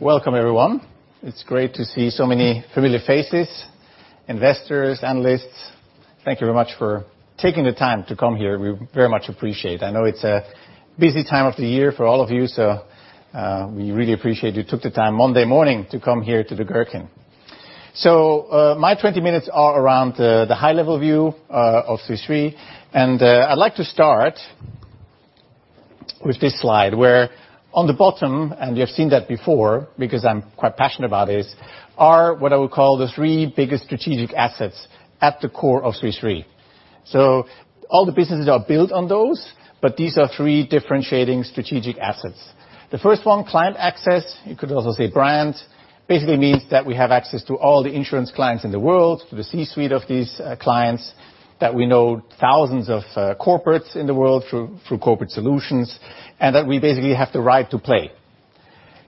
Welcome, everyone. It's great to see so many familiar faces. Investors, analysts, thank you very much for taking the time to come here. We very much appreciate. I know it's a busy time of the year for all of you, so we really appreciate you took the time Monday morning to come here to The Gherkin. My 20 minutes are around the high level view of Swiss Re. I'd like to start with this slide, where on the bottom, and you have seen that before, because I'm quite passionate about this, are what I would call the three biggest strategic assets at the core of Swiss Re. All the businesses are built on those, but these are three differentiating strategic assets. The first one, client access, you could also say brand, basically means that we have access to all the insurance clients in the world, to the C-suite of these clients, that we know thousands of corporates in the world through Corporate Solutions, and that we basically have the right to play.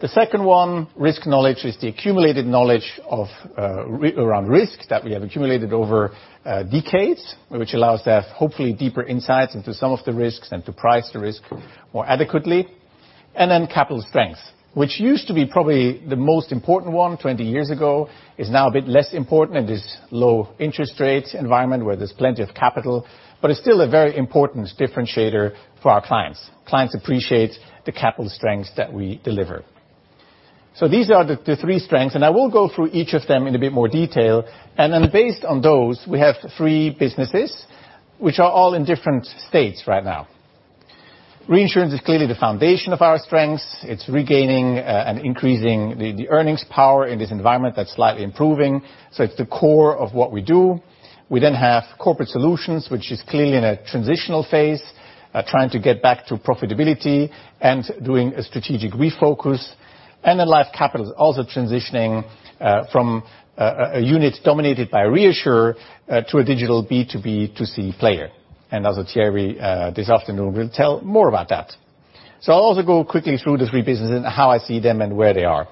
The second one, risk knowledge, is the accumulated knowledge around risk that we have accumulated over decades, which allows to have, hopefully, deeper insights into some of the risks and to price the risk more adequately. Then capital strength, which used to be probably the most important one 20 years ago, is now a bit less important in this low interest rate environment where there's plenty of capital. It's still a very important differentiator for our clients. Clients appreciate the capital strength that we deliver. These are the three strengths, and I will go through each of them in a bit more detail. Based on those, we have three businesses, which are all in different states right now. Reinsurance is clearly the foundation of our strengths. It's regaining and increasing the earnings power in this environment that's slightly improving. It's the core of what we do. We then have Corporate Solutions, which is clearly in a transitional phase, trying to get back to profitability and doing a strategic refocus. Life Capital is also transitioning from a unit dominated by ReAssure to a digital B2B2C player. As Thierry this afternoon will tell more about that. I'll also go quickly through the three businesses and how I see them and where they are.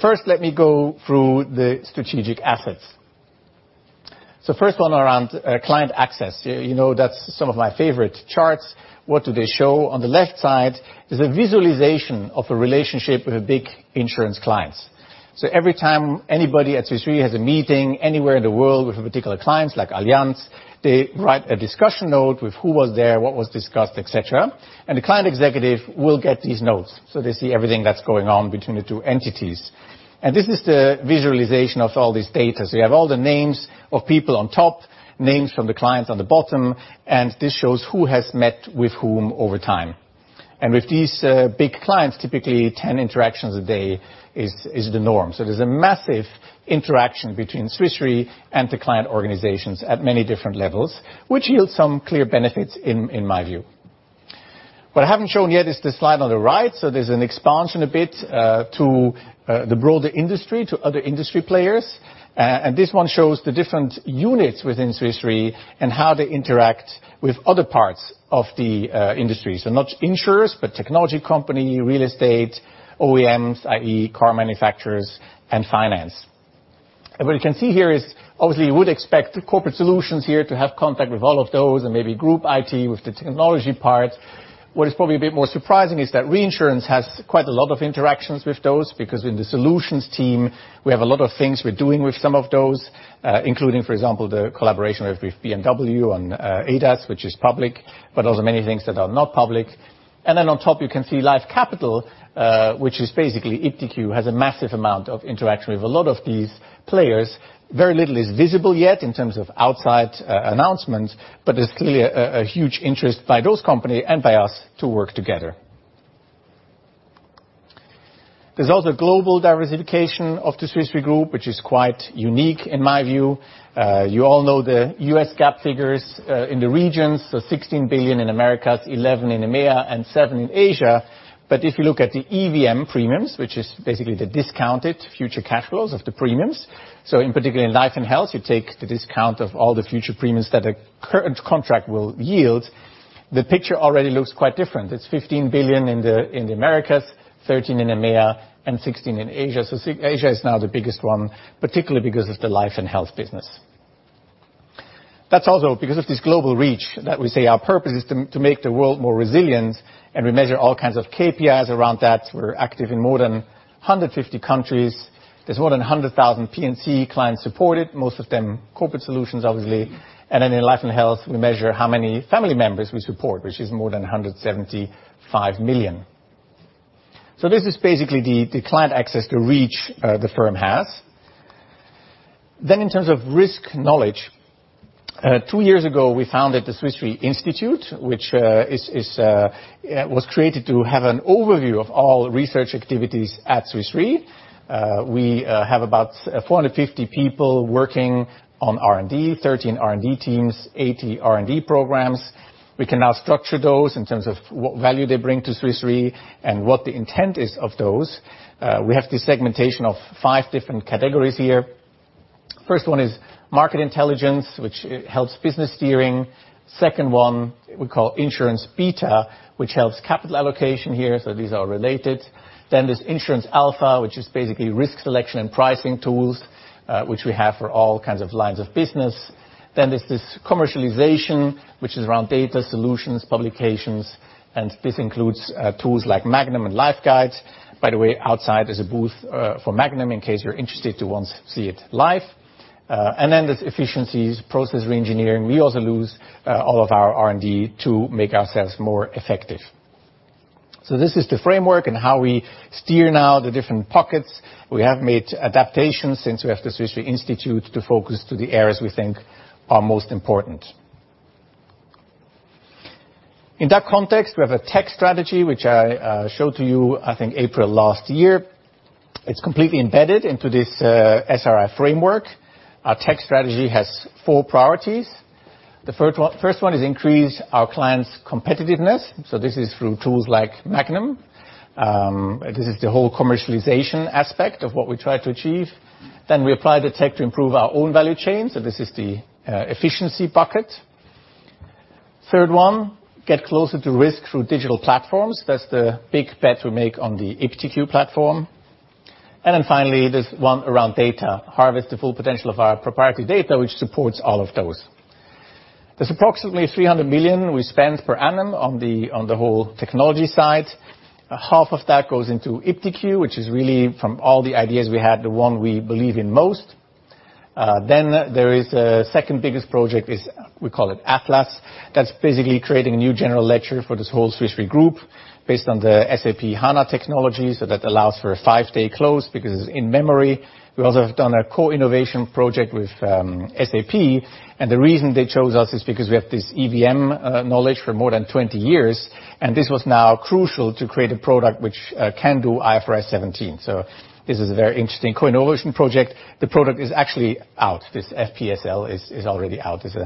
First, let me go through the strategic assets. First one around client access. You know that's some of my favorite charts. What do they show? On the left side is a visualization of a relationship with a big insurance client. Every time anybody at Swiss Re has a meeting anywhere in the world with a particular client, like Allianz, they write a discussion note with who was there, what was discussed, et cetera, and the client executive will get these notes. They see everything that's going on between the two entities. This is the visualization of all this data. You have all the names of people on top, names from the clients on the bottom, this shows who has met with whom over time. With these big clients, typically 10 interactions a day is the norm. There's a massive interaction between Swiss Re and the client organizations at many different levels, which yields some clear benefits in my view. What I haven't shown yet is the slide on the right. There's an expansion a bit, to the broader industry, to other industry players. This one shows the different units within Swiss Re and how they interact with other parts of the industry. Not insurers, but technology company, real estate, OEMs, i.e. car manufacturers, and finance. What you can see here is obviously you would expect Corporate Solutions here to have contact with all of those and maybe Group IT with the technology part. What is probably a bit more surprising is that reinsurance has quite a lot of interactions with those, because in the solutions team, we have a lot of things we're doing with some of those, including, for example, the collaboration we have with BMW on ADAS, which is public, but also many things that are not public. On top, you can see Life Capital, which is basically IptiQ, has a massive amount of interaction with a lot of these players. Very little is visible yet in terms of outside announcements. There's clearly a huge interest by those company and by us to work together. There's also global diversification of the Swiss Re group, which is quite unique in my view. You all know the US GAAP figures, in the regions, $16 billion in Americas, $11 billion in EMEA and $7 billion in Asia. If you look at the EVM premiums, which is basically the discounted future cash flows of the premiums, in particular in Life & Health, you take the discount of all the future premiums that a current contract will yield. The picture already looks quite different. It's $15 billion in the Americas, $13 billion in EMEA and $16 billion in Asia. Asia is now the biggest one, particularly because of the Life & Health business. That's also because of this global reach that we say our purpose is to make the world more resilient, and we measure all kinds of KPIs around that. We're active in more than 150 countries. There's more than 100,000 P&C clients supported, most of them Corporate Solutions, obviously. In Life & Health, we measure how many family members we support, which is more than 175 million. This is basically the client access, the reach the firm has. In terms of risk knowledge, two years ago, we founded the Swiss Re Institute, which was created to have an overview of all research activities at Swiss Re. We have about 450 people working on R&D, 13 R&D teams, 80 R&D programs. We can now structure those in terms of what value they bring to Swiss Re and what the intent is of those. We have the segmentation of five different categories here. First one is market intelligence, which helps business steering. Second one we call insurance beta, which helps capital allocation here. These are related. There's insurance alpha, which is basically risk selection and pricing tools, which we have for all kinds of lines of business. There's this commercialization, which is around data solutions, publications, and this includes tools like Magnum and Life Guides. By the way, outside is a booth for Magnum in case you're interested to once see it live. There's efficiencies, process re-engineering. We also lose all of our R&D to make ourselves more effective. This is the framework and how we steer now the different pockets. We have made adaptations since we have the Swiss Re Institute to focus to the areas we think are most important. In that context, we have a tech strategy, which I showed to you, I think, April last year. It's completely embedded into this SRI framework. Our tech strategy has four priorities. The first one is increase our clients' competitiveness. This is through tools like Magnum. This is the whole commercialization aspect of what we try to achieve. We apply the tech to improve our own value chain. This is the efficiency bucket. Third one, get closer to risk through digital platforms. That's the big bet we make on the iptiQ platform. Finally, there's one around data. Harvest the full potential of our proprietary data, which supports all of those. There's approximately $300 million we spend per annum on the whole technology side. Half of that goes into iptiQ, which is really from all the ideas we had, the one we believe in most. There is a second biggest project, we call it Atlas. That's basically creating a new general ledger for this whole Swiss Re group based on the SAP HANA technology. That allows for a five-day close because it's in memory. We also have done a co-innovation project with SAP, and the reason they chose us is because we have this EVM knowledge for more than 20 years, and this was now crucial to create a product which can do IFRS 17. This is a very interesting co-innovation project. The product is actually out. This FPSL is already out. It's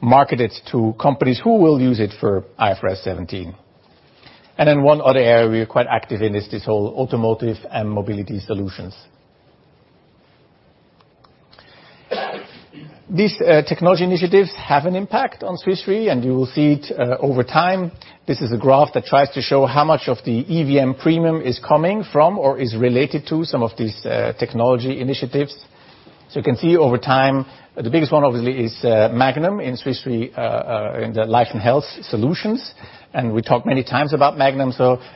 marketed to companies who will use it for IFRS 17. One other area we are quite active in is this whole automotive and mobility solutions. These technology initiatives have an impact on Swiss Re, and you will see it over time. This is a graph that tries to show how much of the EVM premium is coming from or is related to some of these technology initiatives. You can see over time, the biggest one, obviously, is Magnum in Swiss Re in the Life & Health solutions. We talked many times about Magnum.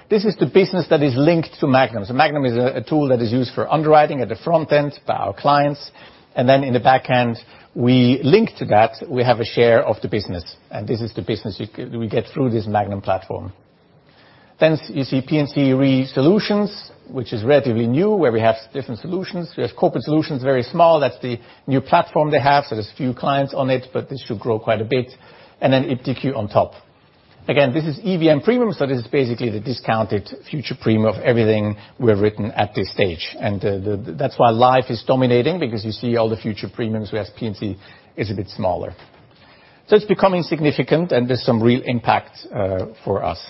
This is the business that is linked to Magnum. Magnum is a tool that is used for underwriting at the front end by our clients. Then in the back end, we link to that. We have a share of the business, and this is the business we get through this Magnum platform. You see P&C Re solutions, which is relatively new, where we have different solutions. We have Corporate Solutions, very small. That's the new platform they have, so there's a few clients on it, but this should grow quite a bit. Then iptiQ on top. This is EVM premium, so this is basically the discounted future premium of everything we have written at this stage. That's why life is dominating because you see all the future premiums whereas P&C is a bit smaller. It's becoming significant and there's some real impact for us.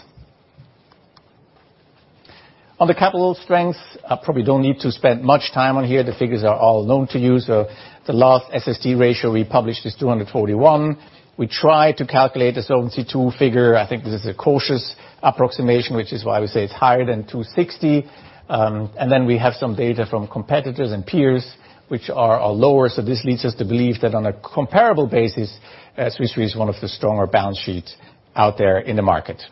On the capital strength, I probably don't need to spend much time on here. The figures are all known to you. The last SST ratio we published is 241%. We try to calculate the Solvency II figure. I think this is a cautious approximation, which is why we say it's higher than 260. We have some data from competitors and peers which are lower. This leads us to believe that on a comparable basis, Swiss Re is one of the stronger balance sheets out there in the market.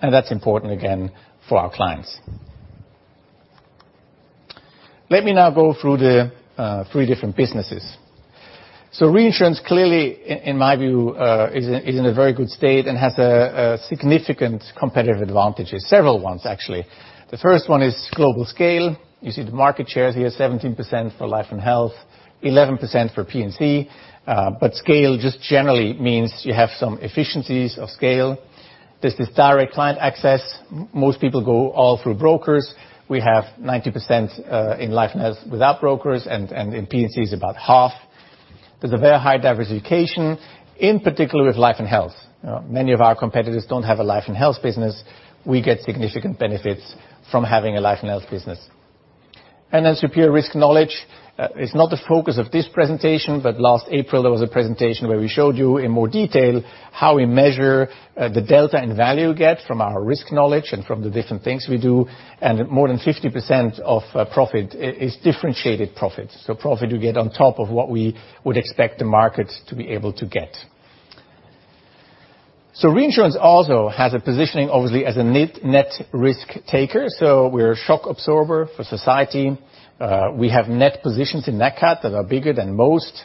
That's important, again, for our clients. Let me now go through the three different businesses. Reinsurance clearly, in my view, is in a very good state and has significant competitive advantages. Several ones, actually. The first one is global scale. You see the market shares here, 17% for Life & Health, 11% for P&C. Scale just generally means you have some efficiencies of scale. This is direct client access. Most people go all through brokers. We have 90% in Life & Health without brokers, and in P&C is about half. There's a very high diversification, in particular with Life & Health. Many of our competitors don't have a Life & Health business. We get significant benefits from having a Life & Health business. Superior risk knowledge. It's not the focus of this presentation, but last April, there was a presentation where we showed you in more detail how we measure the delta in value get from our risk knowledge and from the different things we do. More than 50% of profit is differentiated profit. Profit we get on top of what we would expect the market to be able to get. Reinsurance also has a positioning, obviously, as a net risk taker. We're a shock absorber for society. We have net positions in Nat Cat that are bigger than most.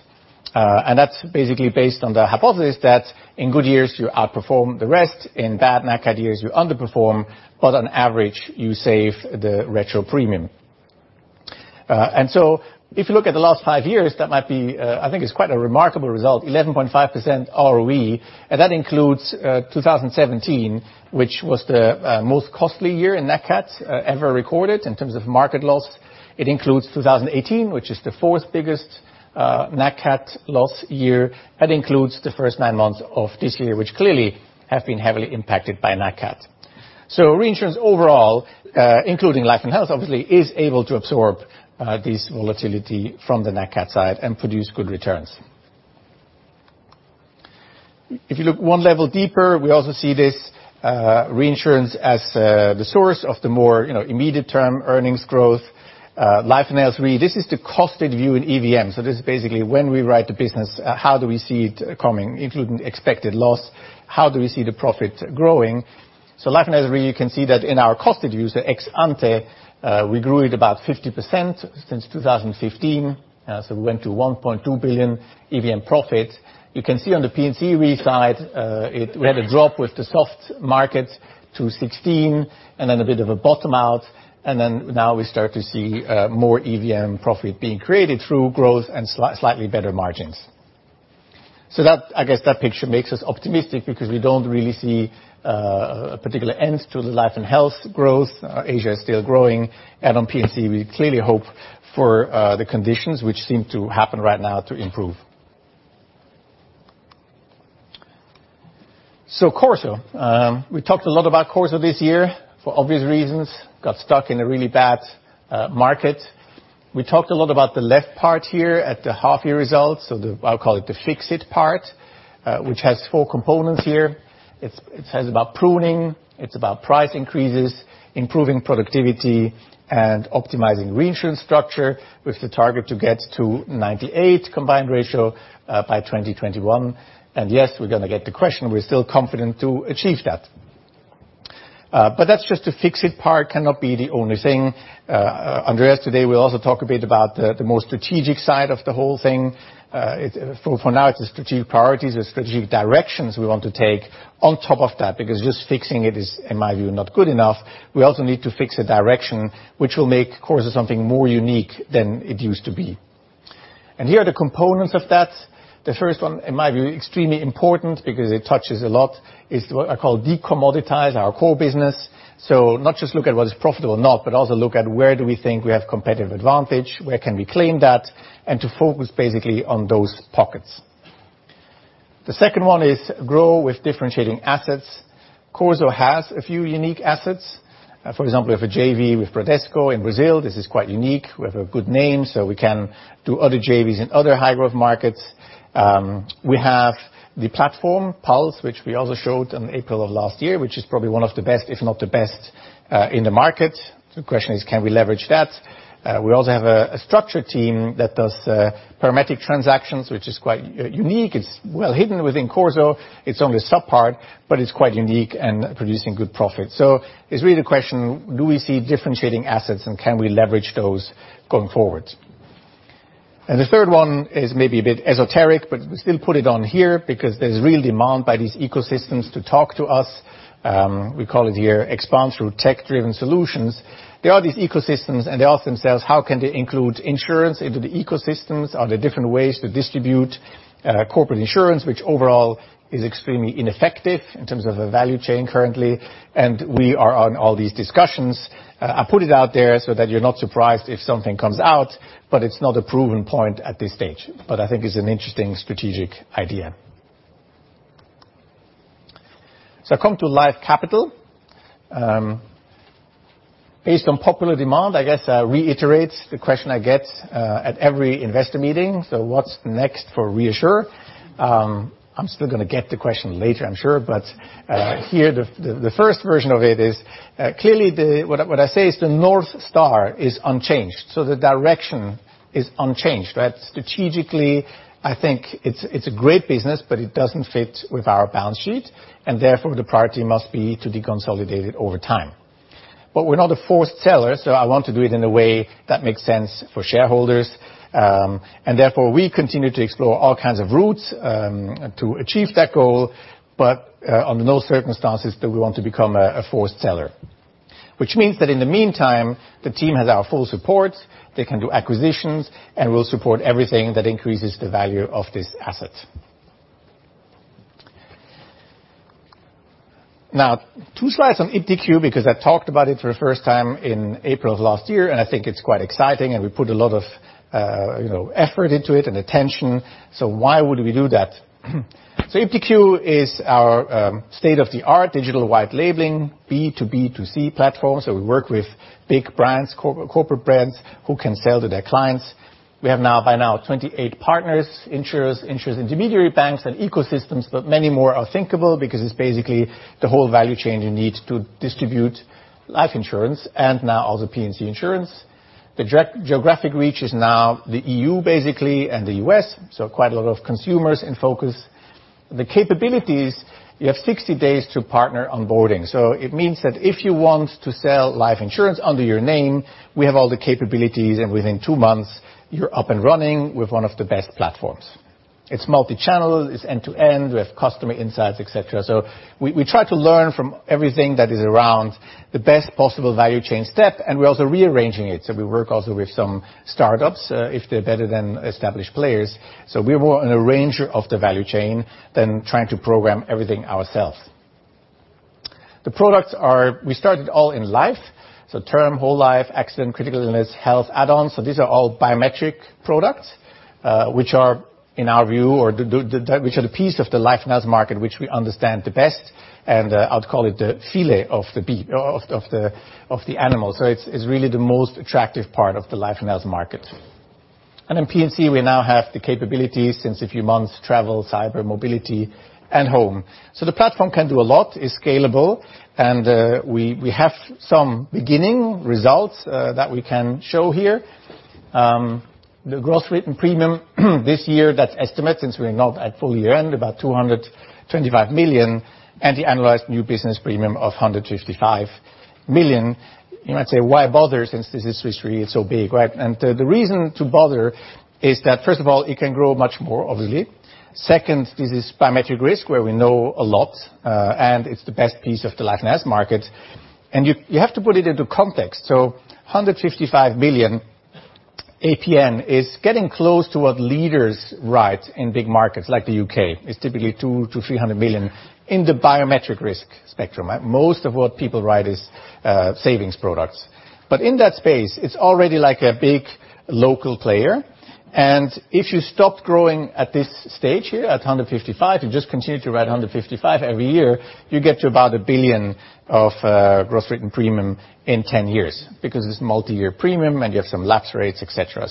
That's basically based on the hypothesis that in good years, you outperform the rest. In bad Nat Cat years, you underperform, but on average, you save the retro premium. If you look at the last five years, I think it's quite a remarkable result, 11.5% ROE. That includes 2017, which was the most costly year in Nat Cat ever recorded in terms of market loss. It includes 2018, which is the fourth biggest Nat Cat loss year. That includes the first nine months of this year, which clearly have been heavily impacted by Nat Cat. Reinsurance overall, including life and health, obviously, is able to absorb this volatility from the Nat Cat side and produce good returns. If you look one level deeper, we also see this reinsurance as the source of the more immediate term earnings growth. Life and Health Re, this is the costed view in EVM. This is basically when we write the business, how do we see it coming, including expected loss? How do we see the profit growing? Life and Health Re, you can see that in our cost reducer ex ante, we grew it about 50% since 2015. We went to $1.2 billion EVM profit. You can see on the P&C Re side, we had a drop with the soft market to 2016 and then a bit of a bottom out, and then now we start to see more EVM profit being created through growth and slightly better margins. I guess that picture makes us optimistic because we don't really see a particular end to the Life and health growth. Asia is still growing and on P&C, we clearly hope for the conditions which seem to happen right now to improve. CorSo. We talked a lot about CorSo this year for obvious reasons. Got stuck in a really bad market. We talked a lot about the left part here at the half year results. The, I'll call it the fix it part, which has four components here. It says about pruning, it's about price increases, improving productivity and optimizing reinsurance structure with the target to get to 98% combined ratio, by 2021. Yes, we're going to get the question. We're still confident to achieve that. That's just the fix it part, cannot be the only thing. Andreas today will also talk a bit about the more strategic side of the whole thing. For now, it's the strategic priorities, the strategic directions we want to take on top of that, because just fixing it is, in my view, not good enough. We also need to fix a direction which will make CorSo something more unique than it used to be. Here are the components of that. The first one, in my view, extremely important because it touches a lot, is what I call de-commoditize our core business. Not just look at what is profitable or not, but also look at where do we think we have competitive advantage, where can we claim that, and to focus basically on those pockets. The second one is grow with differentiating assets. CorSo has a few unique assets. For example, we have a JV with Bradesco in Brazil. This is quite unique. We have a good name, so we can do other JVs in other high growth markets. We have the platform, PULSE, which we also showed in April of last year, which is probably one of the best, if not the best, in the market. The question is can we leverage that? We also have a structured team that does parametric transactions, which is quite unique. It's well hidden within CorSo. It's only a sub-part, but it's quite unique and producing good profit. It's really the question, do we see differentiating assets and can we leverage those going forward? The third one is maybe a bit esoteric, but we still put it on here because there's real demand by these ecosystems to talk to us. We call it here expand through tech driven solutions. There are these ecosystems and they ask themselves how can they include insurance into the ecosystems? Are there different ways to distribute corporate insurance, which overall is extremely ineffective in terms of a value chain currently, and we are on all these discussions. I put it out there so that you're not surprised if something comes out, but it's not a proven point at this stage. I think it's an interesting strategic idea. I come to Life Capital. Based on popular demand, I guess, I reiterate the question I get at every investor meeting. What's next for ReAssure? I'm still going to get the question later, I'm sure, but here the first version of it is, clearly what I say is the North Star is unchanged. The direction is unchanged, right? Strategically, I think it's a great business, but it doesn't fit with our balance sheet and therefore the priority must be to deconsolidate it over time. We're not a forced seller, so I want to do it in a way that makes sense for shareholders. Therefore, we continue to explore all kinds of routes to achieve that goal. Under no circumstances do we want to become a forced seller. Which means that in the meantime, the team has our full support. They can do acquisitions, and we'll support everything that increases the value of this asset. Two slides on iptiQ because I talked about it for the first time in April of last year, and I think it's quite exciting and we put a lot of effort into it and attention. Why would we do that? IptiQ is our state-of-the-art digital white labeling B2B2C platform. We work with big brands, corporate brands who can sell to their clients. We have by now 28 partners, insurers, intermediary banks and ecosystems, but many more are thinkable because it's basically the whole value chain you need to distribute life insurance and now also P&C insurance. The geographic reach is now the EU basically and the U.S., so quite a lot of consumers in focus. The capabilities, you have 60 days to partner onboarding. It means that if you want to sell life insurance under your name, we have all the capabilities and within two months you're up and running with one of the best platforms. It's multi-channel, it's end to end. We have customer insights, et cetera. We try to learn from everything that is around the best possible value chain step, and we're also rearranging it. We work also with some startups, if they're better than established players. We're more an arranger of the value chain than trying to program everything ourselves. We started all in Life. Term, Whole Life, Accident, Critical Illness, Health Add-ons. These are all biometric products, which are in our view, or which are the piece of the Life & Health market, which we understand the best. I'll call it the filet of the beef, of the animal. It's really the most attractive part of the Life and Health market. In P&C, we now have the capabilities since a few months, travel, cyber, mobility and home. The platform can do a lot, it's scalable and we have some beginning results that we can show here. The gross written premium this year, that estimate, since we're not at full year end, about $225 million, and the analyzed new business premium of $155 million. You might say, "Why bother since this is Swiss Re? It's so big," right? The reason to bother is that first of all, it can grow much more, obviously. Second, this is biometric risk where we know a lot, and it's the best piece of the Life and Health market. You have to put it into context. 155 million APE is getting close to what leaders write in big markets like the U.K. It's typically $200 million-$300 million in the biometric risk spectrum. Most of what people write is savings products. In that space, it's already like a big local player. If you stopped growing at this stage here, at $155, you just continue to write $155 every year, you get to about $1 billion of gross written premium in 10 years because it's multi-year premium and you have some lapse rates, et cetera.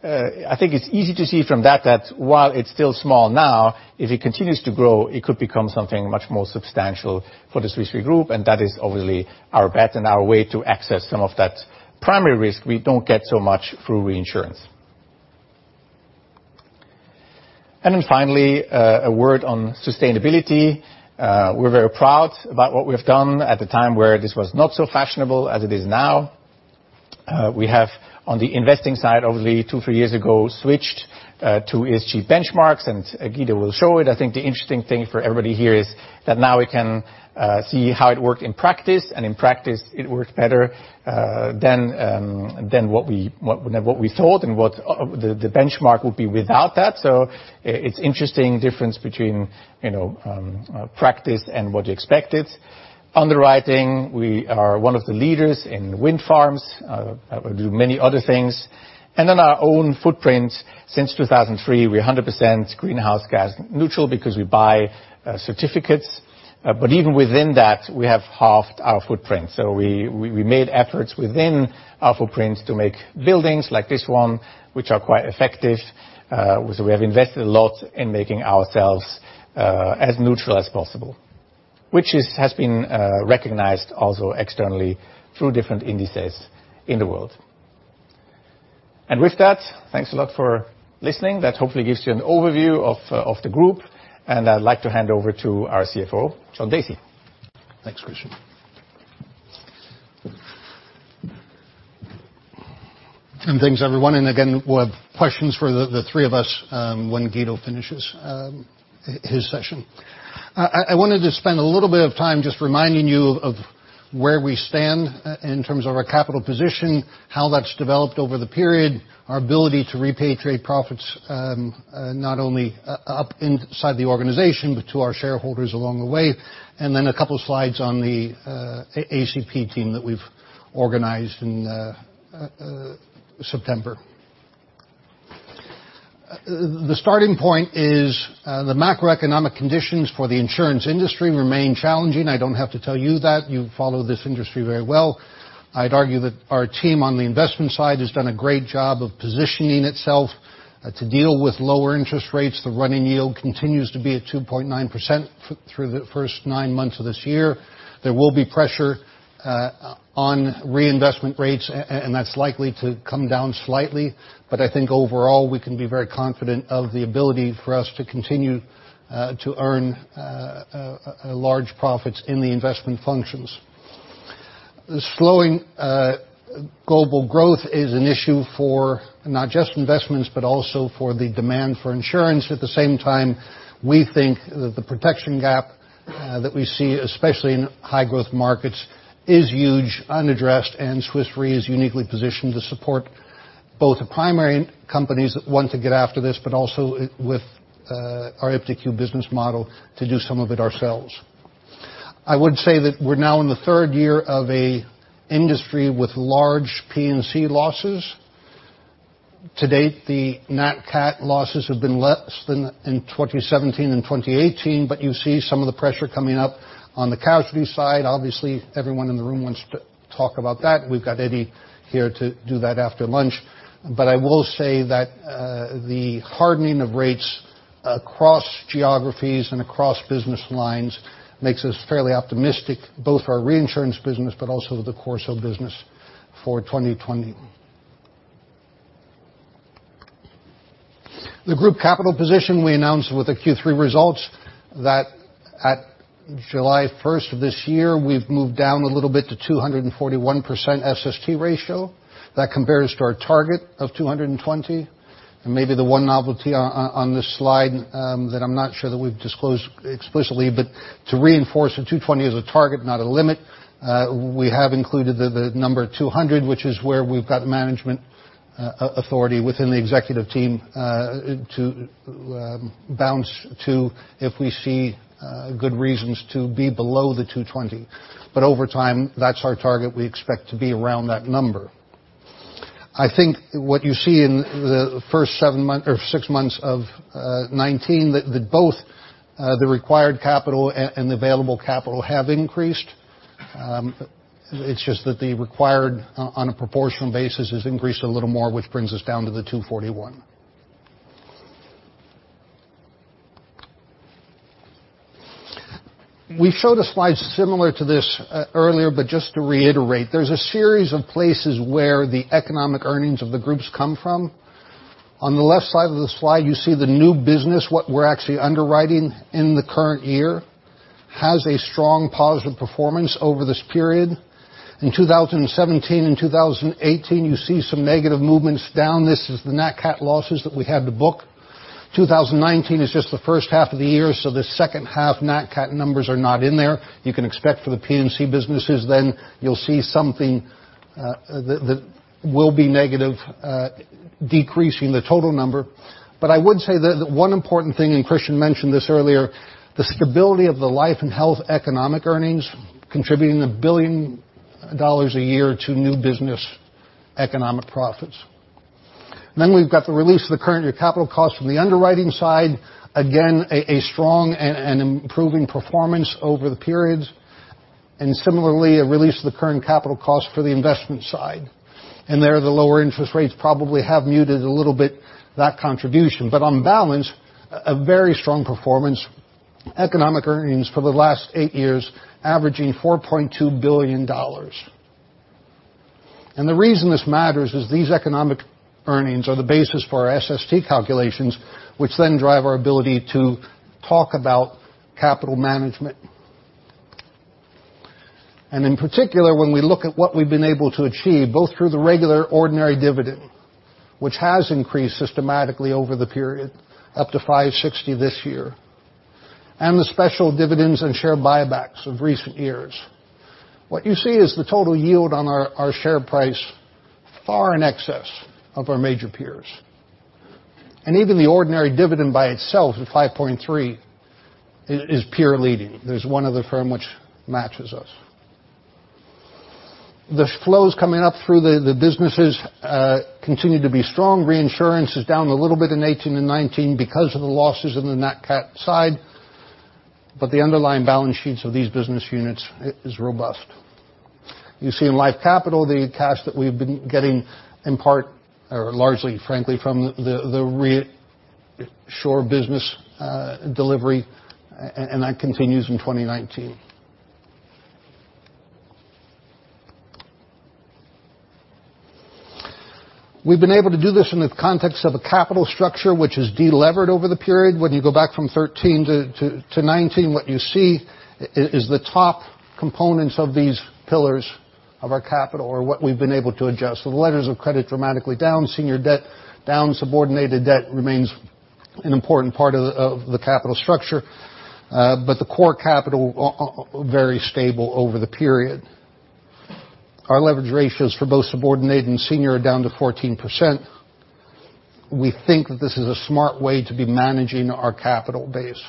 I think it's easy to see from that while it's still small now, if it continues to grow, it could become something much more substantial for the Swiss Re Group, and that is obviously our bet and our way to access some of that primary risk we don't get so much through reinsurance. Finally, a word on sustainability. We're very proud about what we've done at the time where this was not so fashionable as it is now. We have, on the investing side, obviously two, three years ago, switched to ESG benchmarks. Guido will show it. I think the interesting thing for everybody here is that now we can see how it worked in practice. In practice it worked better than what we thought and what the benchmark would be without that. It's interesting difference between practice and what you expected. Underwriting, we are one of the leaders in wind farms, do many other things. Our own footprint since 2003, we're 100% greenhouse gas neutral because we buy certificates. Even within that, we have halved our footprint. We made efforts within our footprints to make buildings like this one, which are quite effective. We have invested a lot in making ourselves as neutral as possible, which has been recognized also externally through different indices in the world. With that, thanks a lot for listening. That hopefully gives you an overview of the group. I'd like to hand over to our CFO, John Dacey. Thanks, Christian. Thanks, everyone. Again, we'll have questions for the three of us when Guido finishes his session. I wanted to spend a little bit of time just reminding you of where we stand in terms of our capital position, how that's developed over the period, our ability to repatriate profits, not only up inside the organization, but to our shareholders along the way, and then a couple slides on the ACP team that we've organized in September. The starting point is the macroeconomic conditions for the insurance industry remain challenging. I don't have to tell you that. You follow this industry very well. I'd argue that our team on the investment side has done a great job of positioning itself to deal with lower interest rates. The running yield continues to be at 2.9% through the first nine months of this year. There will be pressure on reinvestment rates, and that's likely to come down slightly. I think overall, we can be very confident of the ability for us to continue to earn large profits in the investment functions. Slowing global growth is an issue for not just investments, but also for the demand for insurance. At the same time, we think that the protection gap that we see, especially in high growth markets, is huge, unaddressed, and Swiss Re is uniquely positioned to support both the primary companies that want to get after this, but also with our iptiQ business model to do some of it ourselves. I would say that we're now in the third year of an industry with large P&C losses. To date, the Nat Cat losses have been less than in 2017 and 2018, you see some of the pressure coming up on the casualty side. Obviously, everyone in the room wants to talk about that. We've got Edi here to do that after lunch. I will say that the hardening of rates across geographies and across business lines makes us fairly optimistic, both for our reinsurance business, but also the CorSo business for 2020. The group capital position we announced with the Q3 results that at July 1st, 2019 we've moved down a little bit to 241% SST ratio. That compares to our target of 220. Maybe the one novelty on this slide that I'm not sure that we've disclosed explicitly, to reinforce that 220 is a target, not a limit. We have included the number 200, which is where we've got management authority within the executive team to bounce to if we see good reasons to be below the 220. Over time, that's our target. We expect to be around that number. I think what you see in the first six months of 2019, that both the required capital and the available capital have increased. It's just that the required on a proportional basis has increased a little more, which brings us down to the 241. We showed a slide similar to this earlier, just to reiterate, there's a series of places where the economic earnings of the groups come from. On the left side of the slide, you see the new business, what we're actually underwriting in the current year, has a strong positive performance over this period. In 2017 and 2018, you see some negative movements down. This is the Nat Cat losses that we had to book. 2019 is just the first half of the year, the second half Nat Cat numbers are not in there. You can expect for the P&C businesses then, you'll see something that will be negative, decreasing the total number. I would say that one important thing, and Christian mentioned this earlier, the stability of the life and health economic earnings contributing $1 billion a year to new business economic profits. We've got the release of the current year capital cost from the underwriting side. Again, a strong and improving performance over the periods. Similarly, a release of the current capital cost for the investment side. There, the lower interest rates probably have muted a little bit that contribution. On balance, a very strong performance. Economic earnings for the last eight years, averaging $4.2 billion. The reason this matters is these economic earnings are the basis for our SST calculations, which then drive our ability to talk about capital management. In particular, when we look at what we've been able to achieve, both through the regular ordinary dividend, which has increased systematically over the period, up to $560 this year, and the special dividends and share buybacks of recent years. What you see is the total yield on our share price far in excess of our major peers. Even the ordinary dividend by itself, at 5.3%, is peer leading. There's one other firm which matches us. The flows coming up through the businesses continue to be strong. Reinsurance is down a little bit in 2018 and 2019 because of the losses in the Nat Cat side, but the underlying balance sheets of these business units is robust. You see in Life Capital, the cash that we've been getting in part or largely, frankly, from the ReAssure business delivery, and that continues in 2019. We've been able to do this in the context of a capital structure which has de-levered over the period. When you go back from 2013 to 2019, what you see is the top components of these pillars of our capital or what we've been able to adjust. The letters of credit dramatically down, senior debt down, subordinated debt remains an important part of the capital structure. The core capital, very stable over the period. Our leverage ratios for both subordinate and senior are down to 14%. We think that this is a smart way to be managing our capital base.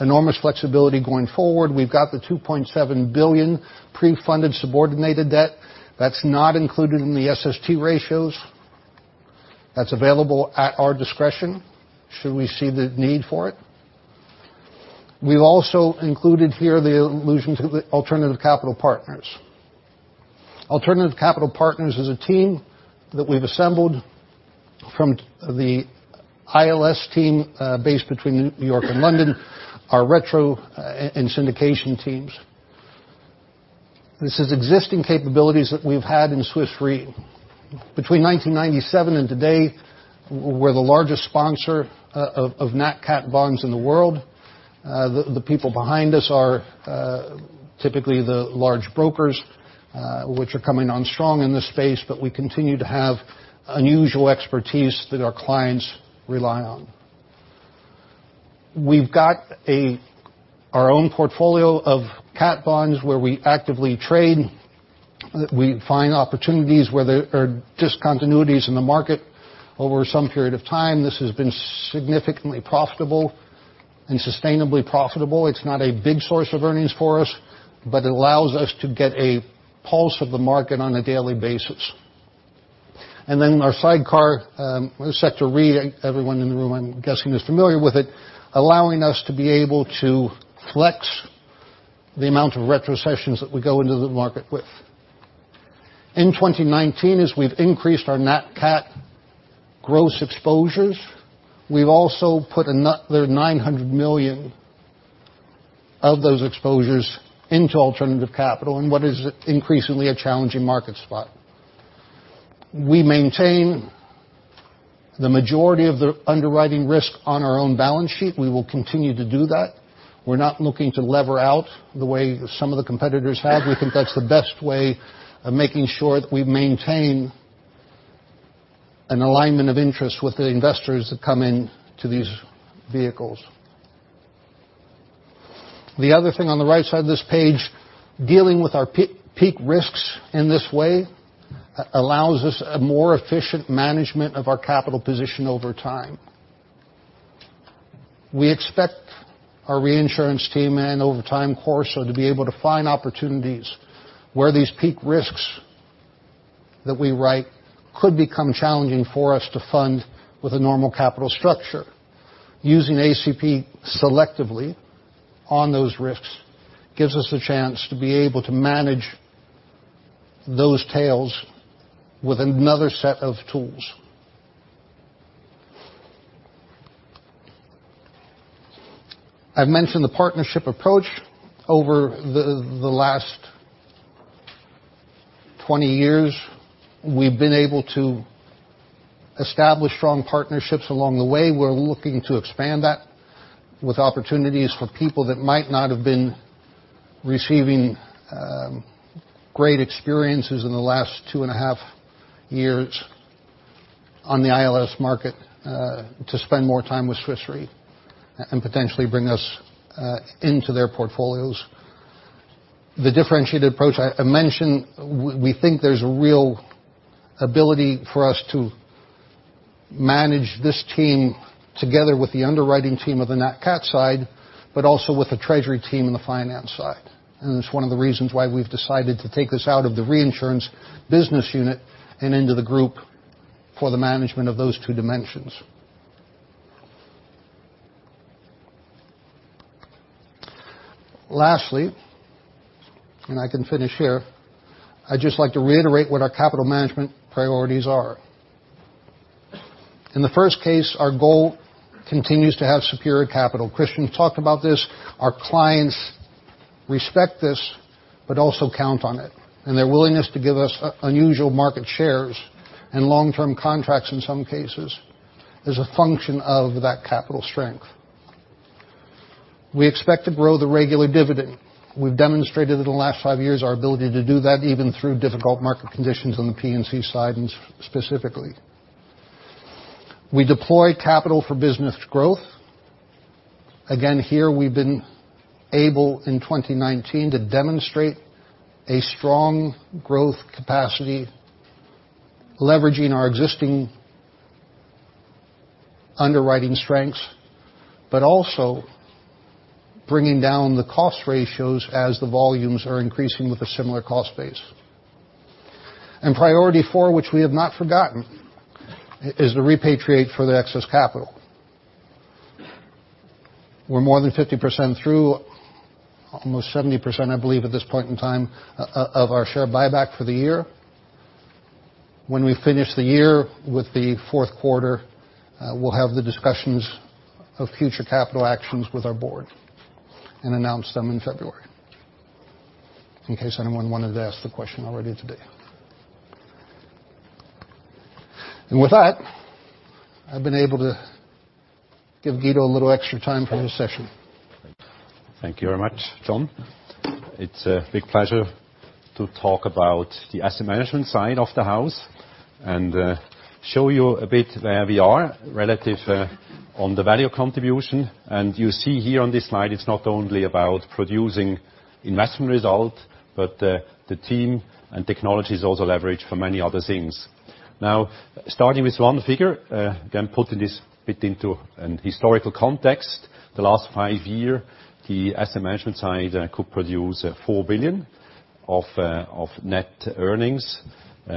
Enormous flexibility going forward. We've got the $2.7 billion pre-funded subordinated debt. That's not included in the SST ratios. That's available at our discretion should we see the need for it. We've also included here the allusion to the alternative capital partners. Alternative capital partners is a team that we've assembled from the ILS team based between New York and London, our retro and syndication teams. This is existing capabilities that we've had in Swiss Re. Between 1997 and today, we're the largest sponsor of Nat Cat bonds in the world. The people behind us are typically the large brokers, which are coming on strong in this space, but we continue to have unusual expertise that our clients rely on. We've got our own portfolio of cat bonds where we actively trade. We find opportunities where there are discontinuities in the market over some period of time. This has been significantly profitable and sustainably profitable. It's not a big source of earnings for us, but it allows us to get a pulse of the market on a daily basis. Our sidecar, Sector Re, everyone in the room I'm guessing is familiar with it, allowing us to be able to flex the amount of retrocessions that we go into the market with. In 2019, as we've increased our Nat Cat gross exposures, we've also put another $900 million of those exposures into alternative capital in what is increasingly a challenging market spot. We maintain the majority of the underwriting risk on our own balance sheet. We will continue to do that. We're not looking to lever out the way some of the competitors have. We think that's the best way of making sure that we maintain an alignment of interest with the investors that come into these vehicles. The other thing on the right side of this page, dealing with our peak risks in this way, allows us a more efficient management of our capital position over time. We expect our reinsurance team and over time CorSo to be able to find opportunities where these peak risks that we write could become challenging for us to fund with a normal capital structure. Using ACP selectively on those risks gives us a chance to be able to manage those tails with another set of tools. I've mentioned the partnership approach over the last 20 years. We've been able to establish strong partnerships along the way. We're looking to expand that with opportunities for people that might not have been receiving great experiences in the last 2.5 years on the ILS market, to spend more time with Swiss Re and potentially bring us into their portfolios. The differentiated approach I mentioned, we think there's real ability for us to manage this team together with the underwriting team of the Nat Cat side, but also with the treasury team and the finance side. It's one of the reasons why we've decided to take this out of the reinsurance business unit and into the group for the management of those two dimensions. Lastly, I can finish here, I'd just like to reiterate what our capital management priorities are. In the first case, our goal continues to have superior capital. Christian talked about this. Our clients respect this, but also count on it, and their willingness to give us unusual market shares and long-term contracts in some cases is a function of that capital strength. We expect to grow the regular dividend. We've demonstrated in the last five years our ability to do that, even through difficult market conditions on the P&C side specifically. We deploy capital for business growth. Again, here, we've been able, in 2019, to demonstrate a strong growth capacity, leveraging our existing underwriting strengths, but also bringing down the cost ratios as the volumes are increasing with a similar cost base. Priority 4, which we have not forgotten, is the repatriate for the excess capital. We're more than 50% through, almost 70%, I believe, at this point in time, of our share buyback for the year. When we finish the year with the fourth quarter, we'll have the discussions of future capital actions with our board and announce them in February, in case anyone wanted to ask the question already today. With that, I've been able to give Guido a little extra time for his session. Thank you very much, John. It's a big pleasure to talk about the asset management side of the house and show you a bit where we are relative on the value contribution. You see here on this slide, it's not only about producing investment result, but the team and technology is also leveraged for many other things. Now, starting with one figure, again, putting this bit into an historical context. The last five year, the asset management side could produce $4 billion of net earnings,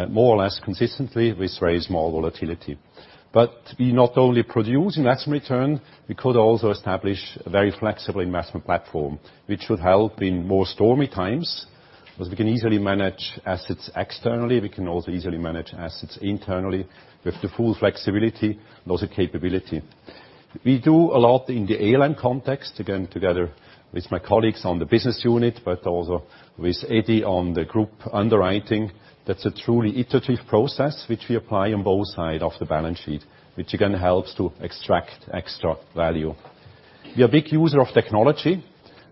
more or less consistently with very small volatility. We not only produce investment return, we could also establish a very flexible investment platform, which would help in more stormy times, because we can easily manage assets externally. We can also easily manage assets internally with the full flexibility and also capability. We do a lot in the ALM context, again, together with my colleagues on the business unit, but also with Edi on the group underwriting. That's a truly iterative process which we apply on both sides of the balance sheet, which again helps to extract extra value. We are a big user of technology.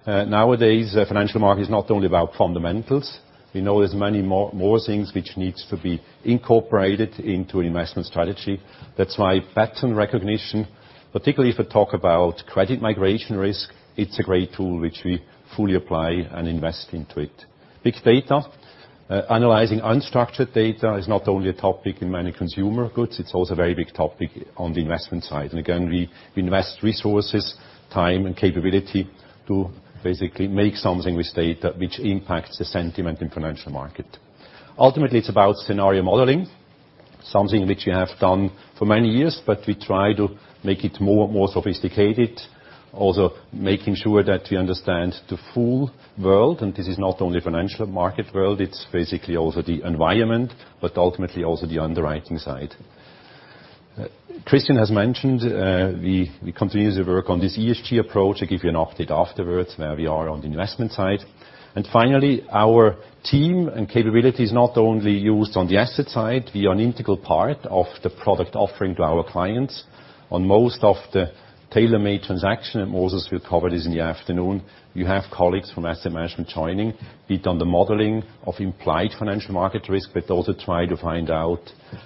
Nowadays, financial market is not only about fundamentals. We know there's many more things which needs to be incorporated into investment strategy. That's why pattern recognition, particularly if we talk about credit migration risk, it's a great tool which we fully apply and invest into it. Big data. Analyzing unstructured data is not only a topic in many consumer goods, it's also a very big topic on the investment side. Again, we invest resources, time, and capability to basically make something with data which impacts the sentiment in financial market. Ultimately, it's about scenario modeling, something which we have done for many years, but we try to make it more sophisticated. Also making sure that we understand the full world. This is not only financial market world, it's basically also the environment, but ultimately also the underwriting side. Christian has mentioned, we continue to work on this ESG approach. I give you an update afterwards where we are on the investment side. Finally, our team and capability is not only used on the asset side. We are an integral part of the product offering to our clients. On most of the tailor-made transaction, and Moses will cover this in the afternoon, you have colleagues from asset management joining, be it on the modeling of implied financial market risk, but also try to find out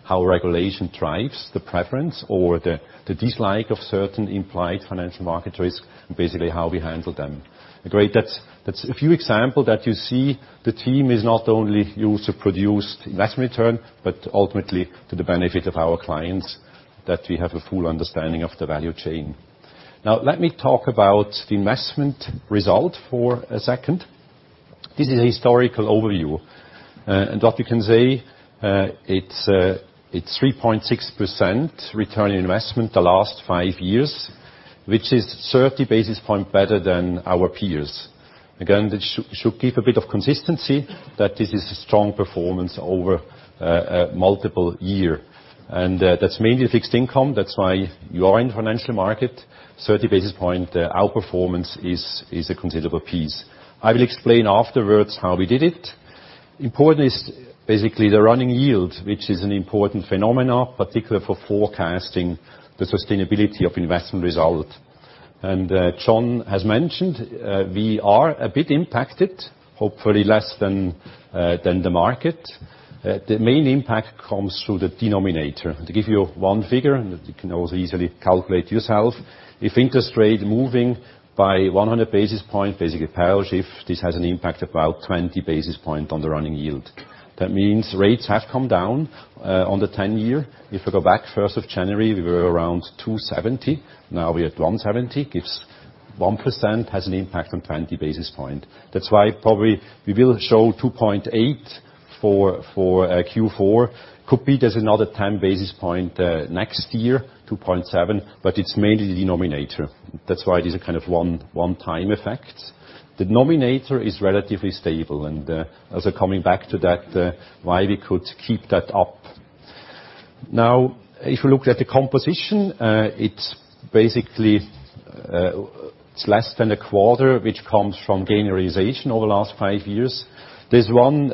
how regulation drives the preference or the dislike of certain implied financial market risk, and basically how we handle them. That's a few example that you see the team is not only used to produce investment return, but ultimately to the benefit of our clients, that we have a full understanding of the value chain. Now, let me talk about the investment result for a second. This is a historical overview. What you can say, it's 3.6% return on investment the last five years, which is 30 basis point better than our peers. Again, this should give a bit of consistency that this is a strong performance over multiple year. That's mainly fixed income. That's why you are in financial market, 30 basis points. Outperformance is a considerable piece. I will explain afterwards how we did it. Important is basically the running yield, which is an important phenomenon, particularly for forecasting the sustainability of investment result. John has mentioned, we are a bit impacted, hopefully less than the market. The main impact comes through the denominator. To give you one figure, and that you can also easily calculate yourself, if interest rate moving by 100 basis points, basically parallel shift, this has an impact about 20 basis points on the running yield. That means rates have come down, on the 10-year. If we go back January 1st, 2019 we were around 270. Now we at 170, gives 1% has an impact on 20 basis points. That's why probably we will show 2.8 for Q4. Could be there's another 10 basis points next year, 2.7, but it's mainly the denominator. That's why it is a kind of one-time effect. Denominator is relatively stable, also coming back to that, why we could keep that up. Now if you look at the composition, it's basically, it's 1/4, which comes from gain realization over the last five years. There's one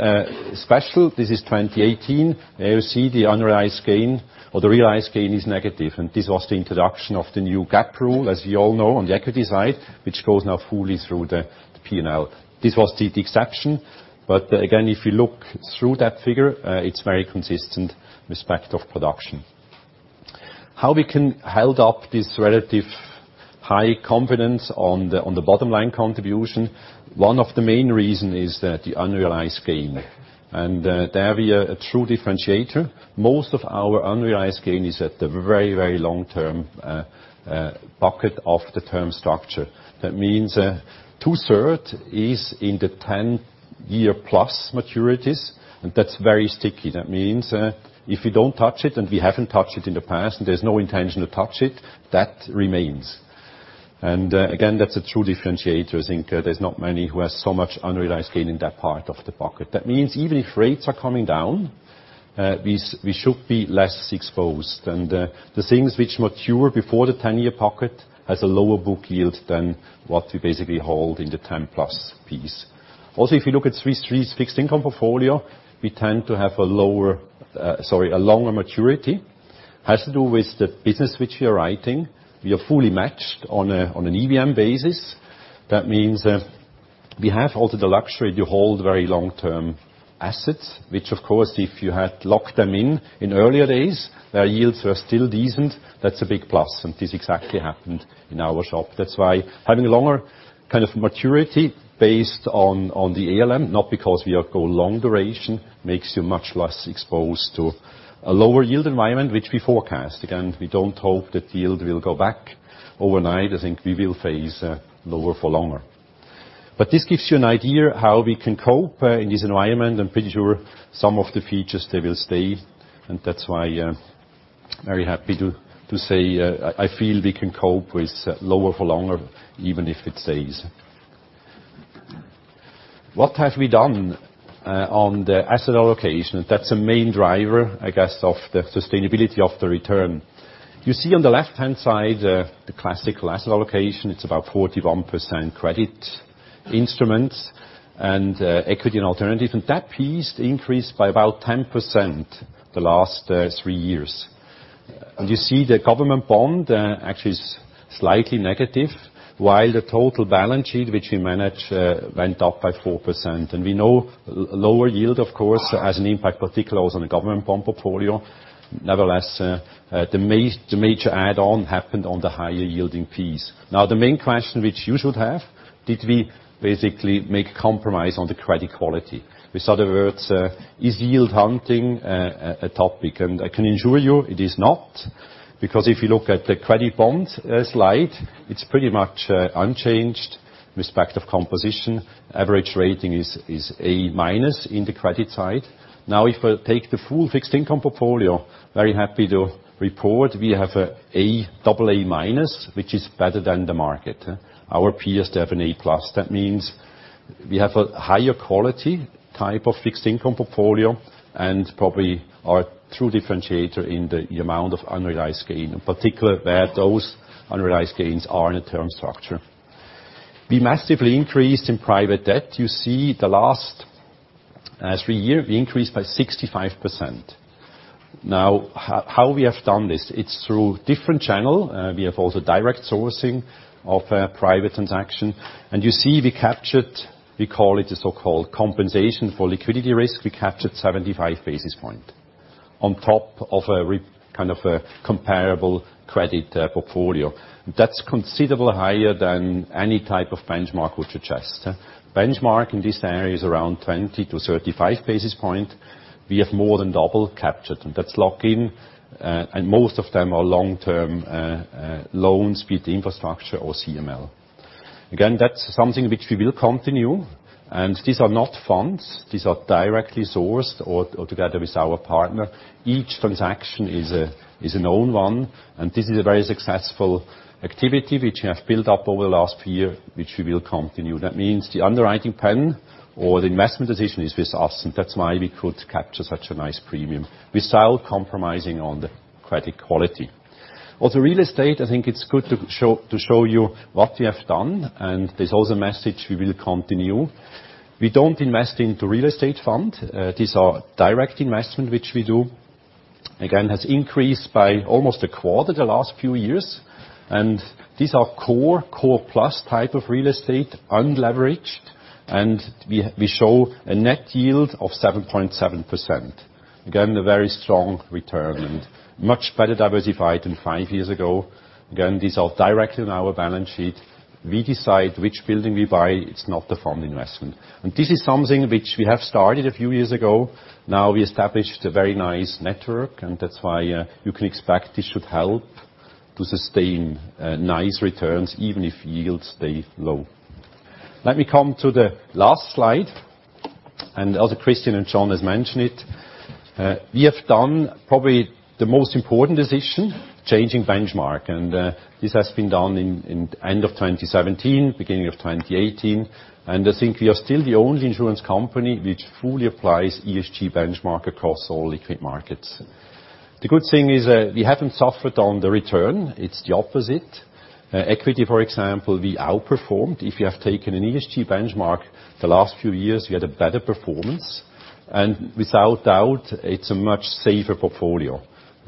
special, this is 2018. There you see the unrealized gain or the realized gain is negative. This was the introduction of the new GAAP rule, as you all know, on the equity side, which goes now fully through the P&L. This was the exception, but again, if you look through that figure, it's very consistent respect of production. How we can held up this relative high confidence on the bottom line contribution, one of the main reason is that the unrealized gain. There we are a true differentiator. Most of our unrealized gain is at the very, very long-term bucket of the term structure. That means 2/3 is in the 10-year+ maturities. That's very sticky. That means, if we don't touch it, and we haven't touched it in the past, and there's no intention to touch it, that remains. Again, that's a true differentiator. I think there's not many who have so much unrealized gain in that part of the bucket. That means even if rates are coming down, we should be less exposed. The things which mature before the 10-year bucket has a lower book yield than what we basically hold in the 10-plus piece. If you look at Swiss Re's fixed income portfolio, we tend to have a lower, sorry, a longer maturity. Has to do with the business which we are writing. We are fully matched on an EVM basis. That means we have also the luxury to hold very long-term assets, which of course, if you had locked them in earlier days, their yields were still decent. That's a big plus, and this exactly happened in our shop. That's why having longer kind of maturity based on the ALM, not because we go long duration, makes you much less exposed to a lower yield environment, which we forecast. Again, we don't hope that yield will go back overnight. I think we will face lower for longer. This gives you an idea how we can cope in this environment. I'm pretty sure some of the features they will stay, and that's why I'm very happy to say, I feel we can cope with lower for longer, even if it stays. What have we done on the asset allocation? That's a main driver, I guess, of the sustainability of the return. You see on the left-hand side, the classical asset allocation. It's about 41% credit instruments and equity and alternative. That piece increased by about 10% the last three years. You see the government bond actually is slightly negative, while the total balance sheet, which we manage, went up by 4%. We know lower yield, of course, has an impact particular also on the government bond portfolio. Nevertheless, the major add-on happened on the higher yielding piece. Now, the main question which you should have, did we basically make compromise on the credit quality? With other words, is yield hunting a topic? I can assure you it is not. If you look at the credit bond slide, it's pretty much unchanged with respect of composition. Average rating is A-minus in the credit side. Now, if I take the full fixed income portfolio, very happy to report we have AA-, which is better than the market. Our peers, they have an A-plus. That means we have a higher quality type of fixed income portfolio and probably our true differentiator in the amount of unrealized gain, in particular where those unrealized gains are in the term structure. We massively increased in private debt. You see the last three year, we increased by 65%. Now, how we have done this? It's through different channel. We have also direct sourcing of private transaction. You see, we captured, we call it a so-called compensation for liquidity risk. We captured 75 basis points on top of a kind of a comparable credit portfolio. That's considerably higher than any type of benchmark which you trust. Benchmark in this area is around 20-35 basis points. We have more than double captured, and that's lock in. Most of them are long-term loans, be it infrastructure or CML. Again, that's something which we will continue. These are not funds. These are directly sourced or together with our partner. Each transaction is an own one. This is a very successful activity, which we have built up over the last year, which we will continue. That means the underwriting pen or the investment decision is with us, that's why we could capture such a nice premium without compromising on the credit quality. Real estate, I think it's good to show you what we have done. This is also message we will continue. We don't invest into real estate fund. These are direct investment, which we do again, has increased by almost 1/4 the last few years. These are core plus type of real estate, unleveraged. We show a net yield of 7.7%. Again, a very strong return and much better diversified than five years ago. Again, these are directly on our balance sheet. We decide which building we buy. It's not the fund investment. This is something which we have started a few years ago. Now we established a very nice network. That's why you can expect this should help to sustain nice returns, even if yields stay low. Let me come to the last slide. Also Christian and John has mentioned it. We have done probably the most important decision, changing benchmark. This has been done in end of 2017, beginning of 2018. I think we are still the only insurance company which fully applies ESG benchmark across all liquid markets. The good thing is, we haven't suffered on the return. It's the opposite. Equity, for example, we outperformed. If you have taken an ESG benchmark, the last few years, we had a better performance, and without doubt, it's a much safer portfolio.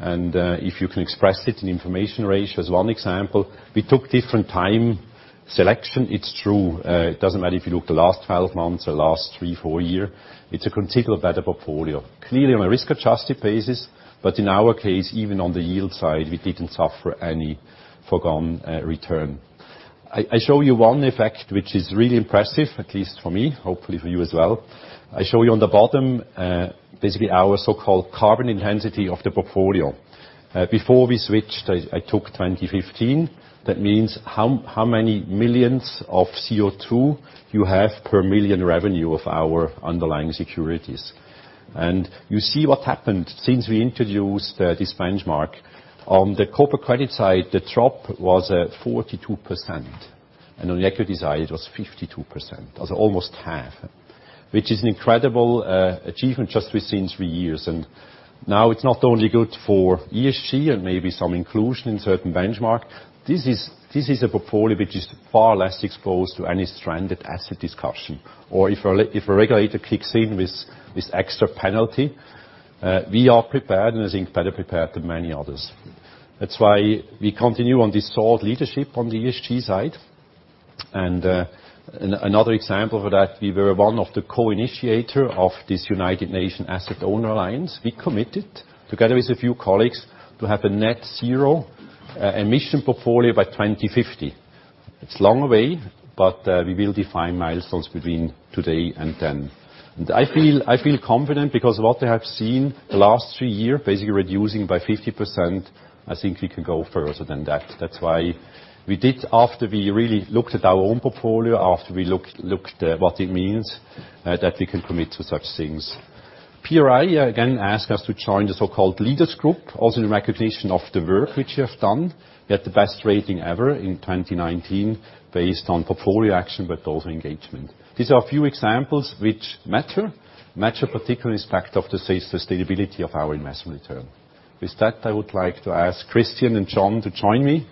If you can express it in information ratio as one example, we took different time selection. It's true. It doesn't matter if you look the last 12 months or last three, four year. It's a considerably better portfolio. Clearly, on a risk-adjusted basis, but in our case, even on the yield side, we didn't suffer any forgone return. I show you one effect, which is really impressive, at least for me, hopefully for you as well. I show you on the bottom, basically our so-called carbon intensity of the portfolio. Before we switched, I took 2015. That means how many millions of CO2 you have per million revenue of our underlying securities. You see what happened since we introduced this benchmark. On the corporate credit side, the drop was at 42%, and on the equities side, it was 52%, that's almost half, which is an incredible achievement just we've seen three years. Now it's not only good for ESG and maybe some inclusion in certain benchmark. This is a portfolio which is far less exposed to any stranded asset discussion. If a regulator kicks in with this extra penalty, we are prepared, and I think better prepared than many others. That's why we continue on this thought leadership on the ESG side. Another example of that, we were one of the co-initiator of this United Nations Asset Owner Alliance. We committed, together with a few colleagues, to have a net zero emission portfolio by 2050. It's long way, we will define milestones between today and then. I feel confident because what I have seen the last three year, basically reducing by 50%, I think we can go further than that. That's why we did, after we really looked at our own portfolio, after we looked what it means, that we can commit to such things. PI, again, asked us to join the so-called leaders group, also in recognition of the work which we have done, we had the best rating ever in 2019 based on portfolio action, also engagement. These are a few examples which matter particularly aspect of the sustainability of our investment return. With that, I would like to ask Christian and John to join me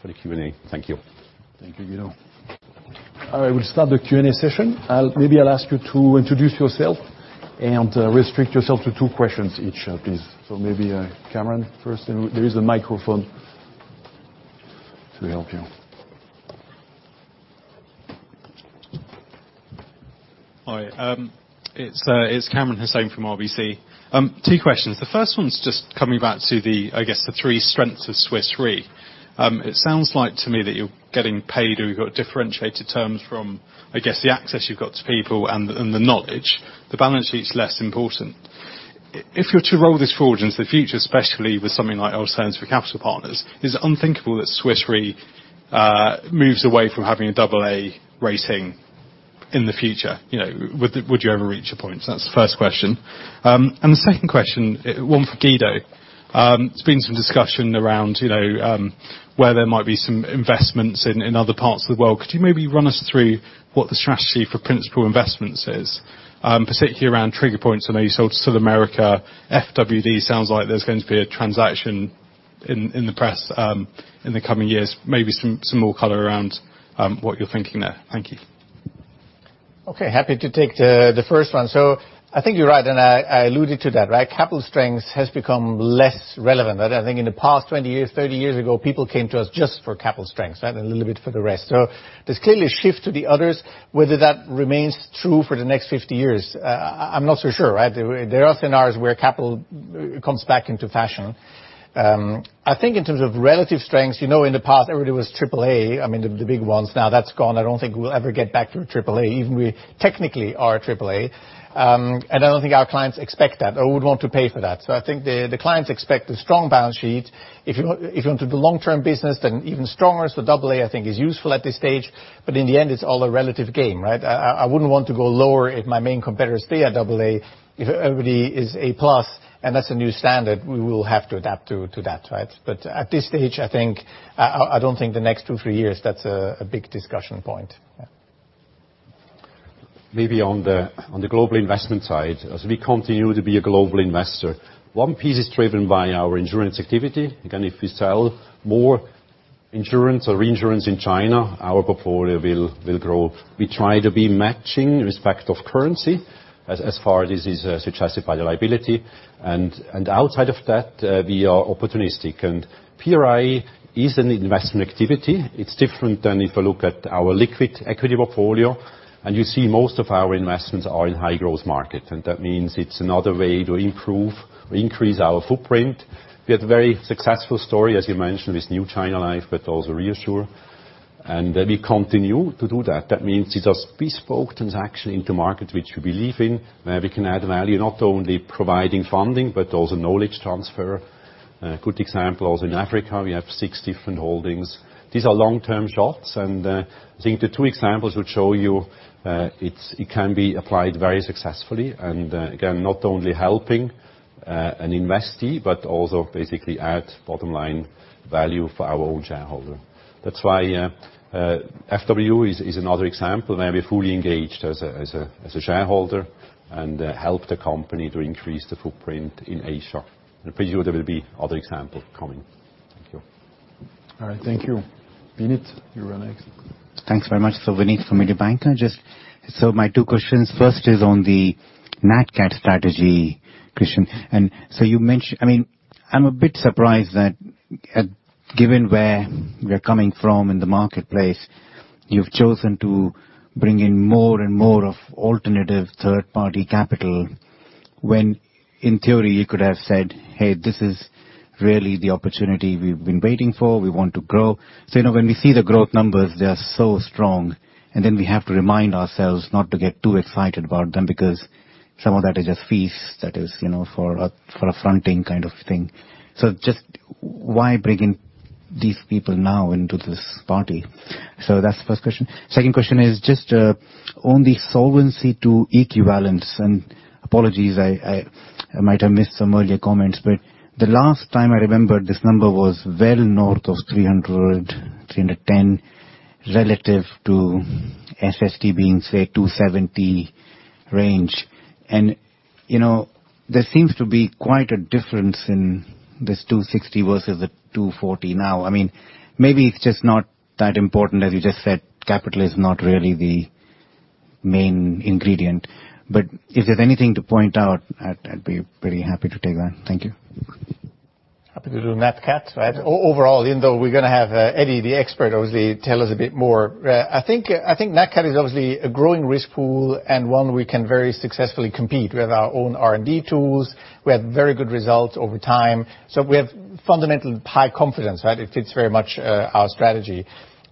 for the Q&A. Thank you. Thank you, Guido. All right, we'll start the Q&A session. Maybe I'll ask you to introduce yourself and restrict yourself to two questions each, please. Maybe Kamran first. There is a microphone to help you. Hi. It's Kamran Hossain from RBC. Two questions. The first one's just coming back to the, I guess, the three strengths of Swiss Re. It sounds like to me that you're getting paid or you've got differentiated terms from, I guess, the access you've got to people and the knowledge. The balance sheet's less important. If you're to roll this forward into the future, especially with something like Alternative Capital Partners, is it unthinkable that Swiss Re moves away from having a double A rating in the future? Would you ever reach a point? That's the first question. The second question, one for Guido. There's been some discussion around where there might be some investments in other parts of the world. Could you maybe run us through what the strategy for principal investments is? Particularly around trigger points. I know you sold to South America. FWD sounds like there's going to be a transaction, in the press, in the coming years. Maybe some more color around what you're thinking there. Thank you. Okay. Happy to take the first one. I think you're right, and I alluded to that, right? Capital strengths has become less relevant. I think in the past 20 years, 30 years ago, people came to us just for capital strengths, right? A little bit for the rest. Whether that remains true for the next 50 years, I'm not so sure, right? There are scenarios where capital comes back into fashion. I think in terms of relative strengths, in the past everybody was AAA, I mean, the big ones. Now that's gone. I don't think we'll ever get back to a AAA, even we technically are a AAA. I don't think our clients expect that or would want to pay for that. I think the clients expect a strong balance sheet. If you want to do long-term business, then even stronger. AA, I think is useful at this stage. In the end, it's all a relative game, right? I wouldn't want to go lower if my main competitors stay at AA. If everybody is A+, and that's the new standard, we will have to adapt to that. At this stage, I don't think the next two-three years, that's a big discussion point. Yeah. On the global investment side, as we continue to be a global investor, one piece is driven by our insurance activity. If we sell more insurance or reinsurance in China, our portfolio will grow. We try to be matching with respect of currency as far as this is suggested by the liability. Outside of that, we are opportunistic. PRI is an investment activity. It's different than if you look at our liquid equity portfolio, you see most of our investments are in high growth market. That means it's another way to improve or increase our footprint. We had a very successful story, as you mentioned, with New China Life, also ReAssure. We continue to do that. That means it's a bespoke transaction in the market which we believe in, where we can add value, not only providing funding, but also knowledge transfer. A good example is in Africa, we have six different holdings. These are long-term shots. I think the two examples would show you it can be applied very successfully. Again, not only helping an investee, but also basically add bottom line value for our own shareholder. That's why FW is another example, where we're fully engaged as a shareholder and help the company to increase the footprint in Asia. I'm pretty sure there will be other example coming. Thank you. All right. Thank you. Vinit, you're next. Thanks very much. Vinit from Mediobanca. My two questions. First is on the Nat Cat strategy, Christian. I'm a bit surprised that given where we are coming from in the marketplace, you've chosen to bring in more and more of alternative third-party capital, when in theory, you could have said, "Hey, this is really the opportunity we've been waiting for. We want to grow." When we see the growth numbers, they are so strong, and then we have to remind ourselves not to get too excited about them because some of that is just fees. That is for a fronting kind of thing. Just why bring in these people now into this party? That's the first question. Second question is just on the Solvency II equivalence. Apologies, I might have missed some earlier comments, but the last time I remember this number was well north of 300%-310% relative to SST being, say, 270 range. There seems to be quite a difference in this 260% versus the 240% now. Maybe it's just not that important, as you just said, capital is not really the main ingredient. If there's anything to point out, I'd be very happy to take that. Thank you. Happy to do Nat Cat. Overall, even though we're going to have Edi, the expert, obviously, tell us a bit more. I think Nat Cat is obviously a growing risk pool and one we can very successfully compete. We have our own R&D tools. We have very good results over time. We have fundamental high confidence. It fits very much our strategy.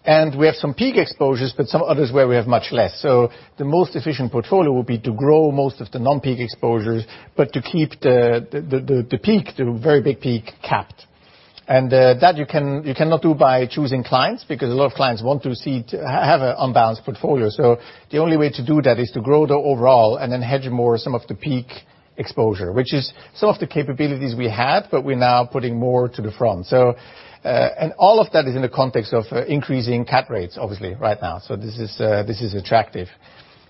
We have some peak exposures, but some others where we have much less. The most efficient portfolio would be to grow most of the non-peak exposures, but to keep the peak, the very big peak capped. That you cannot do by choosing clients, because a lot of clients want to have an unbalanced portfolio. The only way to do that is to grow the overall and then hedge more some of the peak exposure. Which is some of the capabilities we had, but we're now putting more to the front. All of that is in the context of increasing cat rates, obviously, right now. This is attractive.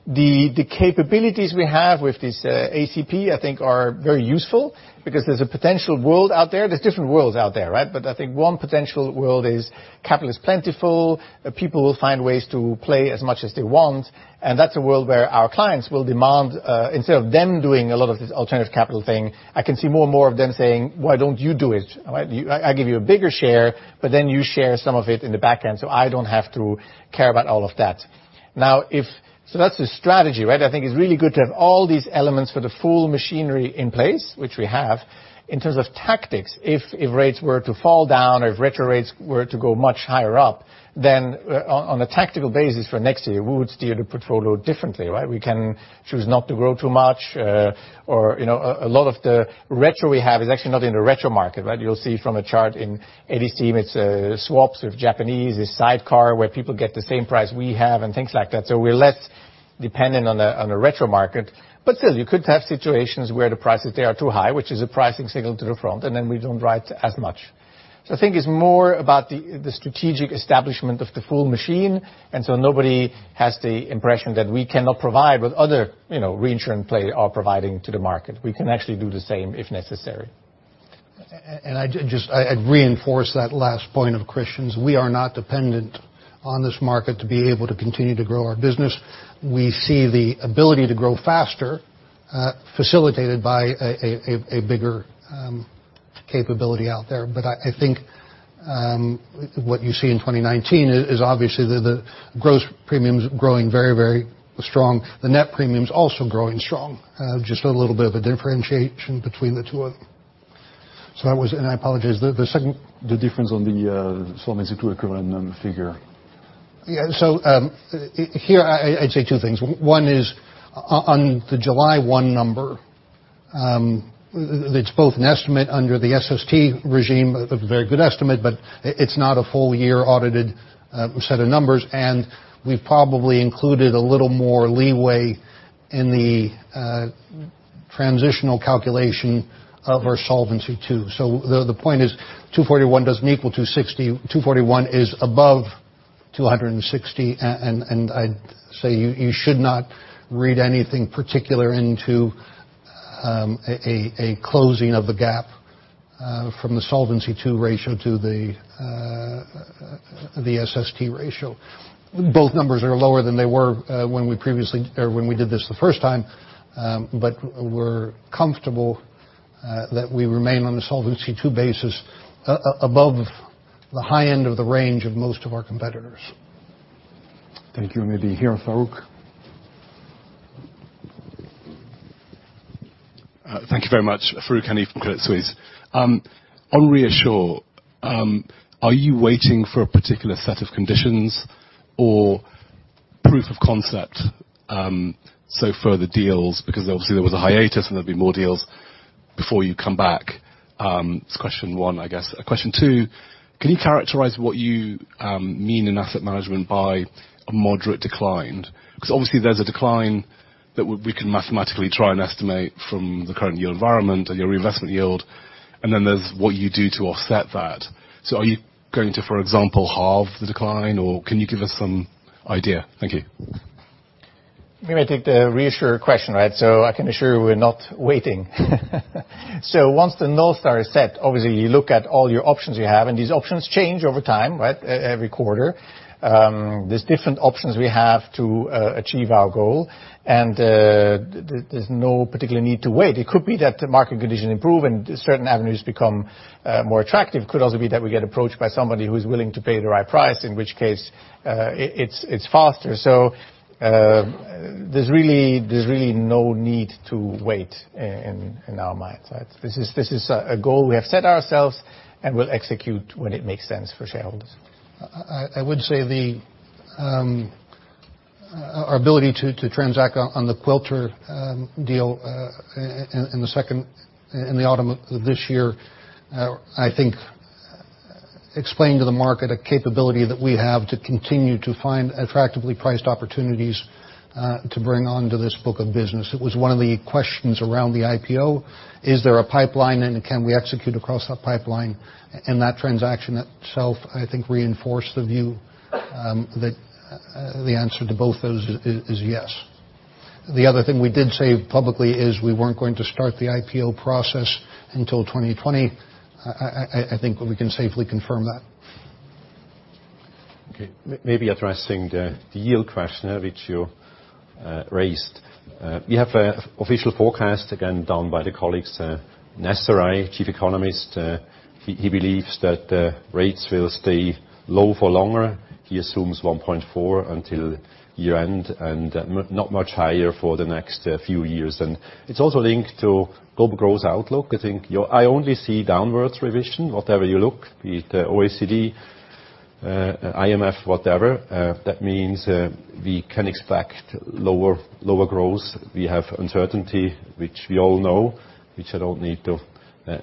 The capabilities we have with this ACP, I think are very useful because there's a potential world out there. There's different worlds out there. I think one potential world is capital is plentiful. People will find ways to play as much as they want. That's a world where our clients will demand, instead of them doing a lot of this alternative capital thing, I can see more and more of them saying, "Why don't you do it? I give you a bigger share, but then you share some of it in the back end, so I don't have to care about all of that." That's the strategy. I think it's really good to have all these elements for the full machinery in place, which we have. In terms of tactics, if rates were to fall down or if retro rates were to go much higher up, then on a tactical basis for next year, we would steer the portfolio differently. We can choose not to grow too much. A lot of the retro we have is actually not in the retro market. You'll see from a chart in Edi's team, it's swaps with Japanese, it's sidecar where people get the same price we have and things like that. We're less dependent on the retro market. Still, you could have situations where the prices there are too high, which is a pricing signal to the front, and then we don't write as much. I think it's more about the strategic establishment of the full machine. Nobody has the impression that we cannot provide what other reinsurance players are providing to the market. We can actually do the same if necessary. I'd reinforce that last point of Christian's. We are not dependent on this market to be able to continue to grow our business. We see the ability to grow faster, facilitated by a bigger capability out there. What you see in 2019 is obviously the gross premiums growing very strong. The net premiums also growing strong. Just a little bit of a differentiation between the two of them. I apologize, the second- The difference on the Solvency II equivalent figure. Yeah. Here, I'd say two things. One is on the July 1st, 2019 number. It's both an estimate under the SST regime, a very good estimate, but it's not a full year audited set of numbers. We've probably included a little more leeway in the transitional calculation of our Solvency II. The point is, 241 doesn't equal to 260. 241 is above 260. I'd say you should not read anything particular into a closing of the gap from the Solvency II Ratio to the SST ratio. Both numbers are lower than they were when we did this the first time. We're comfortable that we remain on a Solvency II basis, above the high end of the range of most of our competitors. Thank you. Maybe here, Farooq. Thank you very much. Farooq Hanif from Credit Suisse. On ReAssure, are you waiting for a particular set of conditions or proof of concept? Further deals, because obviously there was a hiatus and there'll be more deals before you come back. That's question one, I guess. Question two, can you characterize what you mean in asset management by a moderate decline? Obviously there's a decline that we can mathematically try and estimate from the current yield environment and your reinvestment yield. Then there's what you do to offset that. Are you going to, for example, halve the decline or can you give us some idea? Thank you. Maybe I take the ReAssure question, right? I can assure you we're not waiting. Once the North Star is set, obviously you look at all your options you have. These options change over time, right? Every quarter. There's different options we have to achieve our goal. There's no particular need to wait. It could be that the market condition improve and certain avenues become more attractive. Could also be that we get approached by somebody who's willing to pay the right price. In which case, it's faster. There's really no need to wait in our mindset. This is a goal we have set ourselves, and we'll execute when it makes sense for shareholders. I would say our ability to transact on the Quilter deal in the autumn this year, I think explained to the market a capability that we have to continue to find attractively priced opportunities to bring onto this book of business. It was one of the questions around the IPO. Is there a pipeline and can we execute across that pipeline? That transaction itself, I think, reinforced the view that the answer to both those is yes. The other thing we did say publicly is we weren't going to start the IPO process until 2020. I think we can safely confirm that. Okay. Maybe addressing the yield question which you raised. We have official forecast again down by the colleagues, Nasseri, Chief Economist. He believes that rates will stay low for longer. He assumes 1.4 until year-end, and not much higher for the next few years. It's also linked to global growth outlook. I only see downward revision wherever you look. Be it OECD, IMF, whatever. That means we can expect lower growth. We have uncertainty, which we all know, which I don't need to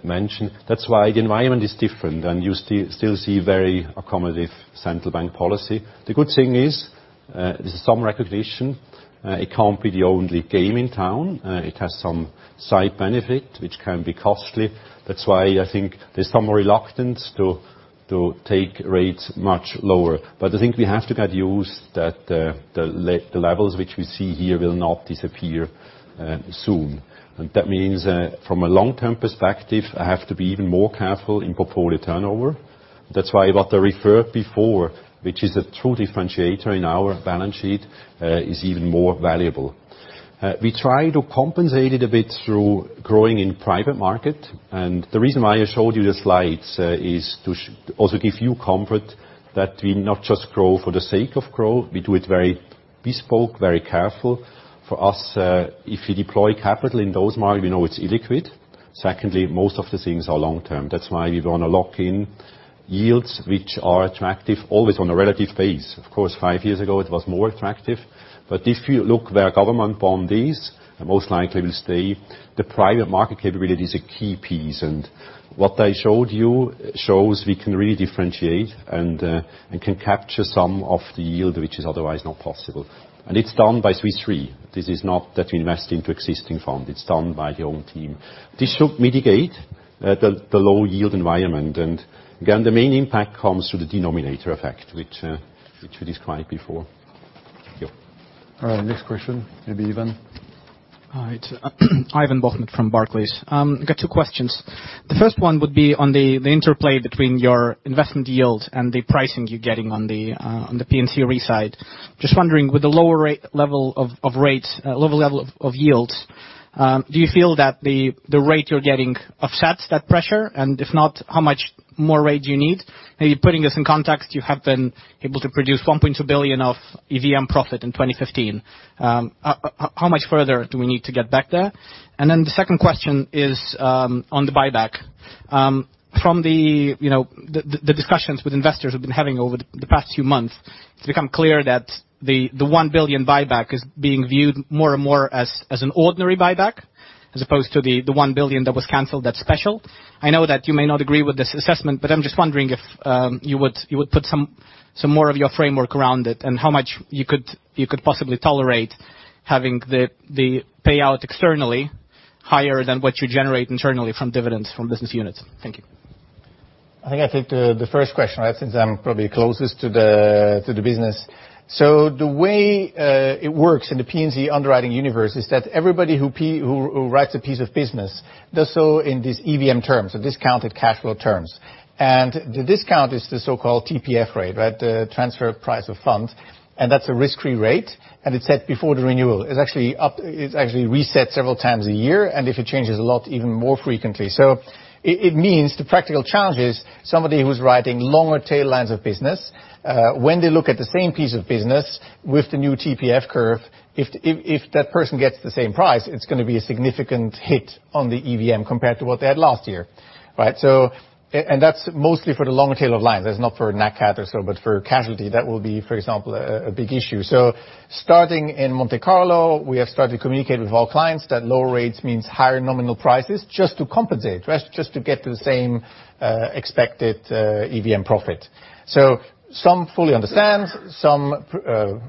mention. That's why the environment is different, and you still see very accommodative central bank policy. The good thing is, there's some recognition. It can't be the only game in town. It has some side benefit, which can be costly. That's why I think there's some reluctance to take rates much lower. I think we have to get used that the levels which we see here will not disappear soon. That means from a long-term perspective, I have to be even more careful in portfolio turnover. That's why what I referred before, which is a true differentiator in our balance sheet, is even more valuable. We try to compensate it a bit through growing in private market. The reason why I showed you the slides is to also give you comfort that we not just grow for the sake of growth. We do it very bespoke, very careful. For us, if you deploy capital in those market, we know it's illiquid. Secondly, most of the things are long-term. That's why we want to lock in yields which are attractive, always on a relative base. Of course, five years ago it was more attractive. If you look where government bond is, and most likely will stay, the private market capability is a key piece. What I showed you shows we can really differentiate and can capture some of the yield which is otherwise not possible. It's done by Swiss Re. This is not that we invest into existing fund. It's done by your own team. This should mitigate the low yield environment. Again, the main impact comes through the denominator effect, which we described before. Thank you. All right, next question. Maybe Ivan Hi. It's Ivan Bokhmat from Barclays. I've got two questions. The first one would be on the interplay between your investment yield and the pricing you're getting on the P&C Re side. Just wondering, with the lower level of yields, do you feel that the rate you're getting offsets that pressure? If not, how much more rate do you need? Maybe putting this in context, you have been able to produce $1.2 billion of EVM profit in 2015. How much further do we need to get back there? The second question is on the buyback. From the discussions with investors we've been having over the past few months, it's become clear that the $1 billion buyback is being viewed more and more as an ordinary buyback as opposed to the $1 billion that was canceled, that's special. I know that you may not agree with this assessment, but I'm just wondering if you would put some more of your framework around it, and how much you could possibly tolerate having the payout externally higher than what you generate internally from dividends from business units. Thank you. I think I take the first question since I'm probably closest to the business. The way it works in the P&C underwriting universe is that everybody who writes a piece of business does so in these EVM terms, so discounted cash flow terms. The discount is the so-called TPF rate, the transfer price of fund, and that's a risk-free rate, and it's set before the renewal. It's actually reset several times a year, and if it changes a lot, even more frequently. It means the practical challenge is somebody who's writing longer tail lines of business, when they look at the same piece of business with the new TPF curve, if that person gets the same price, it's going to be a significant hit on the EVM compared to what they had last year, right? That's mostly for the longer tail of lines. That's not for Nat Cat or so, but for casualty, that will be, for example, a big issue. Starting in Monte Carlo, we have started to communicate with our clients that lower rates means higher nominal prices just to compensate. Just to get the same expected EVM profit. Some fully understand, some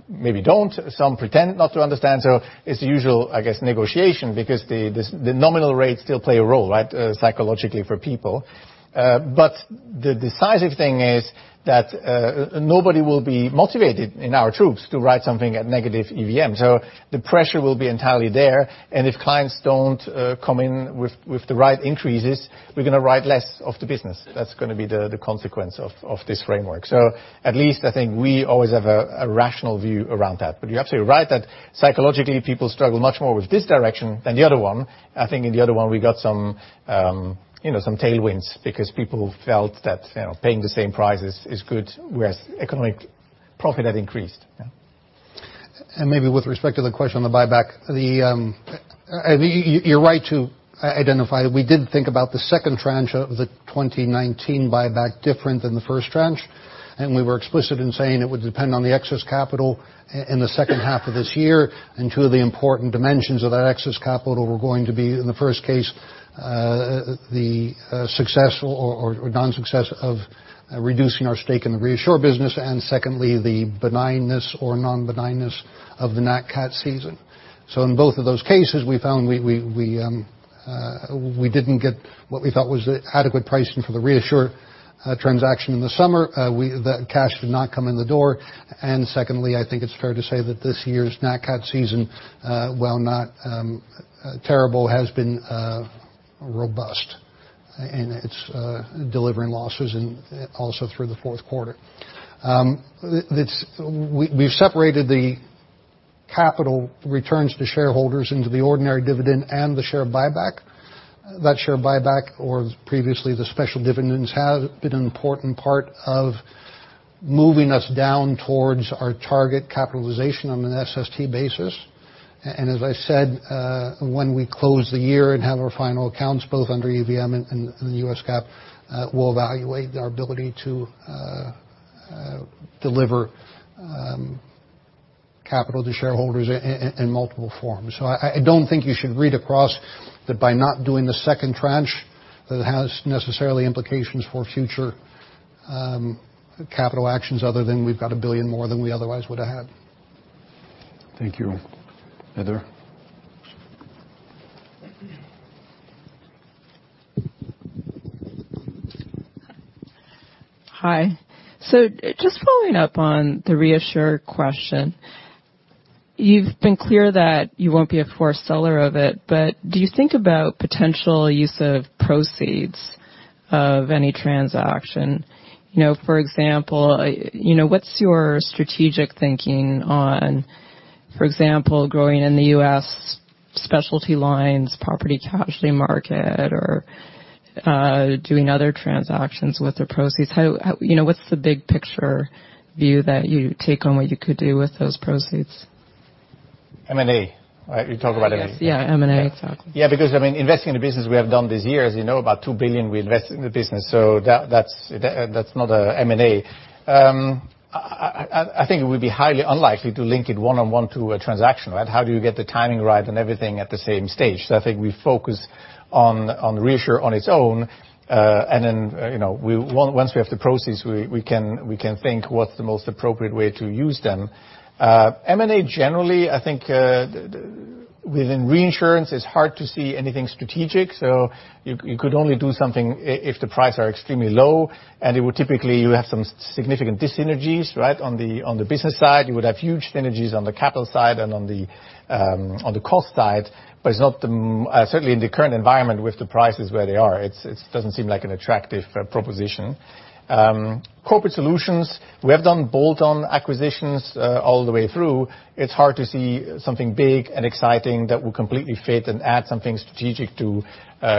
maybe don't, some pretend not to understand. It's the usual, I guess, negotiation because the nominal rates still play a role, right? Psychologically for people. The decisive thing is that nobody will be motivated in our troops to write something at negative EVM. The pressure will be entirely there, and if clients don't come in with the right increases, we're going to write less of the business. That's going to be the consequence of this framework. At least I think we always have a rational view around that. You're absolutely right that psychologically, people struggle much more with this direction than the other one. I think in the other one, we got some tailwinds because people felt that paying the same price is good, whereas economic profit had increased. Yeah. Maybe with respect to the question on the buyback. You're right to identify that we did think about the second tranche of the 2019 buyback different than the first tranche. We were explicit in saying it would depend on the excess capital in the second half of this year. Two of the important dimensions of that excess capital were going to be, in the first case, the success or non-success of reducing our stake in the ReAssure business. Secondly, the benignness or non-benignness of the Nat Cat season. In both of those cases, we found we didn't get what we thought was adequate pricing for the ReAssure transaction in the summer. The cash did not come in the door. Secondly, I think it's fair to say that this year's Nat Cat season, while not terrible, has been robust and it's delivering losses also through the fourth quarter. We've separated the capital returns to shareholders into the ordinary dividend and the share buyback. That share buyback, or previously the special dividends, have been an important part of moving us down towards our target capitalization on an SST basis. As I said, when we close the year and have our final accounts both under EVM and US GAAP, we'll evaluate our ability to deliver capital to shareholders in multiple forms. I don't think you should read across that by not doing the second tranche, that it has necessarily implications for future capital actions other than we've got $1 billion more than we otherwise would have had. Thank you. Heather? Hi. Just following up on the ReAssure question. You've been clear that you won't be a core seller of it, do you think about potential use of proceeds of any transaction? For example, what's your strategic thinking on, for example, growing in the U.S. specialty lines, property casualty market, or doing other transactions with the proceeds? What's the big picture view that you take on what you could do with those proceeds? M&A, right? You talk about M&A. Yes. Yeah, M&A. Exactly. Yeah, because investing in the business we have done these years. About 2 billion we invest in the business, that's not a M&A. I think it would be highly unlikely to link it one-on-one to a transaction, right? How do you get the timing right and everything at the same stage? I think we focus on ReAssure on its own. Once we have the proceeds, we can think what's the most appropriate way to use them. M&A generally, I think. Within reinsurance, it's hard to see anything strategic. You could only do something if the price are extremely low, and it would typically, you have some significant dis-synergies. On the business side, you would have huge synergies on the capital side and on the cost side. Certainly in the current environment with the prices where they are, it doesn't seem like an attractive proposition. Corporate Solutions, we have done bolt-on acquisitions all the way through. It's hard to see something big and exciting that will completely fit and add something strategic to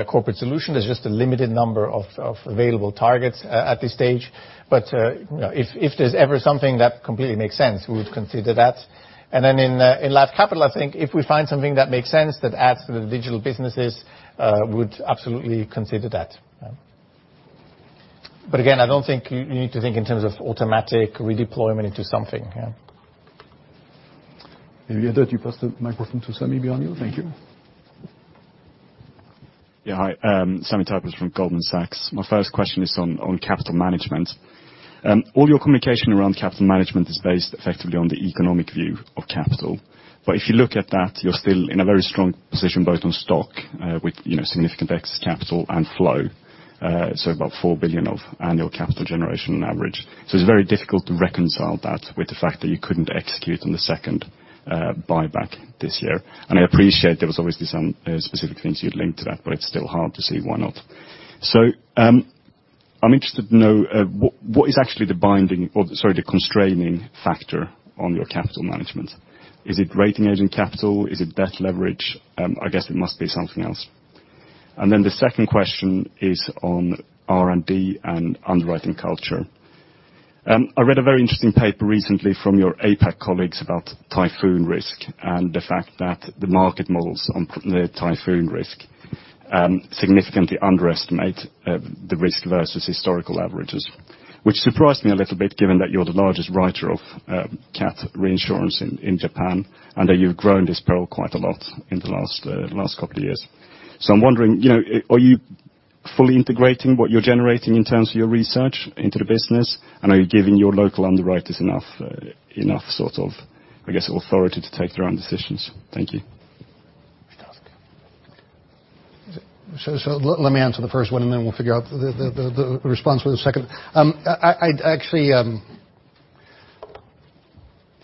Corporate Solutions. There's just a limited number of available targets at this stage. If there's ever something that completely makes sense, we would consider that. In Life Capital, I think if we find something that makes sense that adds to the digital businesses, would absolutely consider that. Again, I don't think you need to think in terms of automatic redeployment into something. Maybe you pass the microphone to Sami behind you. Thank you. Yeah. Hi. Sami Taipalus from Goldman Sachs. My first question is on capital management. All your communication around capital management is based effectively on the economic view of capital. If you look at that, you're still in a very strong position, both on stock, with significant excess capital and flow. About $4 billion of annual capital generation on average. It's very difficult to reconcile that with the fact that you couldn't execute on the second buyback this year. I appreciate there was obviously some specific things you'd link to that, but it's still hard to see why not. I'm interested to know, what is actually the constraining factor on your capital management? Is it rating agent capital? Is it debt leverage? I guess it must be something else. Then the second question is on R&D and underwriting culture. I read a very interesting paper recently from your APAC colleagues about typhoon risk and the fact that the market models on the typhoon risk significantly underestimate the risk versus historical averages. Which surprised me a little bit, given that you're the largest writer of cat reinsurance in Japan, and that you've grown this pearl quite a lot in the last couple of years. I'm wondering, are you fully integrating what you're generating in terms of your research into the business? Are you giving your local underwriters enough, sort of, I guess, authority to take their own decisions? Thank you. Can you pass? Let me answer the first one, and then we'll figure out the response for the second. I'd actually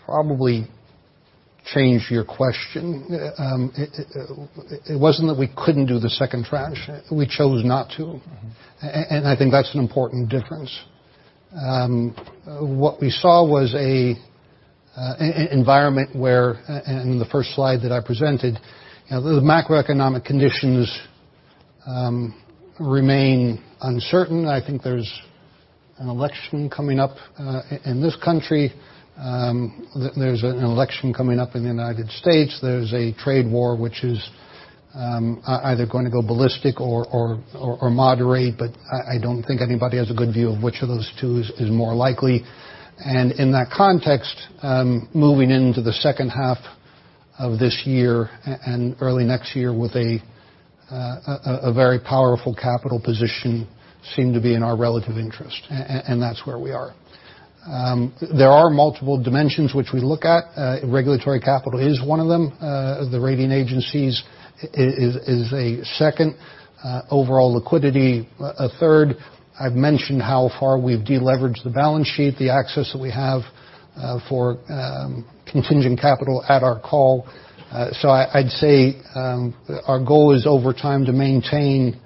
probably change your question. It wasn't that we couldn't do the second tranche. We chose not to. I think that's an important difference. What we saw was an environment where, in the first slide that I presented, the macroeconomic conditions remain uncertain. I think there's an election coming up in this country. There's an election coming up in the United States. There's a trade war, which is either going to go ballistic or moderate, but I don't think anybody has a good view of which of those two is more likely. In that context, moving into the second half of this year and early next year with a very powerful capital position seemed to be in our relative interest. That's where we are. There are multiple dimensions which we look at. Regulatory capital is one of them. The rating agencies is a second. Overall liquidity, a third. I've mentioned how far we've de-leveraged the balance sheet, the access that we have for contingent capital at our call. I'd say our goal is over time to maintain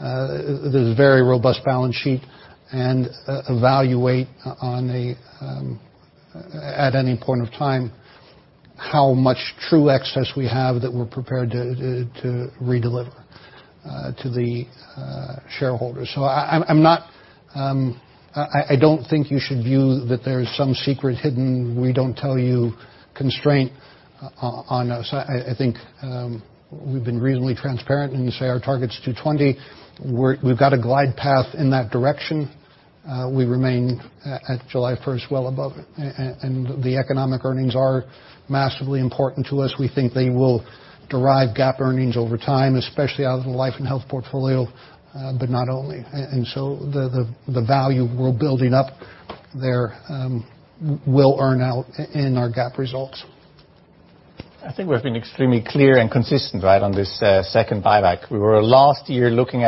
this very robust balance sheet and evaluate at any point of time how much true excess we have that we're prepared to redeliver to the shareholders. I don't think you should view that there's some secret hidden, we don't tell you constraint on us. I think we've been reasonably transparent. You say our target's 220. We've got a glide path in that direction. We remain at July 1st, 2019 well above it. The economic earnings are massively important to us. We think they will derive GAAP earnings over time, especially out of the life and health portfolio. Not only. The value we're building up there will earn out in our GAAP results. I think we've been extremely clear and consistent on this second buyback. We were last year looking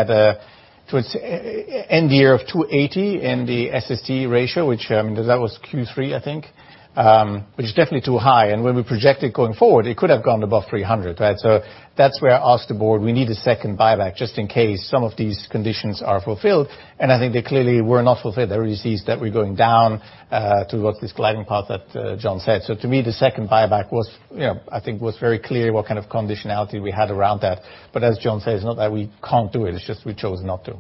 towards end year of 280 in the SST ratio, that was Q3, I think. It is definitely too high, and when we project it going forward, it could have gone above 300. That's where I asked the board, we need a second buyback just in case some of these conditions are fulfilled. I think they clearly were not fulfilled. They released that we're going down towards this gliding path that John said. To me, the second buyback was very clear what kind of conditionality we had around that. As John said, it's not that we can't do it's just we chose not to.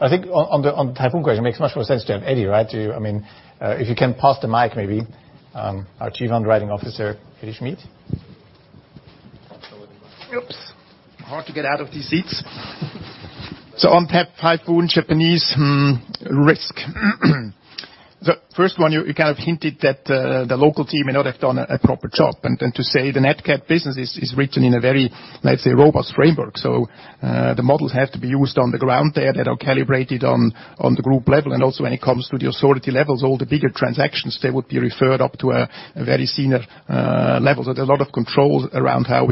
I think on the typhoon question, it makes much more sense to have Edi. If you can pass the mic, maybe, our Chief Underwriting Officer, Edi Schmid. Oops. Hard to get out of these seats. On Typhoon Jebi risk. The first one, you kind of hinted that the local team may not have done a proper job. To say the Nat Cat business is written in a very, let's say, robust framework. The models have to be used on the ground there that are calibrated on the group level. Also when it comes to the authority levels, all the bigger transactions, they would be referred up to a very senior level. There's a lot of controls around how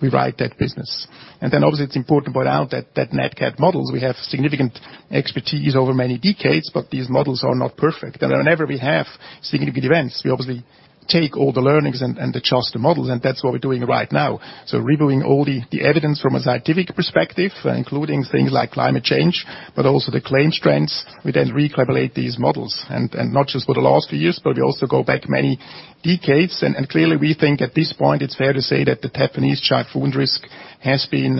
we write that business. Obviously, it's important to point out that Nat Cat models, we have significant expertise over many decades, but these models are not perfect. Whenever we have significant events, we obviously take all the learnings and adjust the models, and that's what we're doing right now. Reviewing all the evidence from a scientific perspective, including things like climate change, but also the claim trends. We then recalibrate these models. Not just for the last few years, but we also go back many decades. Clearly we think at this point, it's fair to say that the Japanese typhoon risk has been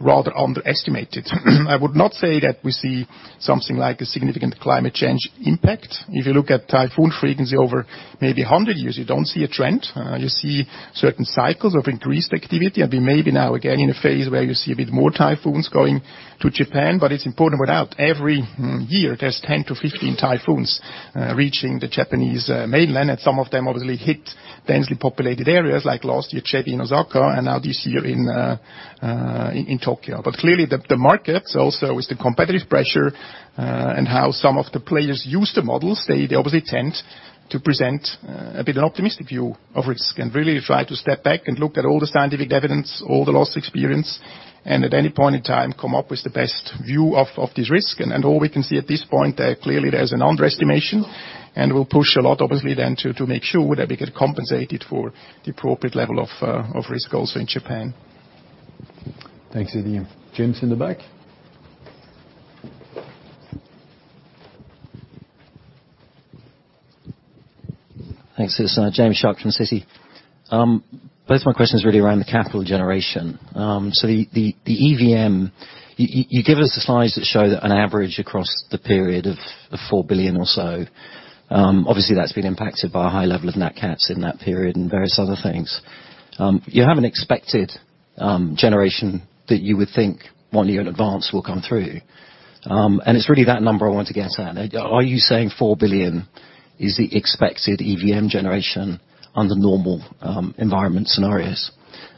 rather underestimated. I would not say that we see something like a significant climate change impact. If you look at typhoon frequency over maybe 100 years, you don't see a trend. You see certain cycles of increased activity, and we may be now again in a phase where you see a bit more typhoons going to Japan. It's important to point out, every year there's 10 to 15 typhoons reaching the Japanese mainland, and some of them obviously hit densely populated areas like last year, Jebi in Osaka and now this year in Tokyo. Clearly the markets also with the competitive pressure, and how some of the players use the models, they obviously tend to present a bit of optimistic view of risk, and really try to step back and look at all the scientific evidence, all the loss experience, and at any point in time, come up with the best view of this risk. All we can see at this point, clearly there's an underestimation, and we'll push a lot obviously then to make sure that we get compensated for the appropriate level of risk also in Japan. Thanks, Adrian. James in the back. Thanks. It's James Shuck from Citi. Both my questions really are around the capital generation. The EVM, you give us the slides that show that on average across the period of $4 billion or so. Obviously, that's been impacted by a high level of Nat Cats in that period and various other things. You have an expected generation that you would think one year in advance will come through. It's really that number I wanted to get at. Are you saying $4 billion is the expected EVM generation under normal environment scenarios?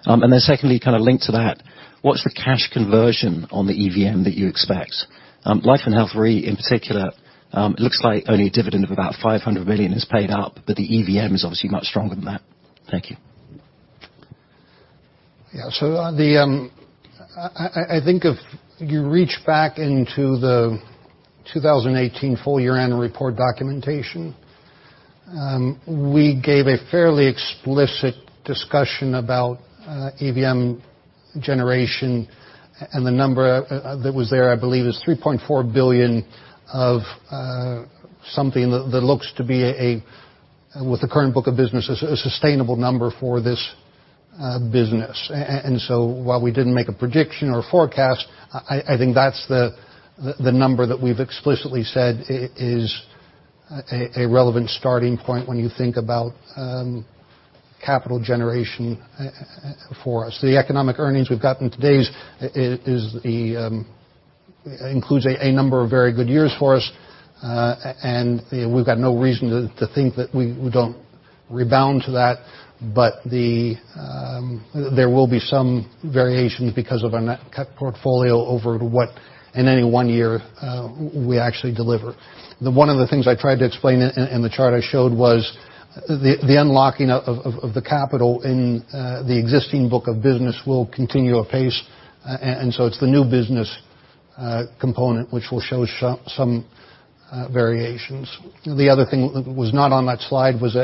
Secondly, kind of linked to that, what's the cash conversion on the EVM that you expect? Life & Health Re in particular, it looks like only a dividend of about $500 million is paid up, but the EVM is obviously much stronger than that. Thank you. I think if you reach back into the 2018 full year annual report documentation, we gave a fairly explicit discussion about EVM generation, and the number that was there, I believe is $3.4 billion of something that looks to be, with the current book of business, a sustainable number for this business. While we didn't make a prediction or a forecast, I think that's the number that we've explicitly said is a relevant starting point when you think about capital generation for us. The economic earnings we've got in today's includes a number of very good years for us. We've got no reason to think that we don't rebound to that. There will be some variations because of our Nat Cat portfolio over what in any one year we actually deliver. One of the things I tried to explain in the chart I showed was the unlocking of the capital in the existing book of business will continue apace. It's the new business component which will show some variations. The other thing that was not on that slide was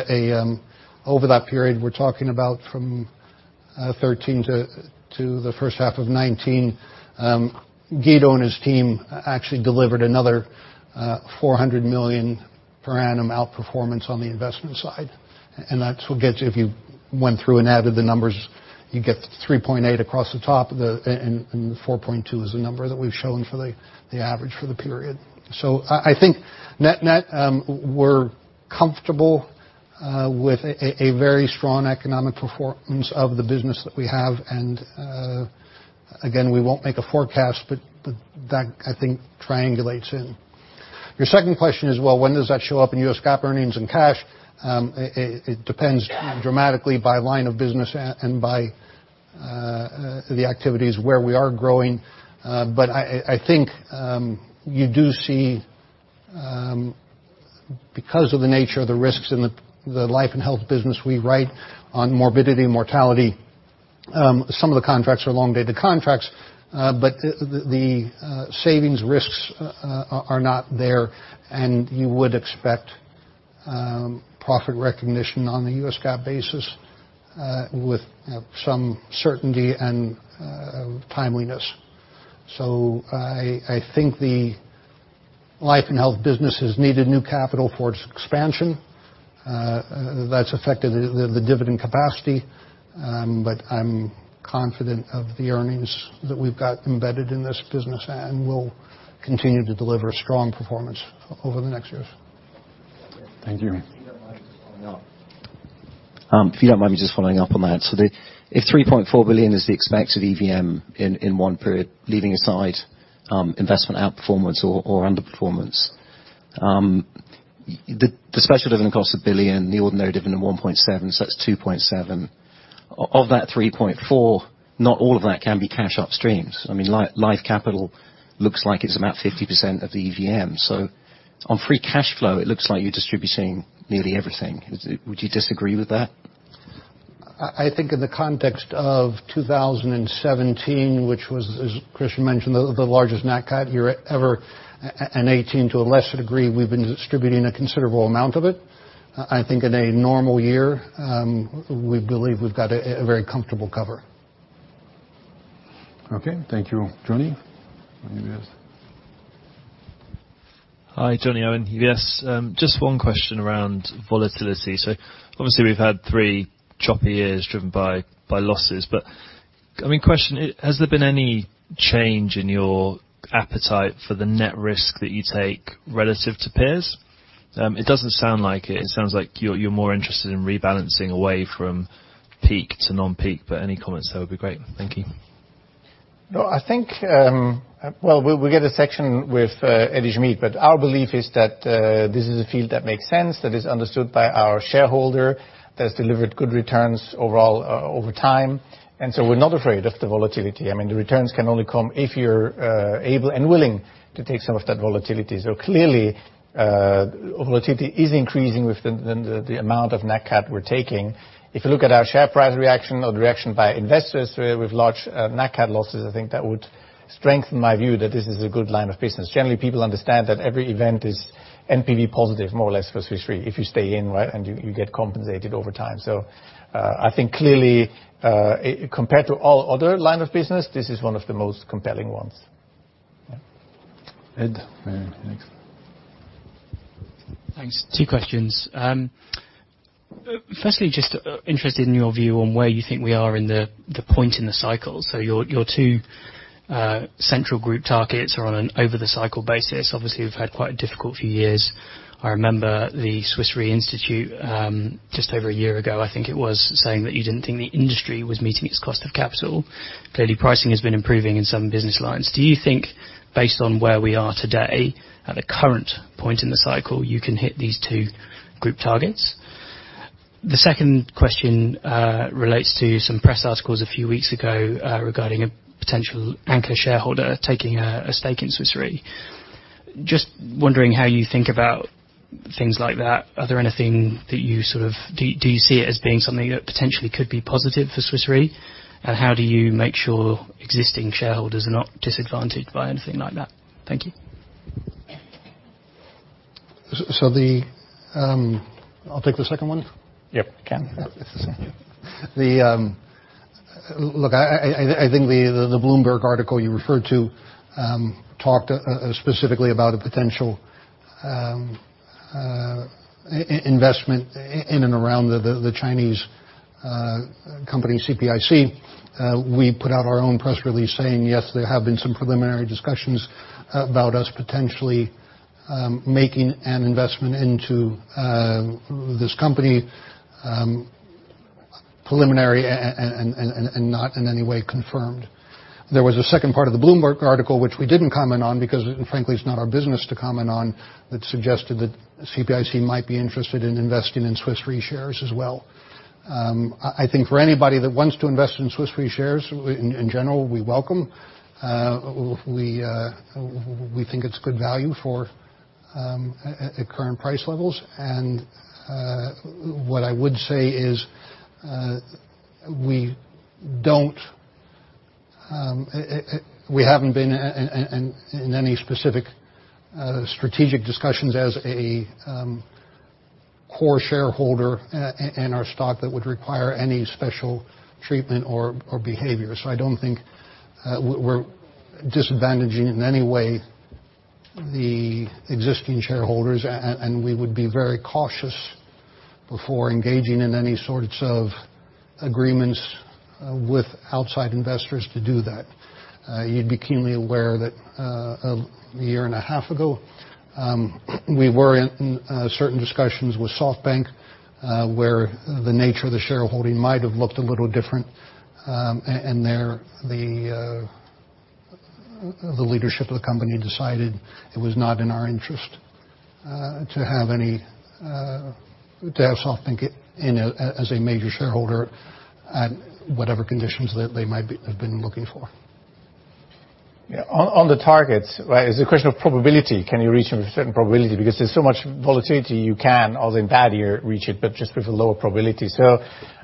over that period we're talking about from 2013 to the first half of 2019, Guido and his team actually delivered another $400 million per annum outperformance on the investment side. That's what gets you if you went through and added the numbers, you get 3.8 across the top, and the 4.2 is the number that we've shown for the average for the period. I think net, we're comfortable with a very strong economic performance of the business that we have. Again, we won't make a forecast, but that I think triangulates in. Your second question is, well, when does that show up in US GAAP earnings and cash? It depends dramatically by line of business and by the activities where we are growing. I think you do see, because of the nature of the risks in the Life & Health business we write on morbidity and mortality, some of the contracts are long-dated contracts. The savings risks are not there, and you would expect profit recognition on the US GAAP basis with some certainty and timeliness. I think the Life & Health business has needed new capital for its expansion. That's affected the dividend capacity. I'm confident of the earnings that we've got embedded in this business and will continue to deliver a strong performance over the next years. Thank you. We have mics coming up. If you don't mind me just following up on that. If $3.4 billion is the expected EVM in one period, leaving aside investment outperformance or underperformance. The special dividend costs $1 billion, the ordinary dividend of $1.7 billion, so that's $2.7 billion. Of that $3.4 billion, not all of that can be cash upstream. Life Capital looks like it's about 50% of the EVM. On free cash flow, it looks like you're distributing nearly everything. Would you disagree with that? I think in the context of 2017, which was, as Christian mentioned, the largest Nat Cat year ever, and 2018 to a lesser degree, we've been distributing a considerable amount of it. I think in a normal year, we believe we've got a very comfortable cover. Okay. Thank you. Jonny? Hi, Jonny Urwin, UBS. Just one question around volatility. Obviously, we've had three choppy years driven by losses. Question, has there been any change in your appetite for the net risk that you take relative to peers? It doesn't sound like it. It sounds like you're more interested in rebalancing away from peak to non-peak. Any comments there would be great. Thank you. I think, well, we get a section with Edi Schmid, but our belief is that this is a field that makes sense, that is understood by our shareholder, that's delivered good returns overall over time. We're not afraid of the volatility. The returns can only come if you're able and willing to take some of that volatility. Clearly, volatility is increasing with the amount of Nat Cat we're taking. If you look at our share price reaction or the reaction by investors with large Nat Cat losses, I think that would strengthen my view that this is a good line of business. Generally, people understand that every event is NPV positive, more or less for Swiss Re, if you stay in and you get compensated over time. I think clearly, compared to all other line of business, this is one of the most compelling ones. Ed, next. Thanks. Two questions. Firstly, just interested in your view on where you think we are in the point in the cycle. Your two central group targets are on an over the cycle basis. Obviously, we've had quite a difficult few years. I remember the Swiss Re Institute, just over a year ago, I think it was, saying that you didn't think the industry was meeting its cost of capital. Clearly, pricing has been improving in some business lines. Do you think based on where we are today, at the current point in the cycle, you can hit these two group targets? The second question relates to some press articles a few weeks ago regarding a potential anchor shareholder taking a stake in Swiss Re. Just wondering how you think about things like that. Do you see it as being something that potentially could be positive for Swiss Re? How do you make sure existing shareholders are not disadvantaged by anything like that? Thank you. I'll take the second one. Yep. Look, I think the Bloomberg article you referred to talked specifically about a potential investment in and around the Chinese company CPIC. We put out our own press release saying, yes, there have been some preliminary discussions about us potentially making an investment into this company. Preliminary and not in any way confirmed. There was a second part of the Bloomberg article, which we didn't comment on because frankly, it's not our business to comment on, that suggested that CPIC might be interested in investing in Swiss Re shares as well. I think for anybody that wants to invest in Swiss Re shares, in general, we welcome. We think it's good value for at current price levels. What I would say is we haven't been in any specific strategic discussions as a core shareholder in our stock that would require any special treatment or behavior. I don't think we're disadvantaging in any way the existing shareholders, and we would be very cautious before engaging in any sorts of agreements with outside investors to do that. You'd be keenly aware that a 1.5 year ago, we were in certain discussions with SoftBank, where the nature of the shareholding might have looked a little different. There, the leadership of the company decided it was not in our interest to have SoftBank as a major shareholder at whatever conditions that they might have been looking for. On the targets, it's a question of probability. Can you reach a certain probability? Because there's so much volatility, you can, all in bad year, reach it, but just with a lower probability.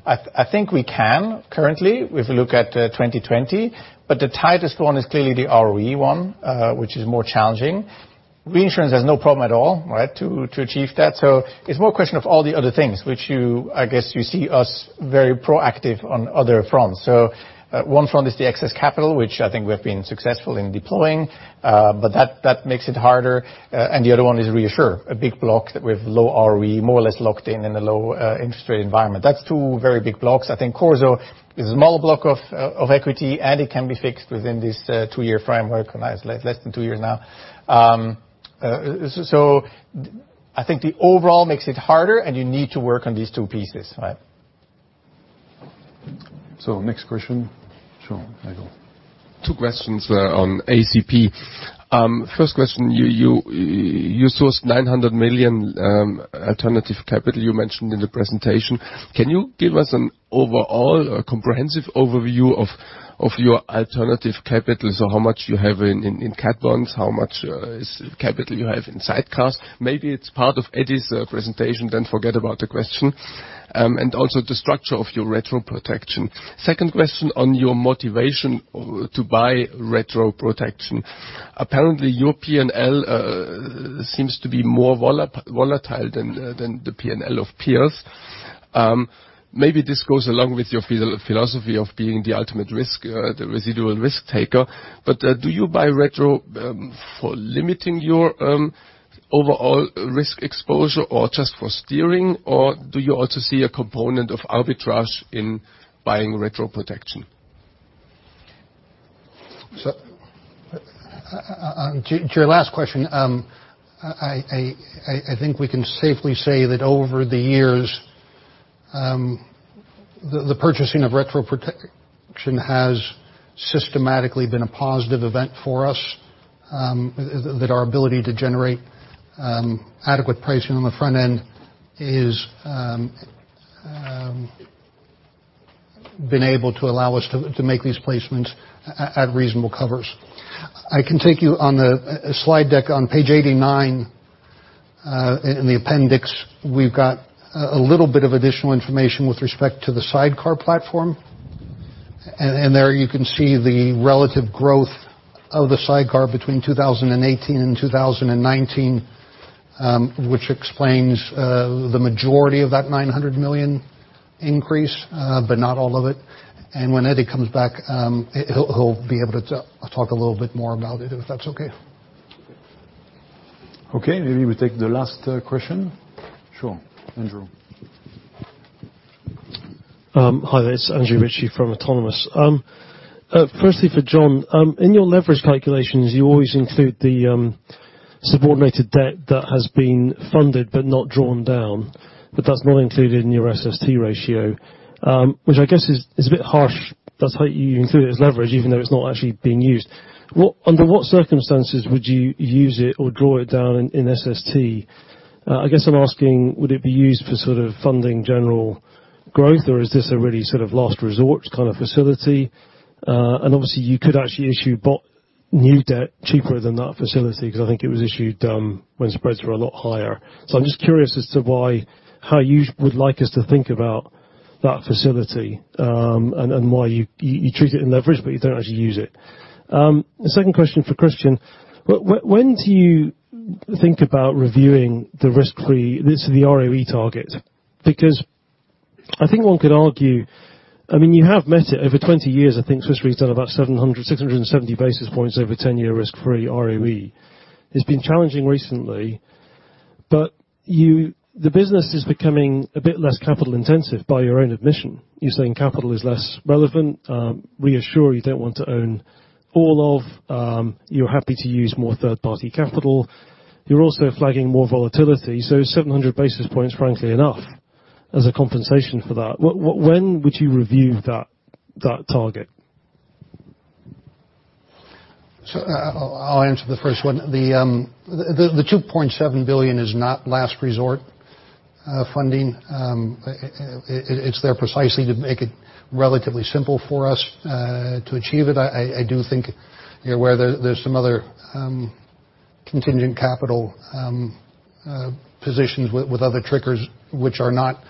I think we can currently, if we look at 2020. The tightest one is clearly the ROE one, which is more challenging. Reinsurance has no problem at all to achieve that. It's more a question of all the other things, which I guess you see us very proactive on other fronts. One front is the excess capital, which I think we have been successful in deploying. That makes it harder. The other one is ReAssure, a big block with low ROE, more or less locked in a low interest rate environment. That's two very big blocks. I think CorSo is a small block of equity, and it can be fixed within this two-year framework. Less than two years now. I think the overall makes it harder, and you need to work on these two pieces. Next question. Sure, Michael. Two questions on ACP. First question, you sourced $900 million alternative capital, you mentioned in the presentation. Can you give us an overall comprehensive overview of your alternative capital? How much you have in cat bonds, how much capital you have in sidecars? Maybe it's part of Edi's presentation, forget about the question. Also the structure of your retro protection. Second question on your motivation to buy retro protection. Apparently, your P&L seems to be more volatile than the P&L of peers. Maybe this goes along with your philosophy of being the ultimate residual risk taker. Do you buy retro for limiting your overall risk exposure or just for steering? Do you also see a component of arbitrage in buying retro protection? To your last question, I think we can safely say that over the years, the purchasing of retro protection has systematically been a positive event for us, that our ability to generate adequate pricing on the front end has been able to allow us to make these placements at reasonable covers. I can take you on the slide deck on page 89, in the appendix. We've got a little bit of additional information with respect to the sidecar platform. There you can see the relative growth of the sidecar between 2018 and 2019, which explains the majority of that $900 million increase, but not all of it. When Edi comes back, he'll be able to talk a little bit more about it, if that's okay. Okay. Maybe we take the last question. Sure, Andrew. Hi, there. It's Andrew Ritchie from Autonomous. Firstly, for John, in your leverage calculations, you always include the subordinated debt that has been funded but not drawn down, but that's not included in your SST ratio, which I guess is a bit harsh. That's how you include it as leverage, even though it's not actually being used. Under what circumstances would you use it or draw it down in SST? I guess I'm asking, would it be used for sort of funding general growth, or is this a really sort of last-resort kind of facility? Obviously, you could actually issue new debt cheaper than that facility, because I think it was issued when spreads were a lot higher. I'm just curious as to how you would like us to think about that facility, and why you treat it in leverage, but you don't actually use it. The second question for Christian, when do you think about reviewing the risk-free, the ROE target? I think one could argue, you have met it. Over 20 years, I think Swiss Re's done about 700, 670 basis points over 10-year risk-free ROE. It's been challenging recently, the business is becoming a bit less capital intensive by your own admission. You're saying capital is less relevant. ReAssure you don't want to own all of. You're happy to use more third-party capital. You're also flagging more volatility. 700 basis points, frankly enough, as a compensation for that. When would you review that target? I'll answer the first one. The $2.7 billion is not last resort funding. It's there precisely to make it relatively simple for us to achieve it. I do think you're aware there's some other contingent capital positions with other triggers which are not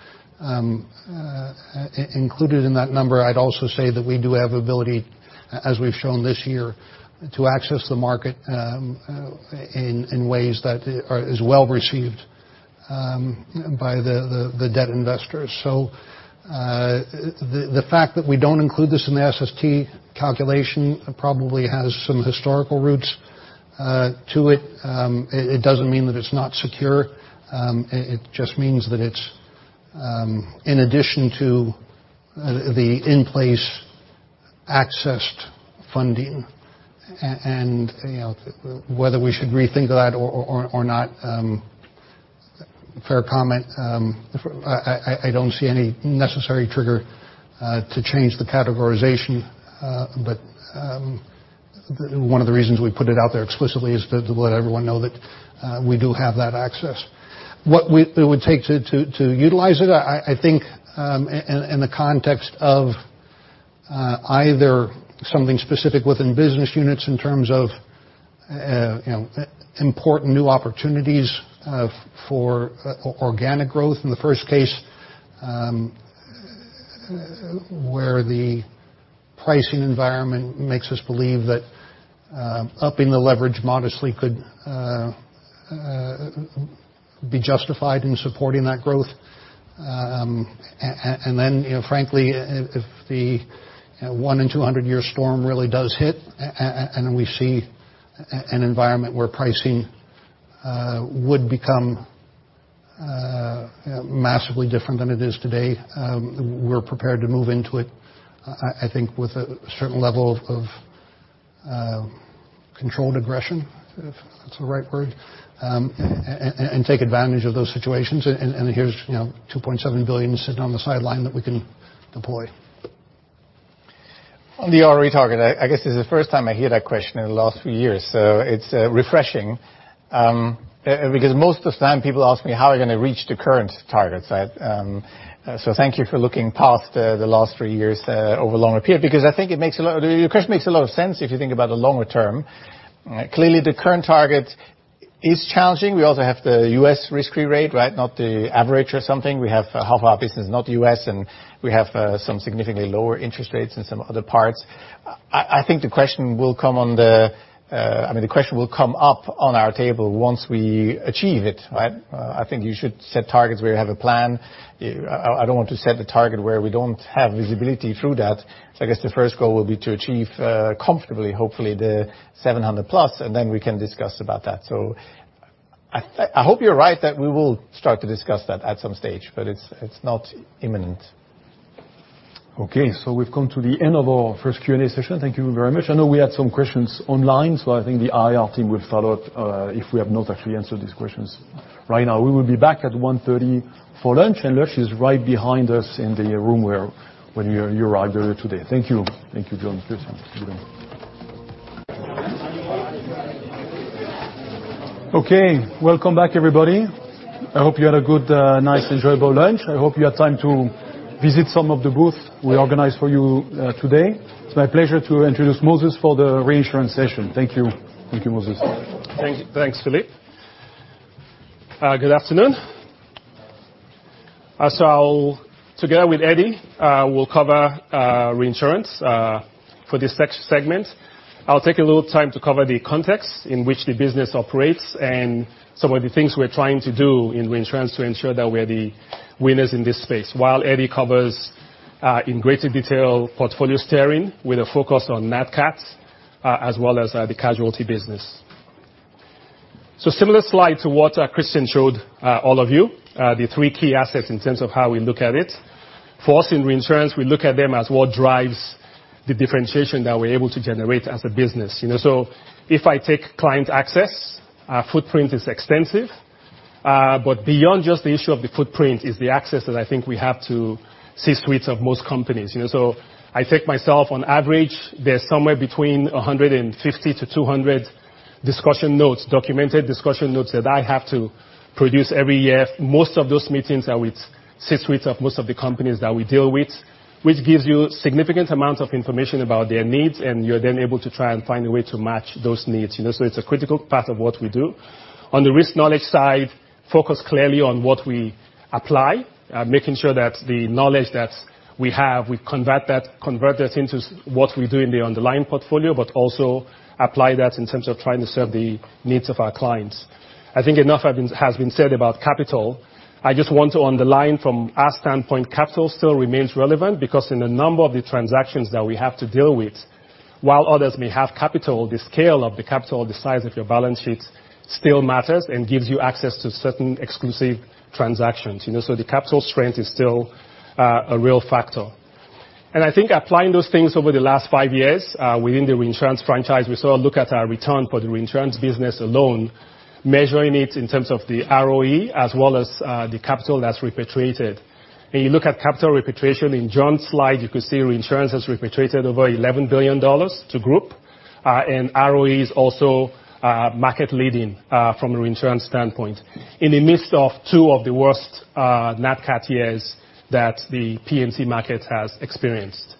included in that number. I'd also say that we do have ability, as we've shown this year, to access the market in ways that is well received by the debt investors. The fact that we don't include this in the SST calculation probably has some historical roots to it. It doesn't mean that it's not secure. It just means that it's in addition to the in-place accessed funding. Whether we should rethink that or not, fair comment. I don't see any necessary trigger to change the categorization. One of the reasons we put it out there explicitly is to let everyone know that we do have that access. What it would take to utilize it, I think, in the context of either something specific within business units in terms of important new opportunities for organic growth in the first case, where the pricing environment makes us believe that upping the leverage modestly could be justified in supporting that growth. Then, frankly, if the one in 200 year storm really does hit, and we see an environment where pricing would become massively different than it is today. We're prepared to move into it, I think, with a certain level of controlled aggression, if that's the right word, and take advantage of those situations. Here's $2.7 billion sitting on the sideline that we can deploy. On the ROE target, I guess this is the first time I hear that question in the last few years. It's refreshing, because most of the time people ask me how we're going to reach the current targets. Thank you for looking past the last three years over a longer period, because I think your question makes a lot of sense if you think about the longer term. Clearly, the current target is challenging. We also have the U.S. risk-free rate, right? Not the average or something. We have half of our business, not U.S., and we have some significantly lower interest rates in some other parts. I think the question will come up on our table once we achieve it, right? I think you should set targets where you have a plan. I don't want to set a target where we don't have visibility through that. I guess the first goal will be to achieve comfortably, hopefully, the 700+, and then we can discuss about that. I hope you're right that we will start to discuss that at some stage, but it's not imminent. We've come to the end of our first Q&A session. Thank you very much. I know we had some questions online. I think the IR team will follow up if we have not actually answered these questions right now. We will be back at 1:30 P.M. for lunch. Lunch is right behind us in the room when you arrived earlier today. Thank you. Thank you, John. Christian. Good day. Welcome back, everybody. I hope you had a good, nice, enjoyable lunch. I hope you had time to visit some of the booths we organized for you today. It's my pleasure to introduce Moses for the reinsurance session. Thank you. Thank you, Moses. Thanks, Philippe. Good afternoon. Together with Edi, we'll cover reinsurance for this next segment. I'll take a little time to cover the context in which the business operates and some of the things we're trying to do in reinsurance to ensure that we're the winners in this space. While Edi covers in greater detail portfolio steering with a focus on Nat Cats, as well as the casualty business. Similar slide to what Christian showed all of you, the three key assets in terms of how we look at it. For us in reinsurance, we look at them as what drives the differentiation that we're able to generate as a business. If I take client access, our footprint is extensive. Beyond just the issue of the footprint is the access that I think we have to C-suites of most companies. I take myself, on average, there's somewhere between 150 to 200 discussion notes, documented discussion notes that I have to produce every year. Most of those meetings are with C-suites of most of the companies that we deal with, which gives you significant amounts of information about their needs, and you're then able to try and find a way to match those needs. It's a critical part of what we do. On the risk knowledge side, focus clearly on what we apply, making sure that the knowledge that we have, we convert that into what we do in the underlying portfolio, but also apply that in terms of trying to serve the needs of our clients. I think enough has been said about capital. I just want to underline from our standpoint, capital still remains relevant because in a number of the transactions that we have to deal with, while others may have capital, the scale of the capital, the size of your balance sheets still matters and gives you access to certain exclusive transactions. The capital strength is still a real factor. I think applying those things over the last five years within the reinsurance franchise, we sort of look at our return for the reinsurance business alone, measuring it in terms of the ROE as well as the capital that's repatriated. When you look at capital repatriation in John's slide, you could see reinsurance has repatriated over $11 billion to Group, and ROE is also market leading from a reinsurance standpoint in the midst of two of the worst Nat Cat years that the P&C market has experienced.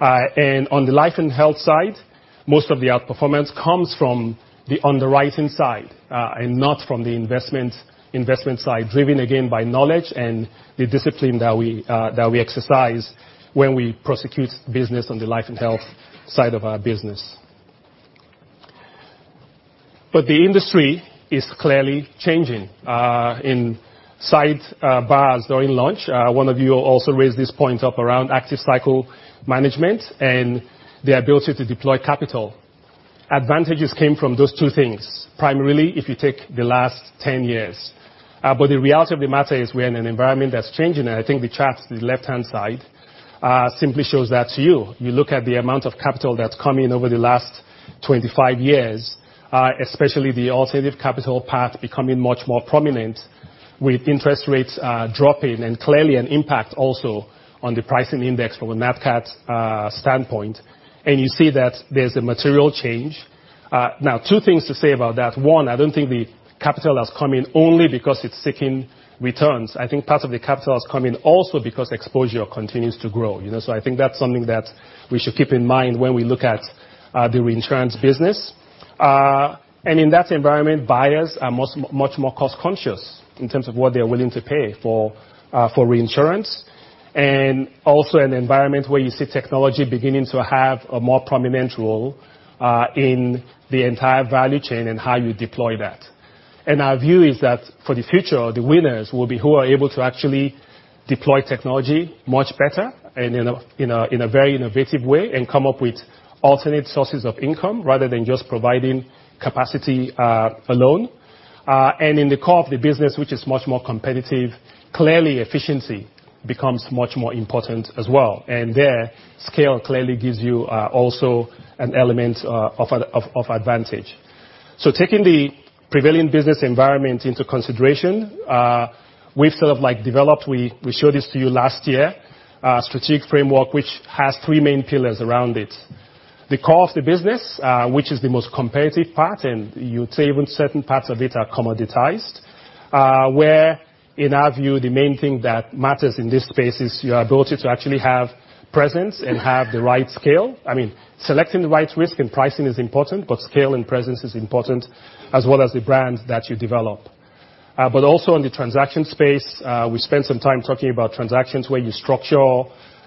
On the life and health side, most of the outperformance comes from the underwriting side and not from the investment side, driven again by knowledge and the discipline that we exercise when we prosecute business on the life and health side of our business. The industry is clearly changing. In sidebars during lunch, one of you also raised this point up around active cycle management and the ability to deploy capital. Advantages came from those two things, primarily if you take the last 10 years. The reality of the matter is we're in an environment that's changing, and I think the chart, the left-hand side simply shows that to you. You look at the amount of capital that's come in over the last 25 years, especially the alternative capital path becoming much more prominent with interest rates dropping and clearly an impact also on the pricing index from a Nat Cat standpoint, and you see that there's a material change. Now, two things to say about that. One, I don't think the capital has come in only because it's seeking returns. I think part of the capital has come in also because exposure continues to grow. I think that's something that we should keep in mind when we look at the reinsurance business. In that environment, buyers are much more cost-conscious in terms of what they're willing to pay for reinsurance, and also an environment where you see technology beginning to have a more prominent role in the entire value chain and how you deploy that. Our view is that for the future, the winners will be who are able to actually deploy technology much better and in a very innovative way, and come up with alternate sources of income, rather than just providing capacity alone. In the core of the business, which is much more competitive, clearly efficiency becomes much more important as well. There, scale clearly gives you also an element of advantage. Taking the prevailing business environment into consideration, we've sort of developed, we showed this to you last year, a strategic framework which has three main pillars around it. The core of the business, which is the most competitive part, and you would say even certain parts of it are commoditized, where in our view, the main thing that matters in this space is your ability to actually have presence and have the right scale. Selecting the right risk and pricing is important, scale and presence is important, as well as the brand that you develop. Also in the transaction space, we spent some time talking about transactions where you structure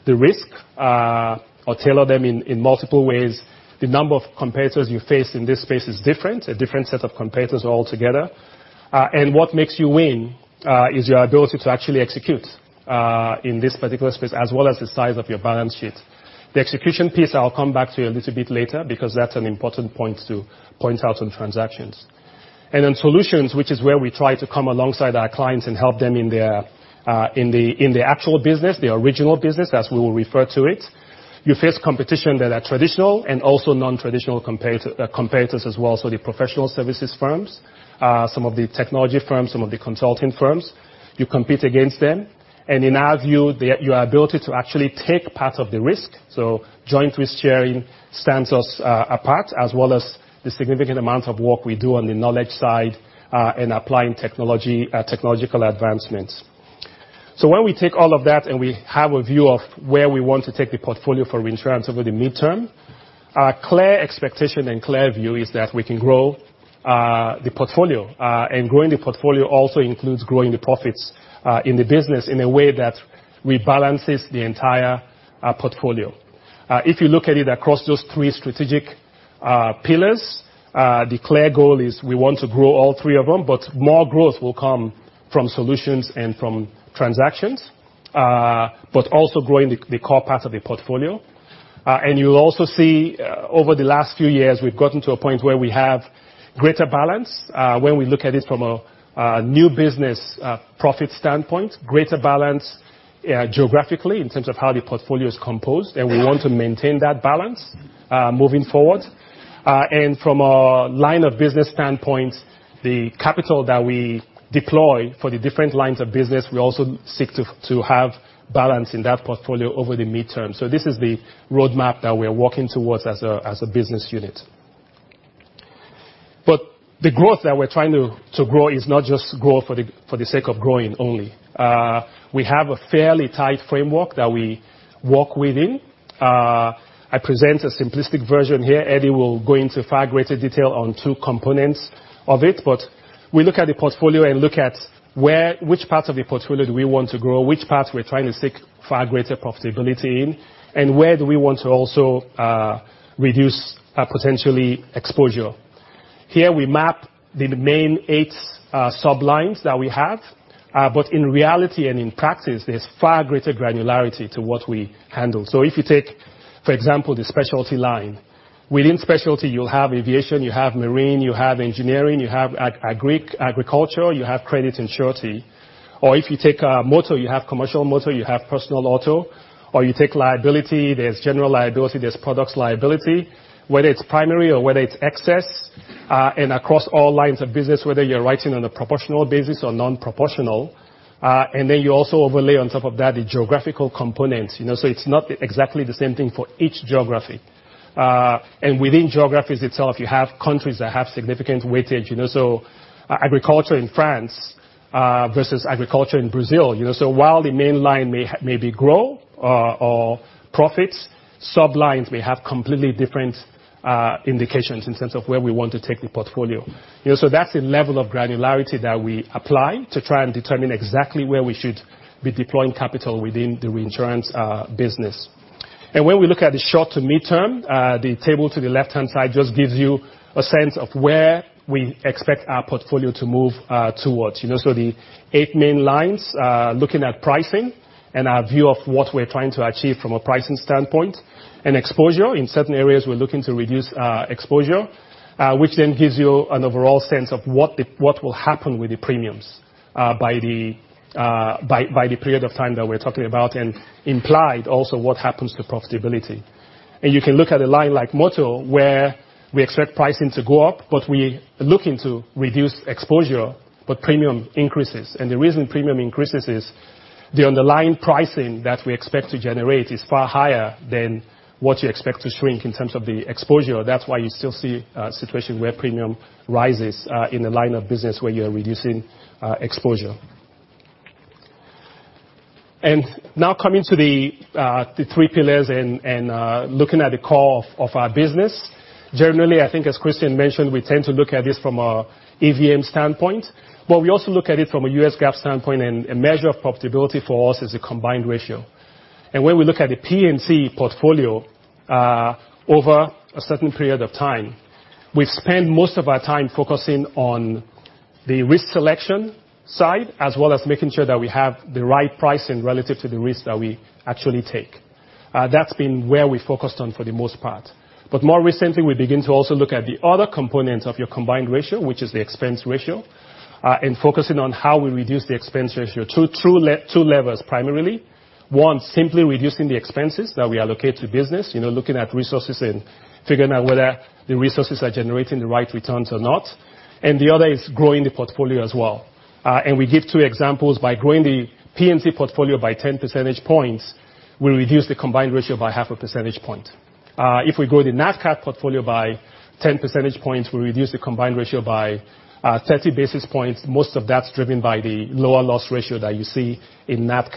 the risk, or tailor them in multiple ways. The number of competitors you face in this space is different, a different set of competitors altogether. What makes you win is your ability to actually execute, in this particular space, as well as the size of your balance sheet. The execution piece, I'll come back to a little bit later, because that's an important point to point out on transactions. Solutions, which is where we try to come alongside our clients and help them in their actual business, their original business, as we will refer to it. You face competition that are traditional and also non-traditional competitors as well. The professional services firms, some of the technology firms, some of the consulting firms, you compete against them. In our view, your ability to actually take part of the risk, so joint risk sharing, stands us apart, as well as the significant amount of work we do on the knowledge side, in applying technological advancements. When we take all of that and we have a view of where we want to take the portfolio for reinsurance over the midterm, our clear expectation and clear view is that we can grow the portfolio. Growing the portfolio also includes growing the profits in the business in a way that rebalances the entire portfolio. If you look at it across those three strategic pillars, the clear goal is we want to grow all three of them, but more growth will come from solutions and from transactions, but also growing the core part of the portfolio. You'll also see over the last few years, we've gotten to a point where we have greater balance, when we look at it from a new business profit standpoint. Greater balance geographically in terms of how the portfolio is composed, and we want to maintain that balance moving forward. From a line of business standpoint, the capital that we deploy for the different lines of business, we also seek to have balance in that portfolio over the midterm. This is the roadmap that we are working towards as a business unit. The growth that we're trying to grow is not just grow for the sake of growing only. We have a fairly tight framework that we work within. I present a simplistic version here. Edi will go into far greater detail on two components of it. We look at the portfolio and look at which part of the portfolio do we want to grow, which part we're trying to seek far greater profitability in, and where do we want to also reduce potentially exposure. Here we map the main eight sub lines that we have. In reality and in practice, there's far greater granularity to what we handle. If you take, for example, the specialty line. Within specialty, you'll have aviation, you have marine, you have engineering, you have agriculture, you have credit and surety. If you take motor, you have commercial motor, you have personal auto. You take liability, there's general liability, there's products liability. Whether it's primary or whether it's excess, and across all lines of business, whether you're writing on a proportional basis or non-proportional. Then you also overlay on top of that the geographical components. It's not exactly the same thing for each geography. Within geographies itself, you have countries that have significant weightage. Agriculture in France versus agriculture in Brazil. While the main line may be grow or profits, sub lines may have completely different indications in terms of where we want to take the portfolio. That's the level of granularity that we apply to try and determine exactly where we should be deploying capital within the reinsurance business. When we look at the short to midterm, the table to the left-hand side just gives you a sense of where we expect our portfolio to move towards. The eight main lines, looking at pricing and our view of what we're trying to achieve from a pricing standpoint. Exposure, in certain areas, we're looking to reduce exposure, which then gives you an overall sense of what will happen with the premiums by the period of time that we're talking about, and implied also what happens to profitability. You can look at a line like motor, where we expect pricing to go up, but we are looking to reduce exposure, but premium increases. The reason premium increases is the underlying pricing that we expect to generate is far higher than what you expect to shrink in terms of the exposure. That's why you still see a situation where premium rises in a line of business where you're reducing exposure. Now coming to the three pillars and looking at the core of our business. Generally, I think as Christian mentioned, we tend to look at this from a EVM standpoint, but we also look at it from a US GAAP standpoint, and a measure of profitability for us is a combined ratio. When we look at the P&C portfolio over a certain period of time. We've spent most of our time focusing on the risk selection side, as well as making sure that we have the right pricing relative to the risk that we actually take. That's been where we focused on for the most part. More recently, we begin to also look at the other component of your combined ratio, which is the expense ratio, and focusing on how we reduce the expense ratio. 2 levels primarily. One, simply reducing the expenses that we allocate to business, looking at resources and figuring out whether the resources are generating the right returns or not. The other is growing the portfolio as well. We give two examples by growing the P&C portfolio by 10 percentage points, we reduce the combined ratio by half a percentage point. If we grow the Nat Cat portfolio by 10 percentage points, we reduce the combined ratio by 30 basis points. Most of that's driven by the lower loss ratio that you see in Nat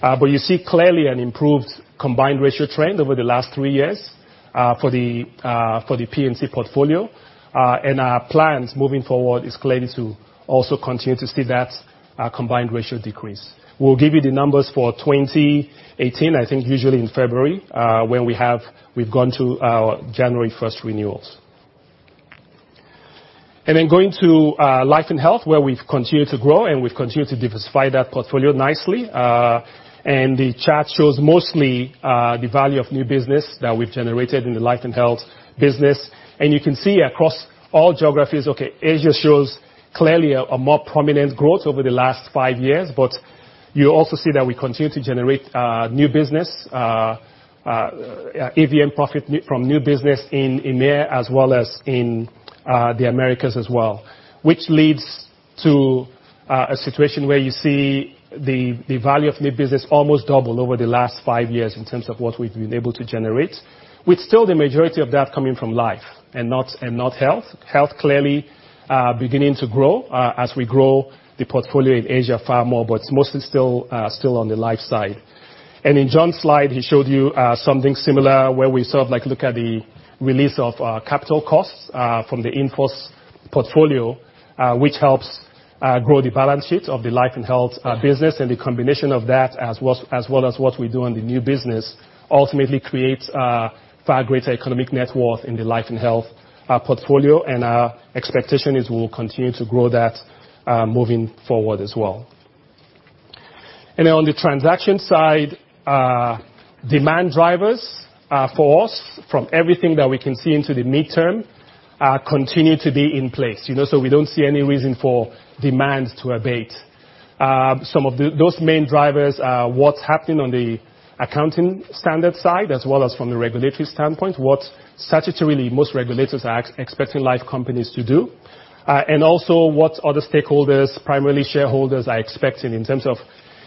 Cat. You see clearly an improved combined ratio trend over the last three years, for the P&C portfolio. Our plans moving forward is clearly to also continue to see that combined ratio decrease. We'll give you the numbers for 2018, I think usually in February, when we've gone to our January 1st renewals. Going to Life & Health, where we've continued to grow, and we've continued to diversify that portfolio nicely. The chart shows mostly the value of new business that we've generated in the Life & Health business. You can see across all geographies, okay, Asia shows clearly a more prominent growth over the last five years. You also see that we continue to generate new business, EVM profit from new business in EMEA as well as in the Americas as well, which leads to a situation where you see the value of new business almost double over the last five years in terms of what we've been able to generate. With still the majority of that coming from Life and not Health. Health clearly beginning to grow as we grow the portfolio in Asia far more, but mostly still on the Life side. In John's slide, he showed you something similar where we sort of look at the release of capital costs from the in-force portfolio, which helps grow the balance sheet of the Life & Health business. The combination of that, as well as what we do on the new business, ultimately creates a far greater economic net worth in the Life & Health portfolio. Our expectation is we'll continue to grow that moving forward as well. On the transaction side, demand drivers for us, from everything that we can see into the midterm, continue to be in place. We don't see any reason for demand to abate. Some of those main drivers are what's happening on the accounting standard side, as well as from the regulatory standpoint, what statutorily most regulators are expecting life companies to do, and also what other stakeholders, primarily shareholders, are expecting in terms of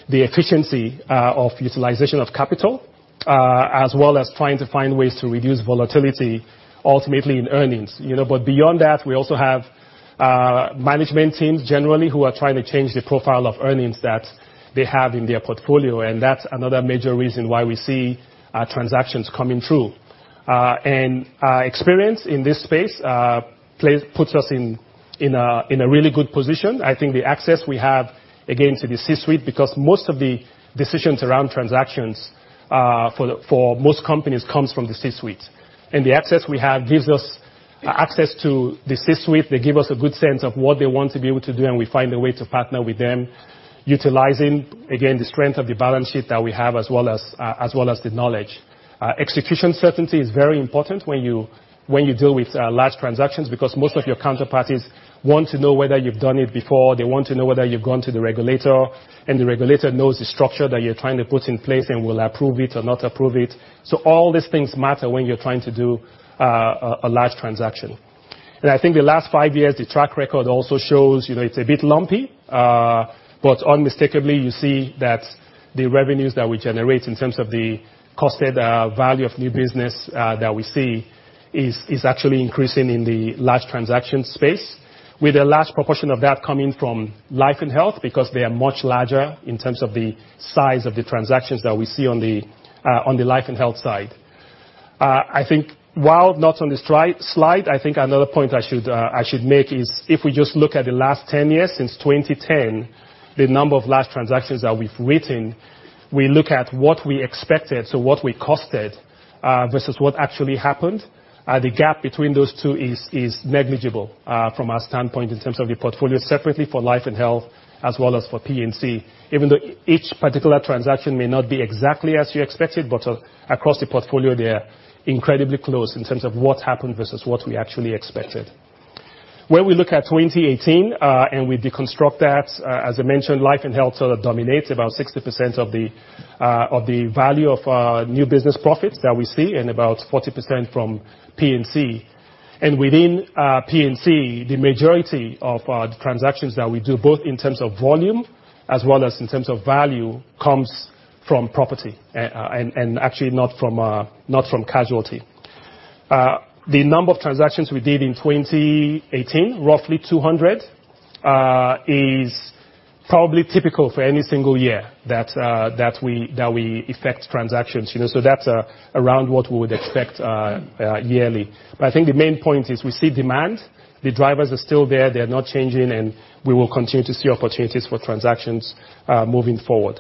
the efficiency of utilization of capital, as well as trying to find ways to reduce volatility, ultimately in earnings. Beyond that, we also have management teams, generally, who are trying to change the profile of earnings that they have in their portfolio, and that's another major reason why we see transactions coming through. Our experience in this space puts us in a really good position. I think the access we have, again, to the C-suite, because most of the decisions around transactions for most companies comes from the C-suite. The access we have gives us access to the C-suite. They give us a good sense of what they want to be able to do, and we find a way to partner with them, utilizing, again, the strength of the balance sheet that we have, as well as the knowledge. Execution certainty is very important when you deal with large transactions, because most of your counterparties want to know whether you've done it before. They want to know whether you've gone to the regulator, and the regulator knows the structure that you're trying to put in place and will approve it or not approve it. All these things matter when you're trying to do a large transaction. I think the last five years, the track record also shows it's a bit lumpy. Unmistakably, you see that the revenues that we generate in terms of the costed value of new business that we see is actually increasing in the large transaction space, with a large proportion of that coming from Life & Health because they are much larger in terms of the size of the transactions that we see on the Life & Health side. While not on the slide, I think another point I should make is if we just look at the last 10 years, since 2010, the number of large transactions that we've written, we look at what we expected, so what we costed, versus what actually happened. The gap between those two is negligible from our standpoint in terms of the portfolio separately for Life & Health as well as for P&C. Even though each particular transaction may not be exactly as you expected, but across the portfolio, they are incredibly close in terms of what happened versus what we actually expected. We look at 2018, and we deconstruct that, as I mentioned, Life & Health sort of dominates about 60% of the value of our new business profits that we see and about 40% from P&C. Within P&C, the majority of the transactions that we do, both in terms of volume as well as in terms of value, comes from property and actually not from casualty. The number of transactions we did in 2018, roughly 200, is probably typical for any single year that we effect transactions. That's around what we would expect yearly. I think the main point is we see demand. The drivers are still there. They are not changing. We will continue to see opportunities for transactions moving forward.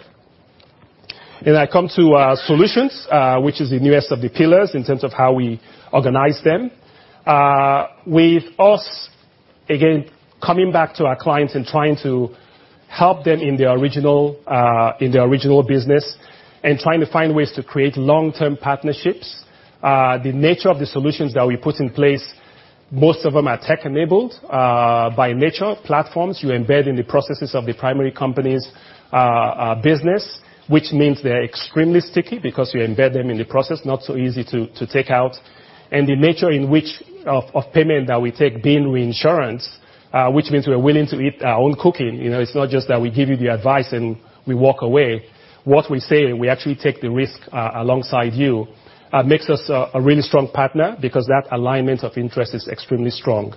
I come to Corporate Solutions, which is the newest of the pillars in terms of how we organize them. With us, again, coming back to our clients and trying to help them in their original business, and trying to find ways to create long-term partnerships, the nature of the solutions that we put in place, most of them are tech-enabled, by nature, platforms you embed in the processes of the primary company's business, which means they're extremely sticky because you embed them in the process. Not so easy to take out. The nature of payment that we take being reinsurance, which means we're willing to eat our own cooking. It's not just that we give you the advice and we walk away. What we say, and we actually take the risk alongside you, makes us a really strong partner because that alignment of interest is extremely strong.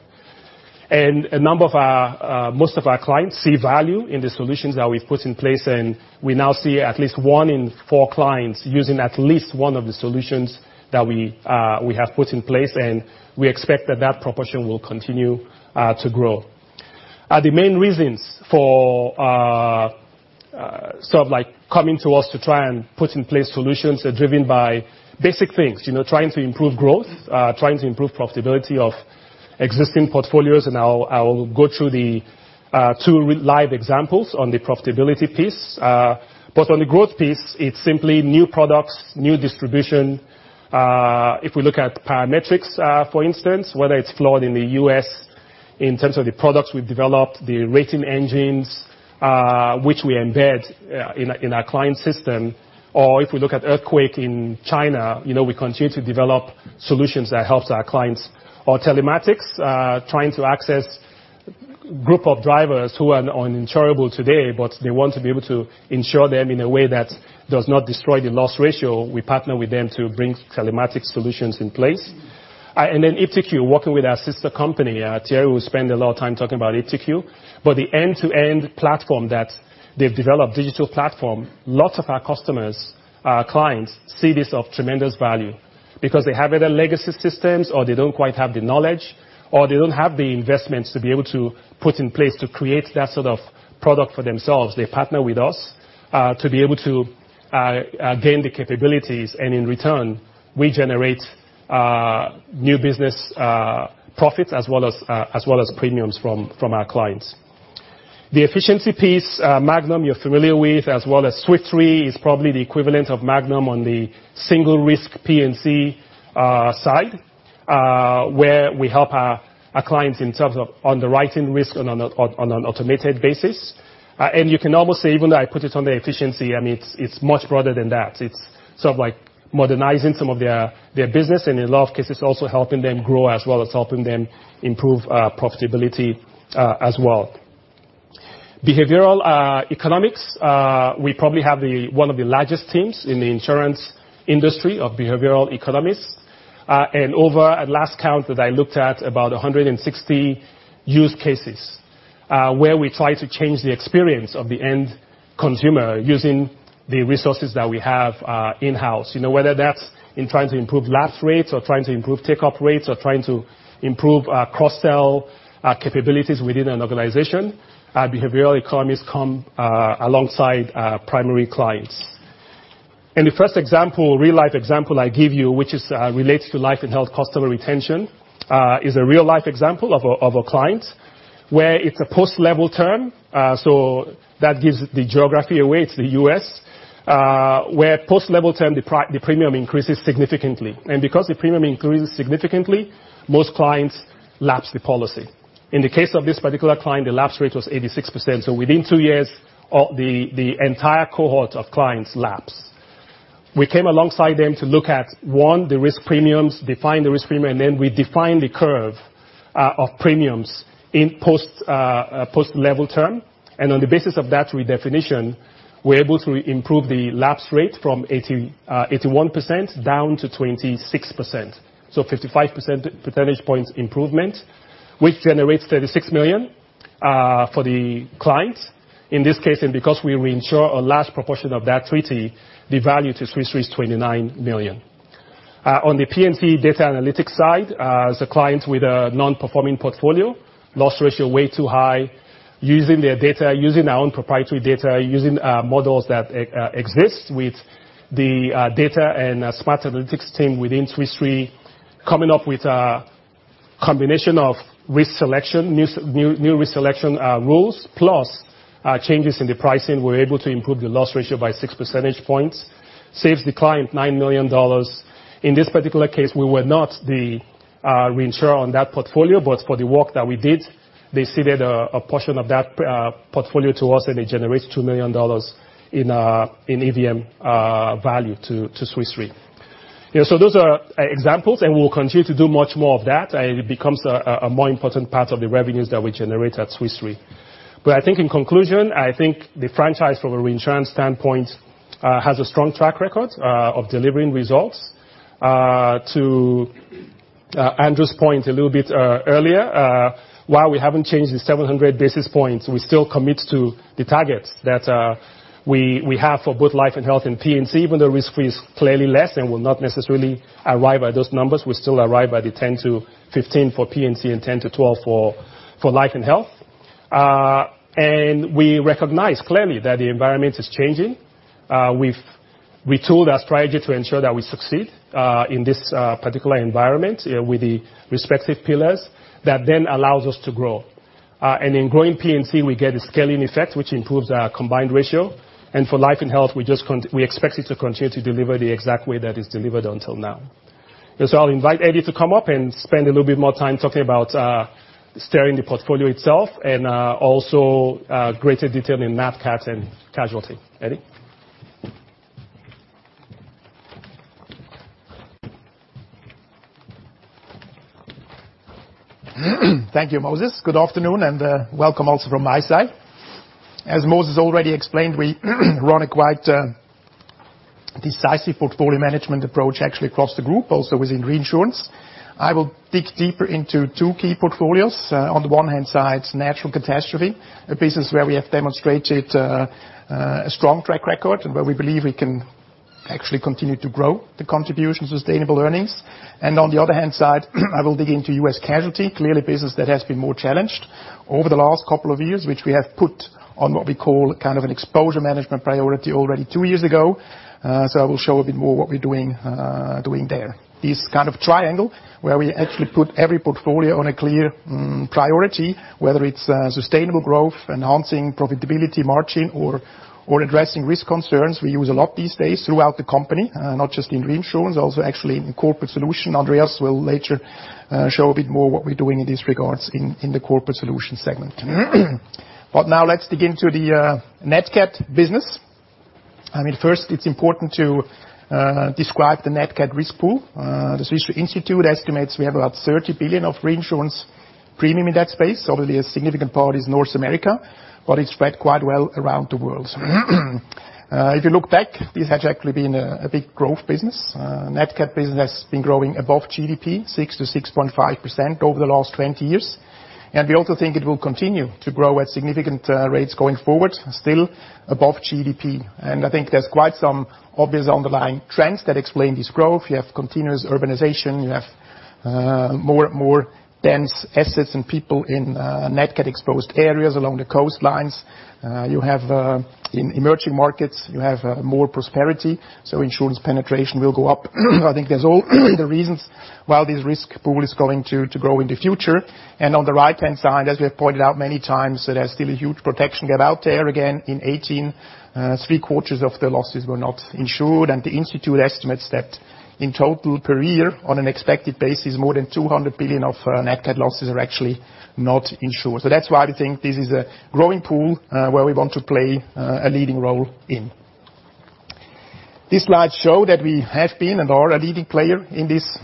Most of our clients see value in the solutions that we've put in place, and we now see at least 1/4 clients using at least one of the solutions that we have put in place, and we expect that proportion will continue to grow. The main reasons for coming to us to try and put in place solutions are driven by basic things. Trying to improve growth, trying to improve profitability of existing portfolios, and I will go through the two real live examples on the profitability piece. On the growth piece, it's simply new products, new distribution. We look at parametrics, for instance, whether it's flood in the U.S. in terms of the products we've developed, the rating engines, which we embed in our client system. We look at earthquake in China, we continue to develop solutions that helps our clients. Telematics, trying to access group of drivers who are uninsurable today, but they want to be able to insure them in a way that does not destroy the loss ratio. We partner with them to bring telematics solutions in place. iptiQ, working with our sister company. Thierry will spend a lot of time talking about iptiQ. The end-to-end platform that they've developed, digital platform, lots of our customers, clients, see this of tremendous value because they have either legacy systems or they don't quite have the knowledge, or they don't have the investments to be able to put in place to create that sort of product for themselves. They partner with us, to be able to gain the capabilities and in return, we generate new business profits as well as premiums from our clients. The efficiency piece, Magnum, you're familiar with, as well as Swiss Re is probably the equivalent of Magnum on the single risk P&C side, where we help our clients in terms of underwriting risk on an automated basis. You can almost say, even though I put it on the efficiency, it's much broader than that. It's sort of like modernizing some of their business and in a lot of cases, also helping them grow as well as helping them improve profitability as well. Behavioral economics, we probably have one of the largest teams in the insurance industry of behavioral economists. Over, at last count that I looked at, about 160 use cases, where we try to change the experience of the end consumer using the resources that we have in-house. Whether that's in trying to improve lapse rates or trying to improve take-up rates or trying to improve cross-sell capabilities within an organization, behavioral economists come alongside primary clients. The first example, real life example I give you, which is related to Life & Health customer retention, is a real life example of a client, where it's a post level term, so that gives the geography away to the U.S., where post level term, the premium increases significantly. Because the premium increases significantly, most clients lapse the policy. In the case of this particular client, the lapse rate was 86%. Within two years, the entire cohort of clients lapsed. We came alongside them to look at, one, the risk premiums, define the risk premium, and then we define the curve of premiums in post level term. On the basis of that redefinition, we're able to improve the lapse rate from 81% down to 26%. 55 percentage points improvement, which generates $36 million for the client. In this case, because we reinsure a large proportion of that treaty, the value to Swiss Re is $29 million. On the P&C data analytics side, as a client with a non-performing portfolio, loss ratio way too high, using their data, using our own proprietary data, using models that exist with the data and smart analytics team within Swiss Re, coming up with a combination of risk selection, new risk selection rules, plus changes in the pricing, we're able to improve the loss ratio by 6 percentage points, saves the client $9 million. In this particular case, we were not the reinsurer on that portfolio, for the work that we did, they ceded a portion of that portfolio to us, it generates $2 million in EVM value to Swiss Re. Those are examples, we'll continue to do much more of that. It becomes a more important part of the revenues that we generate at Swiss Re. I think in conclusion, I think the franchise from a reinsurance standpoint, has a strong track record of delivering results. To Andrew's point a little bit earlier, while we haven't changed the 700 basis points, we still commit to the targets that we have for both life and health and P&C. Even though risk-free is clearly less and will not necessarily arrive at those numbers, we still arrive at the 10-15 for P&C and 10-12 for life and health. We recognize clearly that the environment is changing. We've retooled our strategy to ensure that we succeed in this particular environment with the respective pillars that then allows us to grow. In growing P&C, we get a scaling effect, which improves our combined ratio. For life and health, we expect it to continue to deliver the exact way that it's delivered until now. I'll invite Edi to come up and spend a little bit more time talking about steering the portfolio itself, and also greater detail in Nat Cat and casualty. Edi? Thank you, Moses. Good afternoon, welcome also from my side. As Moses already explained, we run a quite decisive portfolio management approach actually across the group, also within reinsurance. I will dig deeper into two key portfolios. On the one hand side, natural catastrophe, a business where we have demonstrated a strong track record and where we believe we can actually continue to grow the contribution to sustainable earnings. On the other hand side, I will dig into U.S. casualty. Clearly a business that has been more challenged over the last couple of years, which we have put on what we call an exposure management priority already two years ago. I will show a bit more what we're doing there. This kind of triangle, where we actually put every portfolio on a clear priority, whether it's sustainable growth, enhancing profitability margin, or addressing risk concerns we use a lot these days throughout the company, not just in reinsurance, also actually in Corporate Solutions. Andreas will later show a bit more what we're doing in this regards in the Corporate Solutions segment. Now let's dig into the Nat Cat business. First, it's important to describe the Nat Cat risk pool. The Swiss Re Institute estimates we have about $30 billion of reinsurance premium in that space. Obviously, a significant part is North America, but it's spread quite well around the world. If you look back, this has actually been a big growth business. Nat Cat business has been growing above GDP, 6%-6.5% over the last 20 years. We also think it will continue to grow at significant rates going forward, still above GDP. I think there's quite some obvious underlying trends that explain this growth. You have continuous urbanization, you have more dense assets and people in Nat Cat exposed areas along the coastlines. In emerging markets, you have more prosperity, so insurance penetration will go up. I think there's all the reasons why this risk pool is going to grow in the future. On the right-hand side, as we have pointed out many times, there's still a huge protection gap out there. Again, in 2018, 3/4 of the losses were not insured, and the Swiss Re Institute estimates that in total per year, on an expected basis, more than $200 billion of Nat Cat losses are actually not insured. That is why we think this is a growing pool, where we want to play a leading role in. This slide show that we have been and are a leading player in this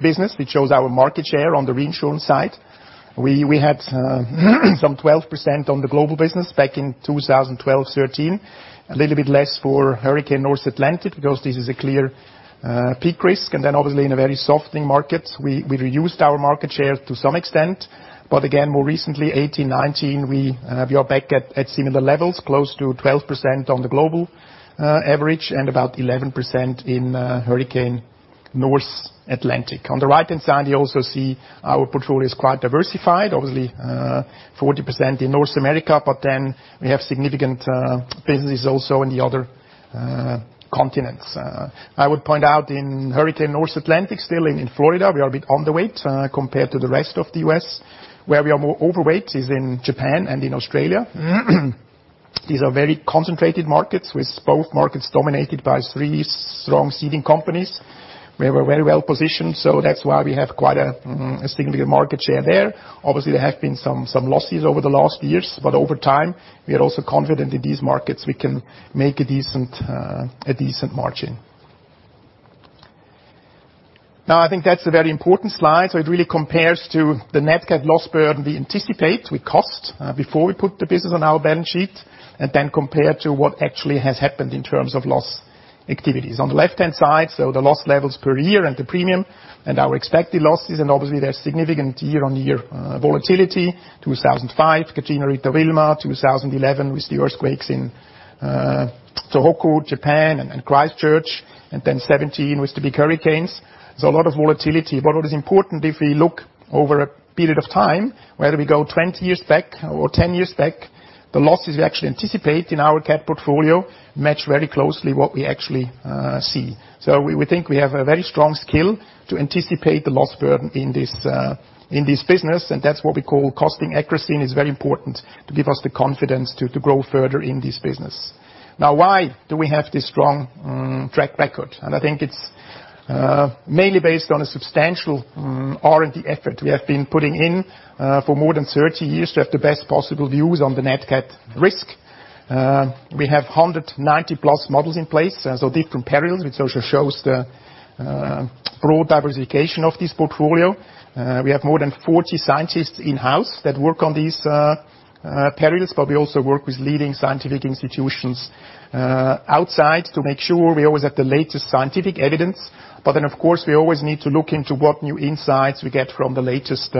business, which shows our market share on the reinsurance side. We had some 12% on the global business back in 2012, 2013, a little bit less for hurricane North Atlantic, because this is a clear peak risk. Obviously in a very softening market, we reduced our market share to some extent. Again, more recently, 2018, 2019, we are back at similar levels, close to 12% on the global average and about 11% in hurricane North Atlantic. On the right-hand side, you also see our portfolio is quite diversified. Obviously, 40% in North America, but then we have significant businesses also in the other continents. I would point out in hurricane North Atlantic, still in Florida, we are a bit underweight compared to the rest of the U.S. Where we are more overweight is in Japan and in Australia. These are very concentrated markets, with both markets dominated by three strong seeding companies. We are very well positioned, so that's why we have quite a significant market share there. Obviously, there have been some losses over the last years. Over time, we are also confident in these markets we can make a decent margin. Now, I think that's a very important slide. It really compares to the Nat Cat loss burden we anticipate with cost before we put the business on our balance sheet, and then compare to what actually has happened in terms of loss activities. On the left-hand side, so the loss levels per year and the premium and our expected losses, and obviously, there's significant year-on-year volatility. 2005, Katrina, Rita, Wilma. 2011 was the earthquakes in Tohoku, Japan, and Christchurch. 2017 was the big hurricanes. A lot of volatility. What is important if we look over a period of time, whether we go 20 years back or 10 years back, the losses we actually anticipate in our cat portfolio match very closely what we actually see. We think we have a very strong skill to anticipate the loss burden in this business, and that's what we call costing accuracy, and it's very important to give us the confidence to grow further in this business. Now, why do we have this strong track record? I think it's mainly based on a substantial R&D effort we have been putting in for more than 30 years to have the best possible views on the Nat Cat risk. We have 190+ models in place. Different perils, which also shows the broad diversification of this portfolio. We have more than 40 scientists in-house that work on these perils, but we also work with leading scientific institutions outside to make sure we always have the latest scientific evidence. Of course, we always need to look into what new insights we get from the latest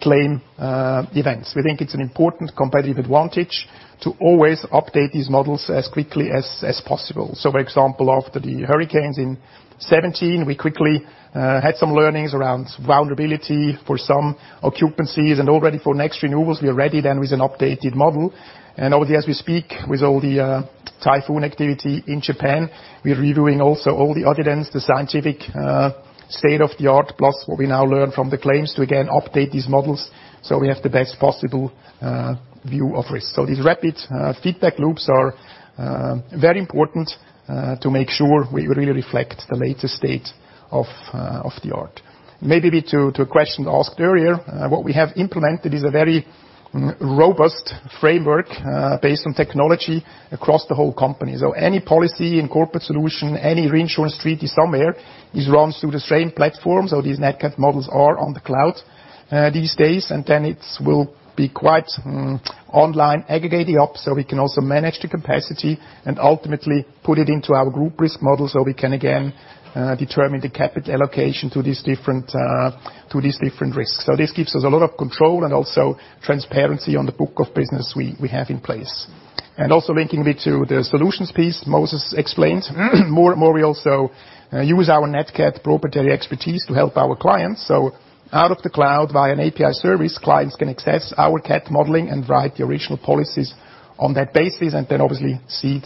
claim events. We think it's an important competitive advantage to always update these models as quickly as possible. For example, after the hurricanes in 2017, we quickly had some learnings around vulnerability for some occupancies. Already for next renewals, we are ready then with an updated model. Already as we speak, with all the typhoon activity in Japan, we're reviewing also all the evidence, the scientific state-of-the-art, plus what we now learn from the claims to again update these models so we have the best possible view of risk. These rapid feedback loops are very important to make sure we really reflect the latest state of the art. Maybe to a question asked earlier, what we have implemented is a very robust framework based on technology across the whole company. Any policy and Corporate Solutions, any reinsurance treaty somewhere, is run through the same platform. Nat Cat models are on the cloud these days, and then it will be quite online aggregating up, so we can also manage the capacity and ultimately put it into our group risk model so we can again determine the capital allocation to these different risks. This gives us a lot of control and also transparency on the book of business we have in place. Also linking a bit to the solutions piece, Moses explained more we also use Nat Cat proprietary expertise to help our clients. Out of the cloud, via an API service, clients can access our Cat modeling and write the original policies on that basis, and then obviously cede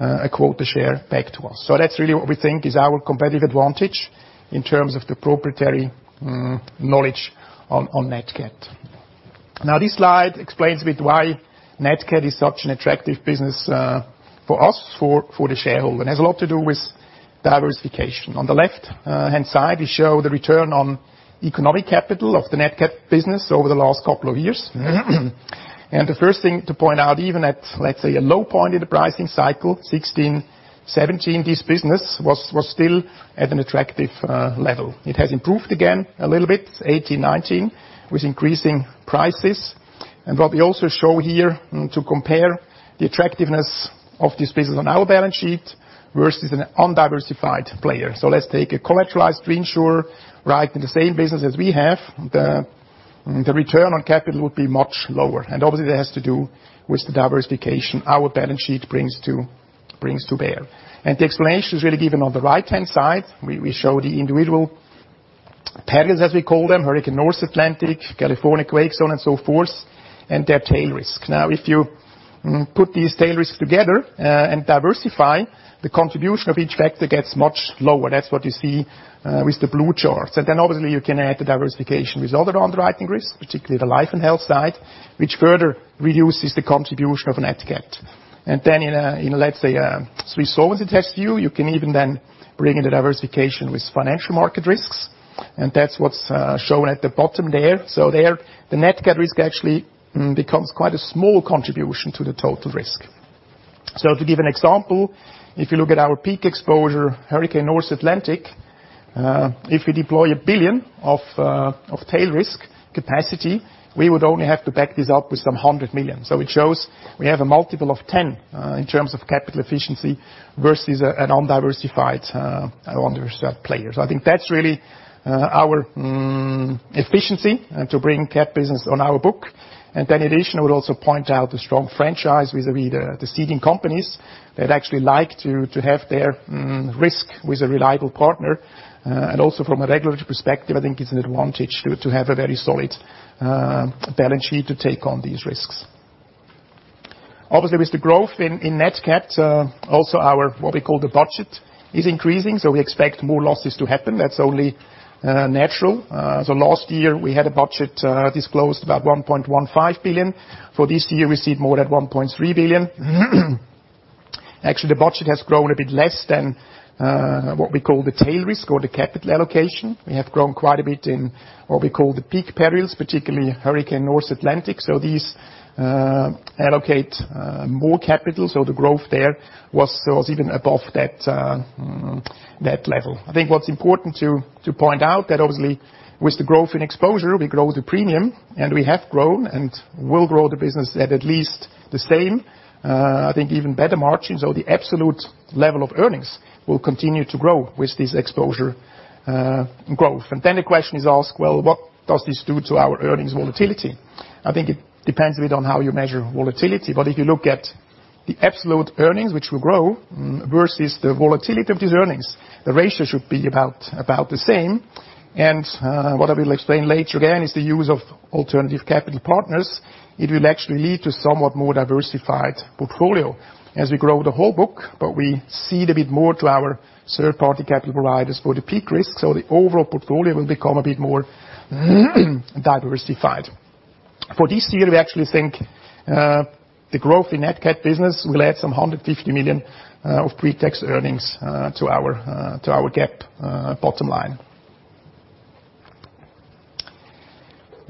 a quote to share back to us. That's really what we think is our competitive advantage in terms of the proprietary knowledge on Nat Cat. This slide explains a bit Nat Cat is such an attractive business for us, for the shareholder. It has a lot to do with diversification. On the left-hand side, we show the return on economic capital of Nat Cat business over the last couple of years. The first thing to point out, even at, let's say, a low point in the pricing cycle, 2016, 2017, this business was still at an attractive level. It has improved again a little bit, 2018, 2019, with increasing prices. What we also show here, to compare the attractiveness of this business on our balance sheet versus an undiversified player. Let's take a collateralized reinsurer right in the same business as we have. The return on capital would be much lower. Obviously, that has to do with the diversification our balance sheet brings to bear. The explanation is really given on the right-hand side. We show the individual perils, as we call them, hurricane North Atlantic, California quakes, so on and so forth, and their tail risk. Now, if you put these tail risks together and diversify, the contribution of each factor gets much lower. That's what you see with the blue charts. Obviously you can add the diversification with other underwriting risks, particularly the life and health side, which further reduces the contribution of a Nat Cat. In, let's say, a Swiss Re Solvency test view, you can even then bring in the diversification with financial market risks, and that's what's shown at the bottom there. There, Nat Cat risk actually becomes quite a small contribution to the total risk. To give an example, if you look at our peak exposure hurricane North Atlantic, if we deploy $1 billion of tail risk capacity, we would only have to back this up with some $100 million. It shows we have a multiple of 10, in terms of capital efficiency versus an undiversified player. I think that's really our efficiency to bring Cat business on our book. Additionally, I would also point out the strong franchise vis-à-vis the ceding companies that actually like to have their risk with a reliable partner. From a regulatory perspective, I think it's an advantage to have a very solid balance sheet to take on these risks. Obviously, with the growth Nat Cat, also our, what we call the budget, is increasing, so we expect more losses to happen. That's only natural. Last year, we had a budget disclosed about $1.15 billion. For this year, we cede more than $1.3 billion. Actually, the budget has grown a bit less than what we call the tail risk or the capital allocation. We have grown quite a bit in what we call the peak perils, particularly hurricane North Atlantic. These allocate more capital, so the growth there was even above that level. I think what's important to point out that obviously with the growth in exposure, we grow the premium. We have grown and will grow the business at least the same, even better margins. The absolute level of earnings will continue to grow with this exposure growth. The question is asked, what does this do to our earnings volatility? It depends a bit on how you measure volatility. If you look at the absolute earnings, which will grow, versus the volatility of these earnings, the ratio should be about the same. What I will explain later again is the use of alternative capital partners. It will actually lead to somewhat more diversified portfolio as we grow the whole book, but we cede a bit more to our third-party capital providers for the peak risk, so the overall portfolio will become a bit more diversified. For this year, we actually think the growth Nat Cat business will add some $150 million of pre-tax earnings to our GAAP bottom line.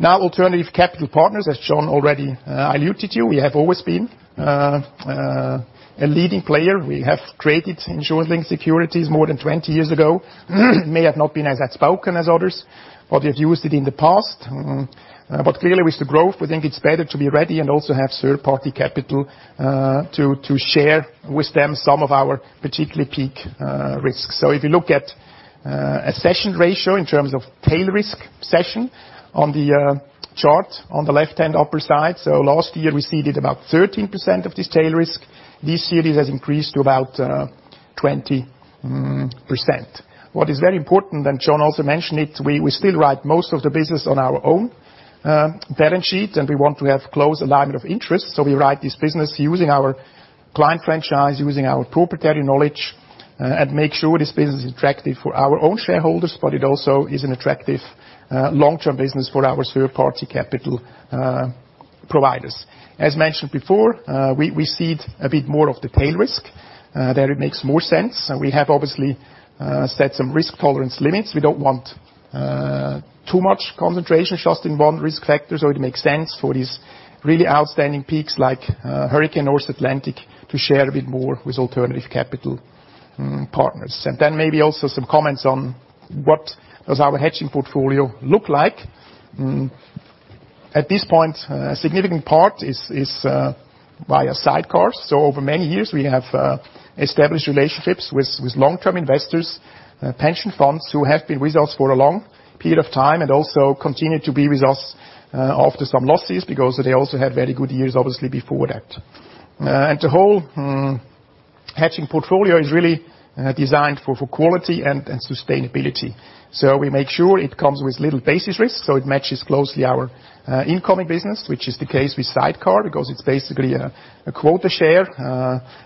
Alternative capital partners, as John already alluded to. We have always been a leading player. We have traded insurance-linked securities more than 20 years ago. May have not been as outspoken as others, but we have used it in the past. Clearly, with the growth, we think it's better to be ready and also have third-party capital to share with them some of our particularly peak risks. If you look at a cession ratio in terms of tail risk cession on the chart on the left-hand upper side. Last year we ceded about 13% of this tail risk. This year it has increased to about 20%. What is very important, and John also mentioned it, we still write most of the business on our own balance sheet, and we want to have close alignment of interest. We write this business using our client franchise, using our proprietary knowledge, and make sure this business is attractive for our own shareholders, but it also is an attractive long-term business for our third-party capital providers. As mentioned before, we cede a bit more of the tail risk. There it makes more sense. We have obviously set some risk tolerance limits. We don't want too much concentration just in one risk factor, so it makes sense for these really outstanding peaks like Hurricane North Atlantic to share a bit more with alternative capital partners. Maybe also some comments on what does our hedging portfolio look like. At this point, a significant part is via sidecars. Over many years we have established relationships with long-term investors, pension funds who have been with us for a long period of time and also continue to be with us after some losses because they also had very good years, obviously, before that. The whole hedging portfolio is really designed for quality and sustainability. We make sure it comes with little basis risk, so it matches closely our incoming business, which is the case with sidecar because it's basically a quota share.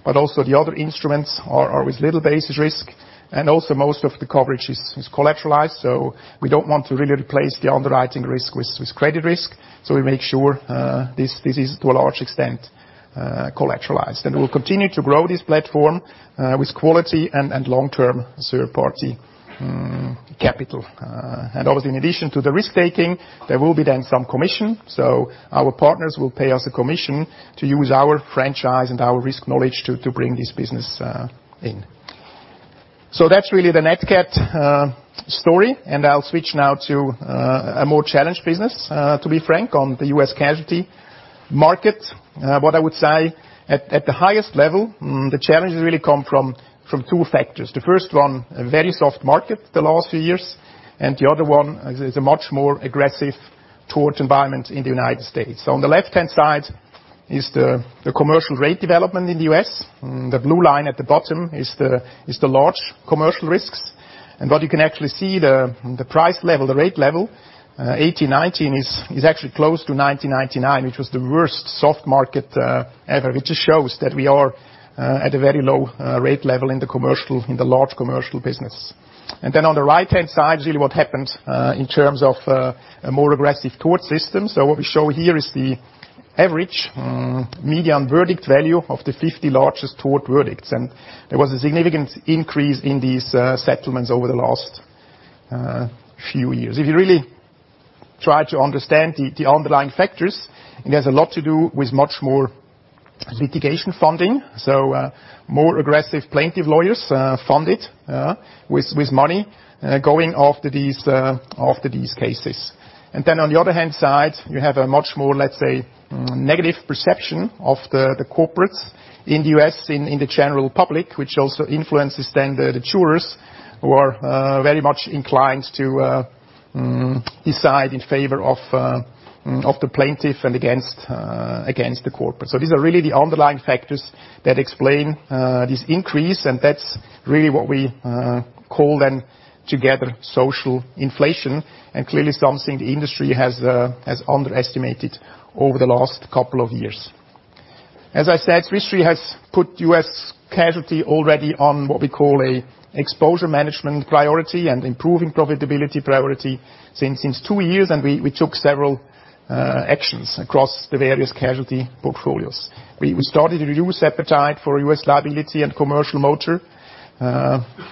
Also the other instruments are with little basis risk, and also most of the coverage is collateralized, so we don't want to really replace the underwriting risk with credit risk. We make sure this is, to a large extent, collateralized. We'll continue to grow this platform with quality and long-term third-party capital. Obviously, in addition to the risk taking, there will be then some commission. Our partners will pay us a commission to use our franchise and our risk knowledge to bring this business in. That's really Nat Cat story, and I'll switch now to a more challenged business, to be frank, on the U.S. casualty market. What I would say, at the highest level, the challenges really come from two factors. The first one, a very soft market the last few years, and the other one is a much more aggressive tort environment in the U.S. On the left-hand side is the commercial rate development in the U.S. The blue line at the bottom is the large commercial risks. What you can actually see the price level, the rate level, 2018, 2019, is actually close to 1999, which was the worst soft market ever, which just shows that we are at a very low rate level in the large commercial business. On the right-hand side, really what happened in terms of a more aggressive tort system. What we show here is the average median verdict value of the 50 largest tort verdicts, and there was a significant increase in these settlements over the last few years. If you really try to understand the underlying factors, it has a lot to do with much more litigation funding, so more aggressive plaintiff lawyers funded with money going after these cases. On the other hand side, you have a much more, let's say, negative perception of the corporates in the U.S. in the general public, which also influences then the jurors who are very much inclined to decide in favor of the plaintiff and against the corporate. These are really the underlying factors that explain this increase, and that's really what we call then together social inflation, and clearly something the industry has underestimated over the last couple of years. As I said, Swiss Re has put U.S. casualty already on what we call an exposure management priority and improving profitability priority since two years, and we took several actions across the various casualty portfolios. We started to reduce appetite for U.S. liability and commercial motor.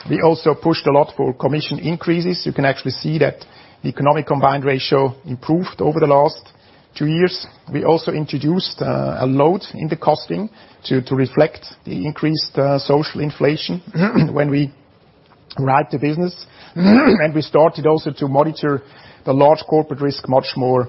We also pushed a lot for commission increases. You can actually see that the economic combined ratio improved over the last two years. We also introduced a load in the costing to reflect the increased social inflation when we write the business. We started also to monitor the large corporate risk much more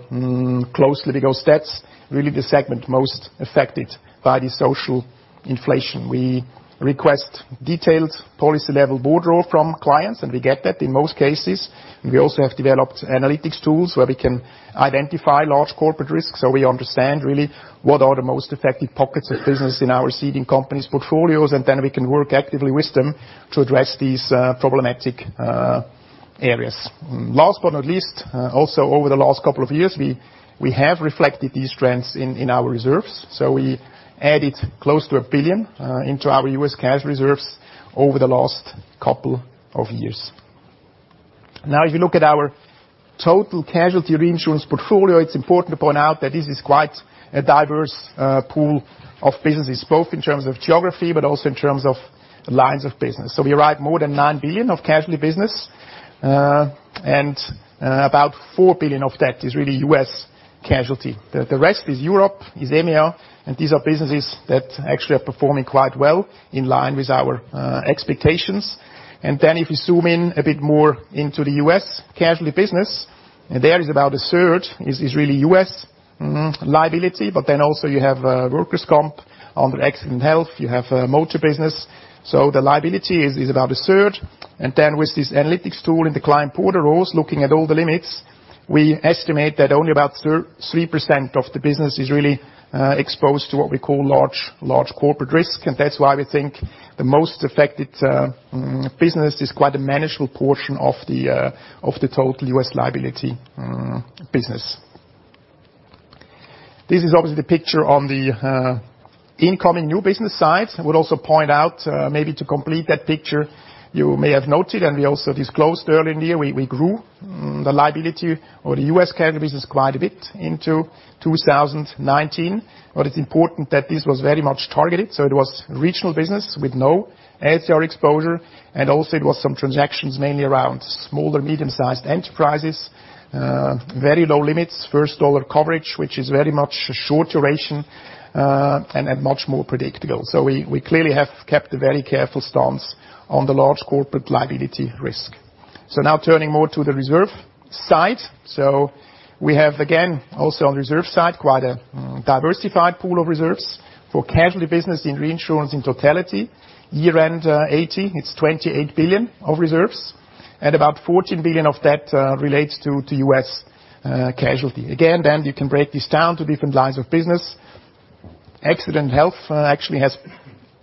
closely because that's really the segment most affected by the social inflation. We request detailed policy level board roll from clients, and we get that in most cases. We also have developed analytics tools where we can identify large corporate risks so we understand really what are the most effective pockets of business in our ceding company's portfolios, and then we can work actively with them to address these problematic areas. Last but not least, also over the last couple of years, we have reflected these trends in our reserves. We added close to $1 billion into our U.S. cash reserves over the last couple of years. If you look at our total casualty reinsurance portfolio, it's important to point out that this is quite a diverse pool of businesses, both in terms of geography but also in terms of lines of business. We write more than $9 billion of casualty business, and about $4 billion of that is really U.S. casualty. These are businesses that actually are performing quite well, in line with our expectations. If you zoom in a bit more into the U.S. casualty business, there is about a third, is really U.S. liability, also you have workers' comp under accident health, you have motor business, the liability is about a third. With this analytics tool in the client portal, also looking at all the limits, we estimate that only about 3% of the business is really exposed to what we call large corporate risk. That's why we think the most affected business is quite a manageable portion of the total U.S. liability business. This is obviously the picture on the incoming new business side. I would also point out, maybe to complete that picture, you may have noted, we also disclosed earlier in the year, we grew the liability or the U.S. casualty business quite a bit into 2019. It's important that this was very much targeted. It was regional business with no LCR exposure, and also it was some transactions mainly around small or medium-sized enterprises, very low limits, first dollar coverage, which is very much a short duration, and much more predictable. We clearly have kept a very careful stance on the large corporate liability risk. Now turning more to the reserve side. We have, again, also on reserve side, quite a diversified pool of reserves for casualty business in reinsurance in totality. Year-end 2018, it's $28 billion of reserves, and about $14 billion of that relates to U.S. casualty. Again, you can break this down to different lines of business. Accident health actually has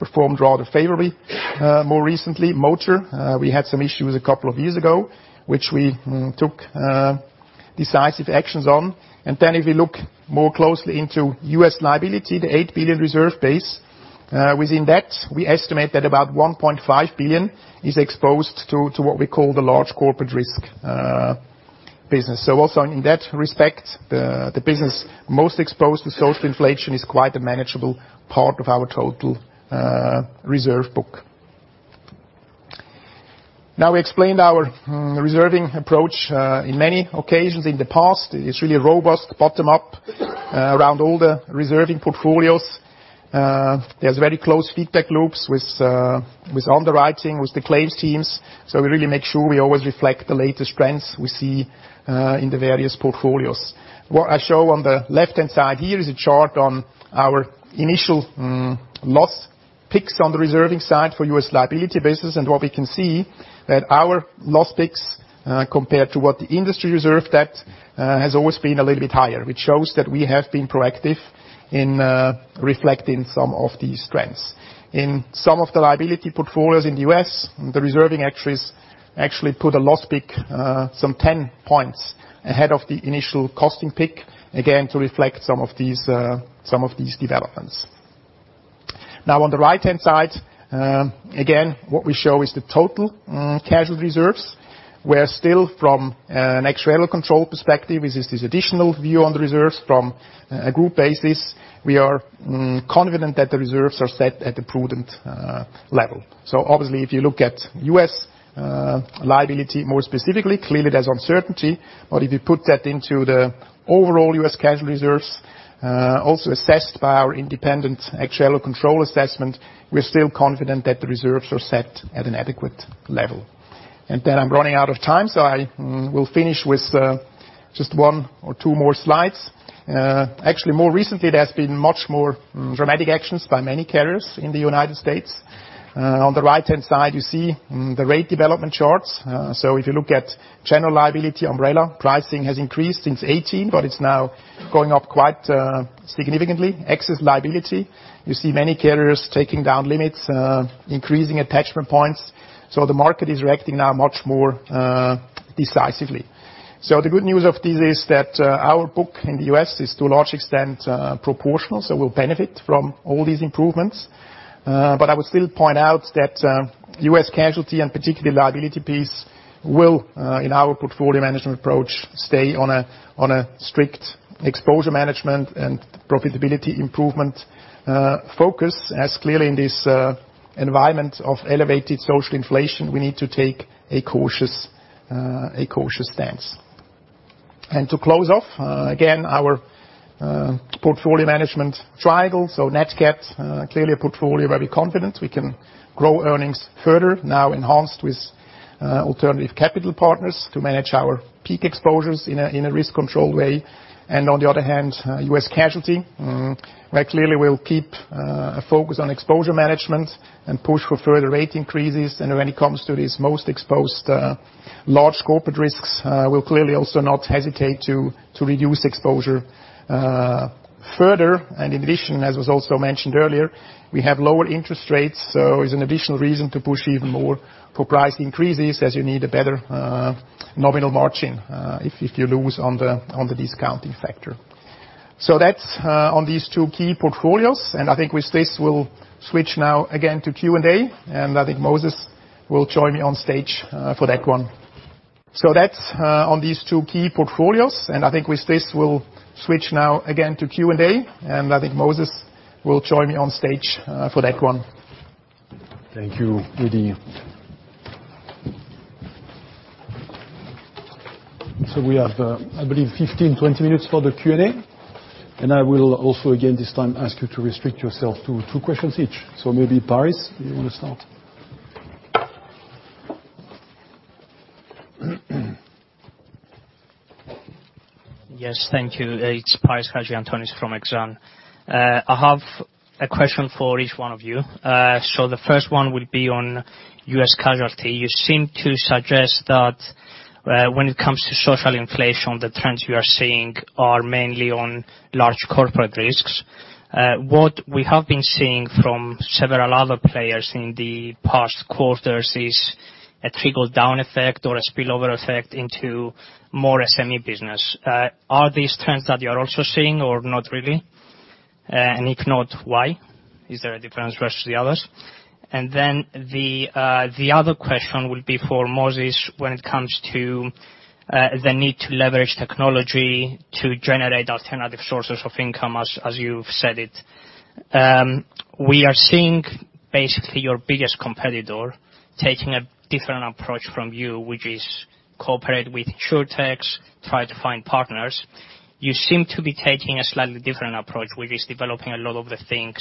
performed rather favorably. More recently, motor, we had some issues a couple of years ago, which we took decisive actions on. If you look more closely into U.S. liability, the $8 billion reserve base, within that, we estimate that about $1.5 billion is exposed to what we call the large corporate risk business. Also in that respect, the business most exposed to social inflation is quite a manageable part of our total reserve book. We explained our reserving approach in many occasions in the past. It's really a robust bottom-up around all the reserving portfolios. There's very close feedback loops with underwriting, with the claims teams. We really make sure we always reflect the latest trends we see in the various portfolios. What I show on the left-hand side here is a chart on our initial loss picks on the reserving side for U.S. liability business. What we can see, that our loss picks, compared to what the industry reserved that, has always been a little bit higher, which shows that we have been proactive in reflecting some of these trends. In some of the liability portfolios in the U.S., the reserving actuaries actually put a loss pick some 10 points ahead of the initial costing pick, again, to reflect some of these developments. On the right-hand side, again, what we show is the total casualty reserves, where still from an actuarial control perspective, this is additional view on the reserves from a group basis. We are confident that the reserves are set at a prudent level. Obviously, if you look at U.S. liability more specifically, clearly there's uncertainty. If you put that into the overall U.S. casualty reserves, also assessed by our independent actuarial control assessment, we're still confident that the reserves are set at an adequate level. I'm running out of time, so I will finish with just one or two more slides. Actually, more recently, there has been much more dramatic actions by many carriers in the U.S. On the right-hand side, you see the rate development charts. If you look at general liability umbrella, pricing has increased since 2018, but it's now going up quite significantly. Excess liability, you see many carriers taking down limits, increasing attachment points. The market is reacting now much more decisively. The good news of this is that our book in the U.S. is to a large extent proportional, so we'll benefit from all these improvements. I would still point out that U.S. casualty, and particularly liability piece, will, in our portfolio management approach, stay on a strict exposure management and profitability improvement focus, as clearly in this environment of elevated social inflation, we need to take a cautious stance. To close off, again, our portfolio management triangle. Nat Cat, clearly a portfolio where we're confident we can grow earnings further, now enhanced with alternative capital partners to manage our peak exposures in a risk-controlled way. On the other hand, U.S. Casualty, where clearly we'll keep a focus on exposure management and push for further rate increases. When it comes to these most exposed large corporate risks, we'll clearly also not hesitate to reduce exposure further. In addition, as was also mentioned earlier, we have lower interest rates, so is an additional reason to push even more for price increases as you need a better nominal margin, if you lose on the discounting factor. That's on these two key portfolios, and I think with this we'll switch now again to Q&A. I think Moses will join me on stage for that one. That's on these two key portfolios, and I think with this we'll switch now again to Q&A, and I think Moses will join me on stage for that one. Thank you, Edi. We have, I believe 15-20 minutes for the Q&A. I will also, again, this time ask you to restrict yourself to two questions each. Maybe Paris, you want to start? Yes. Thank you. It's Paris Hadjiantonis from Exane. I have a question for each one of you. The first one will be on U.S. casualty. You seem to suggest that when it comes to social inflation, the trends you are seeing are mainly on large corporate risks. What we have been seeing from several other players in the past quarters is a trickle-down effect or a spillover effect into more SME business. Are these trends that you're also seeing or not really? If not, why? Is there a difference versus the others? The other question will be for Moses when it comes to the need to leverage technology to generate alternative sources of income, as you've said it. We are seeing basically your biggest competitor taking a different approach from you, which is cooperate with Insurtechs, try to find partners. You seem to be taking a slightly different approach, which is developing a lot of the things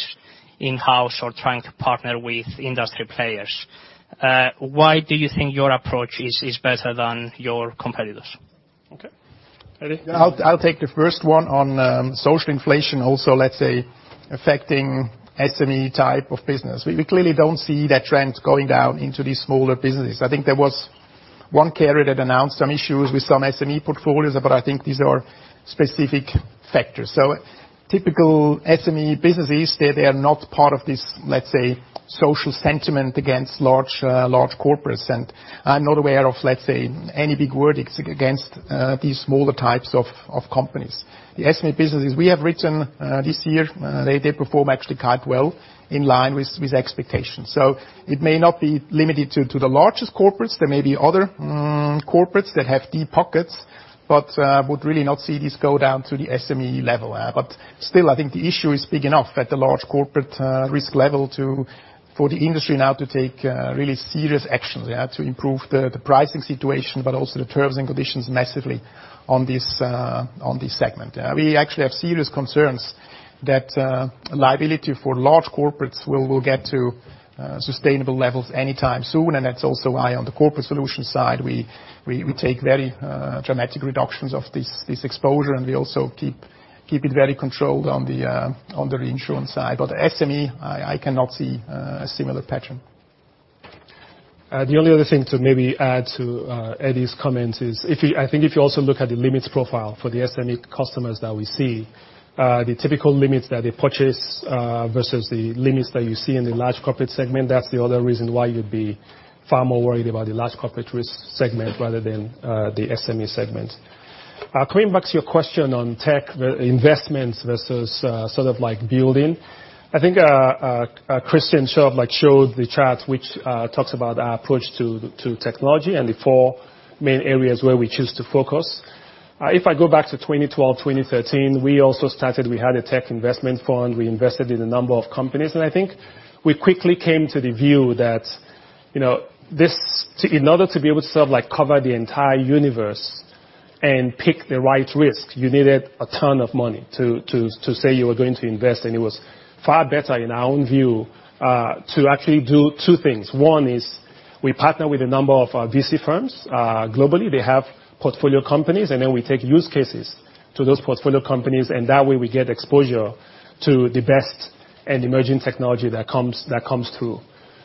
in-house or trying to partner with industry players. Why do you think your approach is better than your competitors? Okay. Edi? I'll take the first one on social inflation, also, let's say, affecting SME type of business. We clearly don't see that trend going down into these smaller businesses. I think there was one carrier that announced some issues with some SME portfolios, but I think these are specific factors. Typical SME businesses, they are not part of this, let's say, social sentiment against large corporates. I'm not aware of, let's say, any big verdicts against these smaller types of companies. The SME businesses we have written this year, they perform actually quite well, in line with expectations. It may not be limited to the largest corporates. There may be other corporates that have deep pockets, but would really not see this go down to the SME level. Still, I think the issue is big enough at the large corporate risk level for the industry now to take really serious actions, to improve the pricing situation, but also the terms and conditions massively on this segment. We actually have serious concerns that liability for large corporates will get to sustainable levels anytime soon. That's also why on the Corporate Solutions side, we take very dramatic reductions of this exposure, and we also keep it very controlled on the reinsurance side. SME, I cannot see a similar pattern. The only other thing to maybe add to Edi's comment is, I think if you also look at the limits profile for the SME customers that we see, the typical limits that they purchase versus the limits that you see in the large corporate segment, that's the other reason why you'd be far more worried about the large corporate risk segment rather than the SME segment. Coming back to your question on tech investments versus building. I think Christian showed the chart, which talks about our approach to technology and the four main areas where we choose to focus. If I go back to 2012, 2013, we also started, we had a tech investment fund. We invested in a number of companies. I think we quickly came to the view that in order to be able to cover the entire universe and pick the right risk, you needed a ton of money to say you were going to invest. It was far better, in our own view, to actually do two things. One is we partner with a number of VC firms globally. They have portfolio companies, and then we take use cases to those portfolio companies, and that way we get exposure to the best and emerging technology that comes through.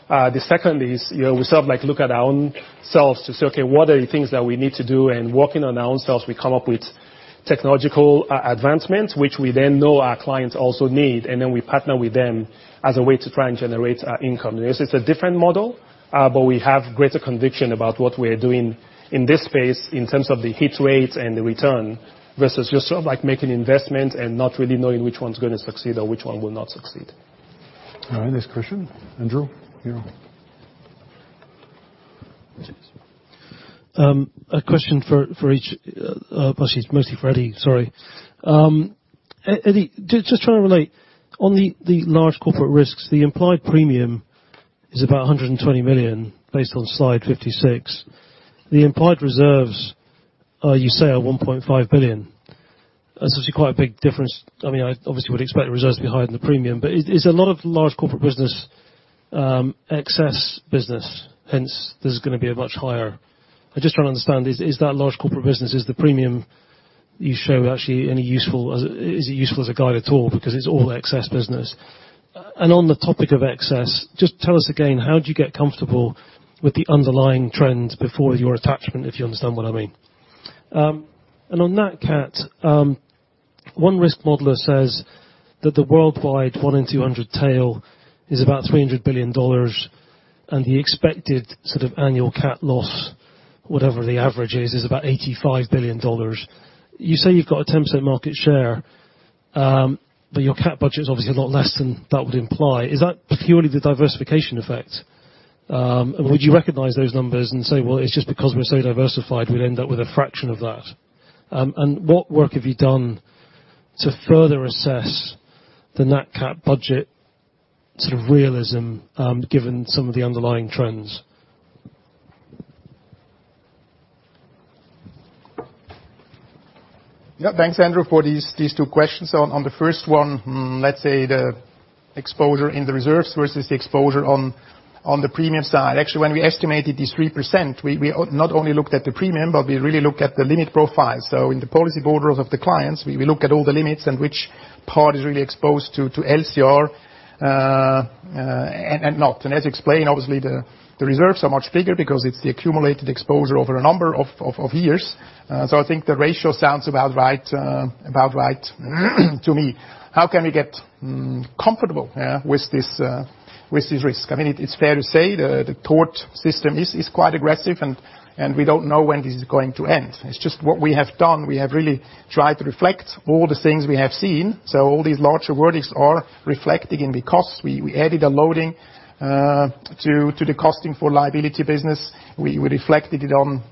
The second is, we look at our own selves to say, "Okay, what are the things that we need to do?" Working on our own selves, we come up with technological advancements, which we then know our clients also need, and then we partner with them as a way to try and generate our income. It's a different model, but we have greater conviction about what we're doing in this space in terms of the hit rates and the return versus just making investment and not really knowing which one's going to succeed or which one will not succeed. All right. Thanks, Christian. Andrew, you. A question for each. Actually, it's mostly for Edi. Sorry. Edi, just trying to relate, on the large corporate risks, the implied premium is about $120 million, based on slide 56. The implied reserves are, you say, are $1.5 billion. That's obviously quite a big difference. I obviously would expect the reserves to be higher than the premium. Is a lot of large corporate business excess business? I just try to understand, is that large corporate business, is the premium you show actually useful as a guide at all? It's all excess business. On the topic of excess, just tell us again, how do you get comfortable with the underlying trends before your attachment, if you understand what I mean? On that cat, one risk modeler says that the worldwide one in 200 tail is about $300 billion, and the expected sort of annual cat loss, whatever the average is about $85 billion. You say you've got a 10% market share, your cat budget's obviously a lot less than that would imply. Is that purely the diversification effect? Sure. Would you recognize those numbers and say, well, it's just because we're so diversified, we'll end up with a fraction of that. What work have you done to further assess the Nat Cat budget sort of realism, given some of the underlying trends? Yeah. Thanks, Andrew, for these two questions. On the first one, let's say the exposure in the reserves versus the exposure on the premium side. Actually, when we estimated this 3%, we not only looked at the premium, but we really looked at the limit profile. In the policy borders of the clients, we look at all the limits and which part is really exposed to LCR, and not. As explained, obviously the reserves are much bigger because it's the accumulated exposure over a number of years. I think the ratio sounds about right to me. How can we get comfortable with this risk? It's fair to say the court system is quite aggressive, and we don't know when this is going to end. It's just what we have done, we have really tried to reflect all the things we have seen. All these larger verdicts are reflected in the cost. We added a loading to the costing for liability business. We reflected it on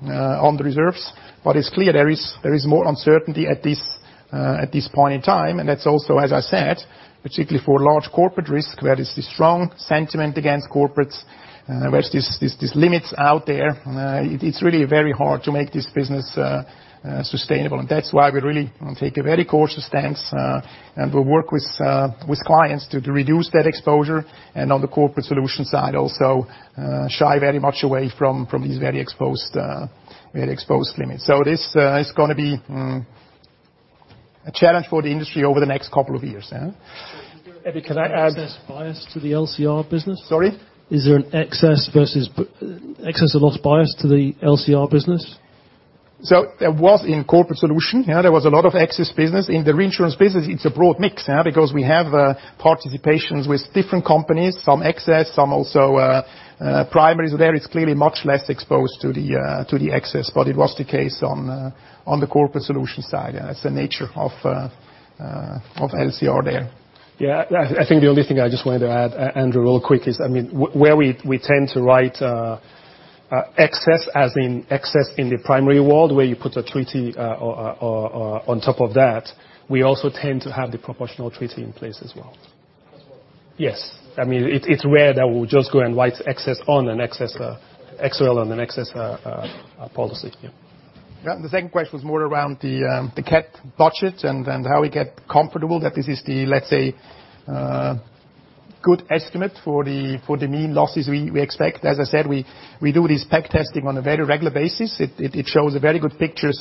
the reserves. It's clear there is more uncertainty at this point in time, and that's also, as I said, particularly for large corporate risk, where there's this strong sentiment against corporates, where there's these limits out there. It's really very hard to make this business sustainable. That's why we really take a very cautious stance, and we work with clients to reduce that exposure. On the Corporate Solutions side also, shy very much away from these very exposed limits. This is going to be a challenge for the industry over the next couple of years, yeah. Edi, can I? Sorry? Is there an excess of loss bias to the LCR business? There was in Corporate Solutions. There was a lot of excess business. In the reinsurance business, it's a broad mix. We have participations with different companies, some excess, some also primaries. There it's clearly much less exposed to the excess. It was the case on the Corporate Solutions side. That's the nature of LCR there. Yeah. I think the only thing I just wanted to add, Andrew, real quick is, where we tend to write excess as in excess in the primary world, where you put a treaty on top of that, we also tend to have the proportional treaty in place as well. As well. Yes. It's rare that we'll just go and write excess on an excess policy, yeah. Yeah. The second question was more around the Cat budget and how we get comfortable that this is the, let's say, good estimate for the mean losses we expect. As I said, we do this peg testing on a very regular basis. It shows a very good picture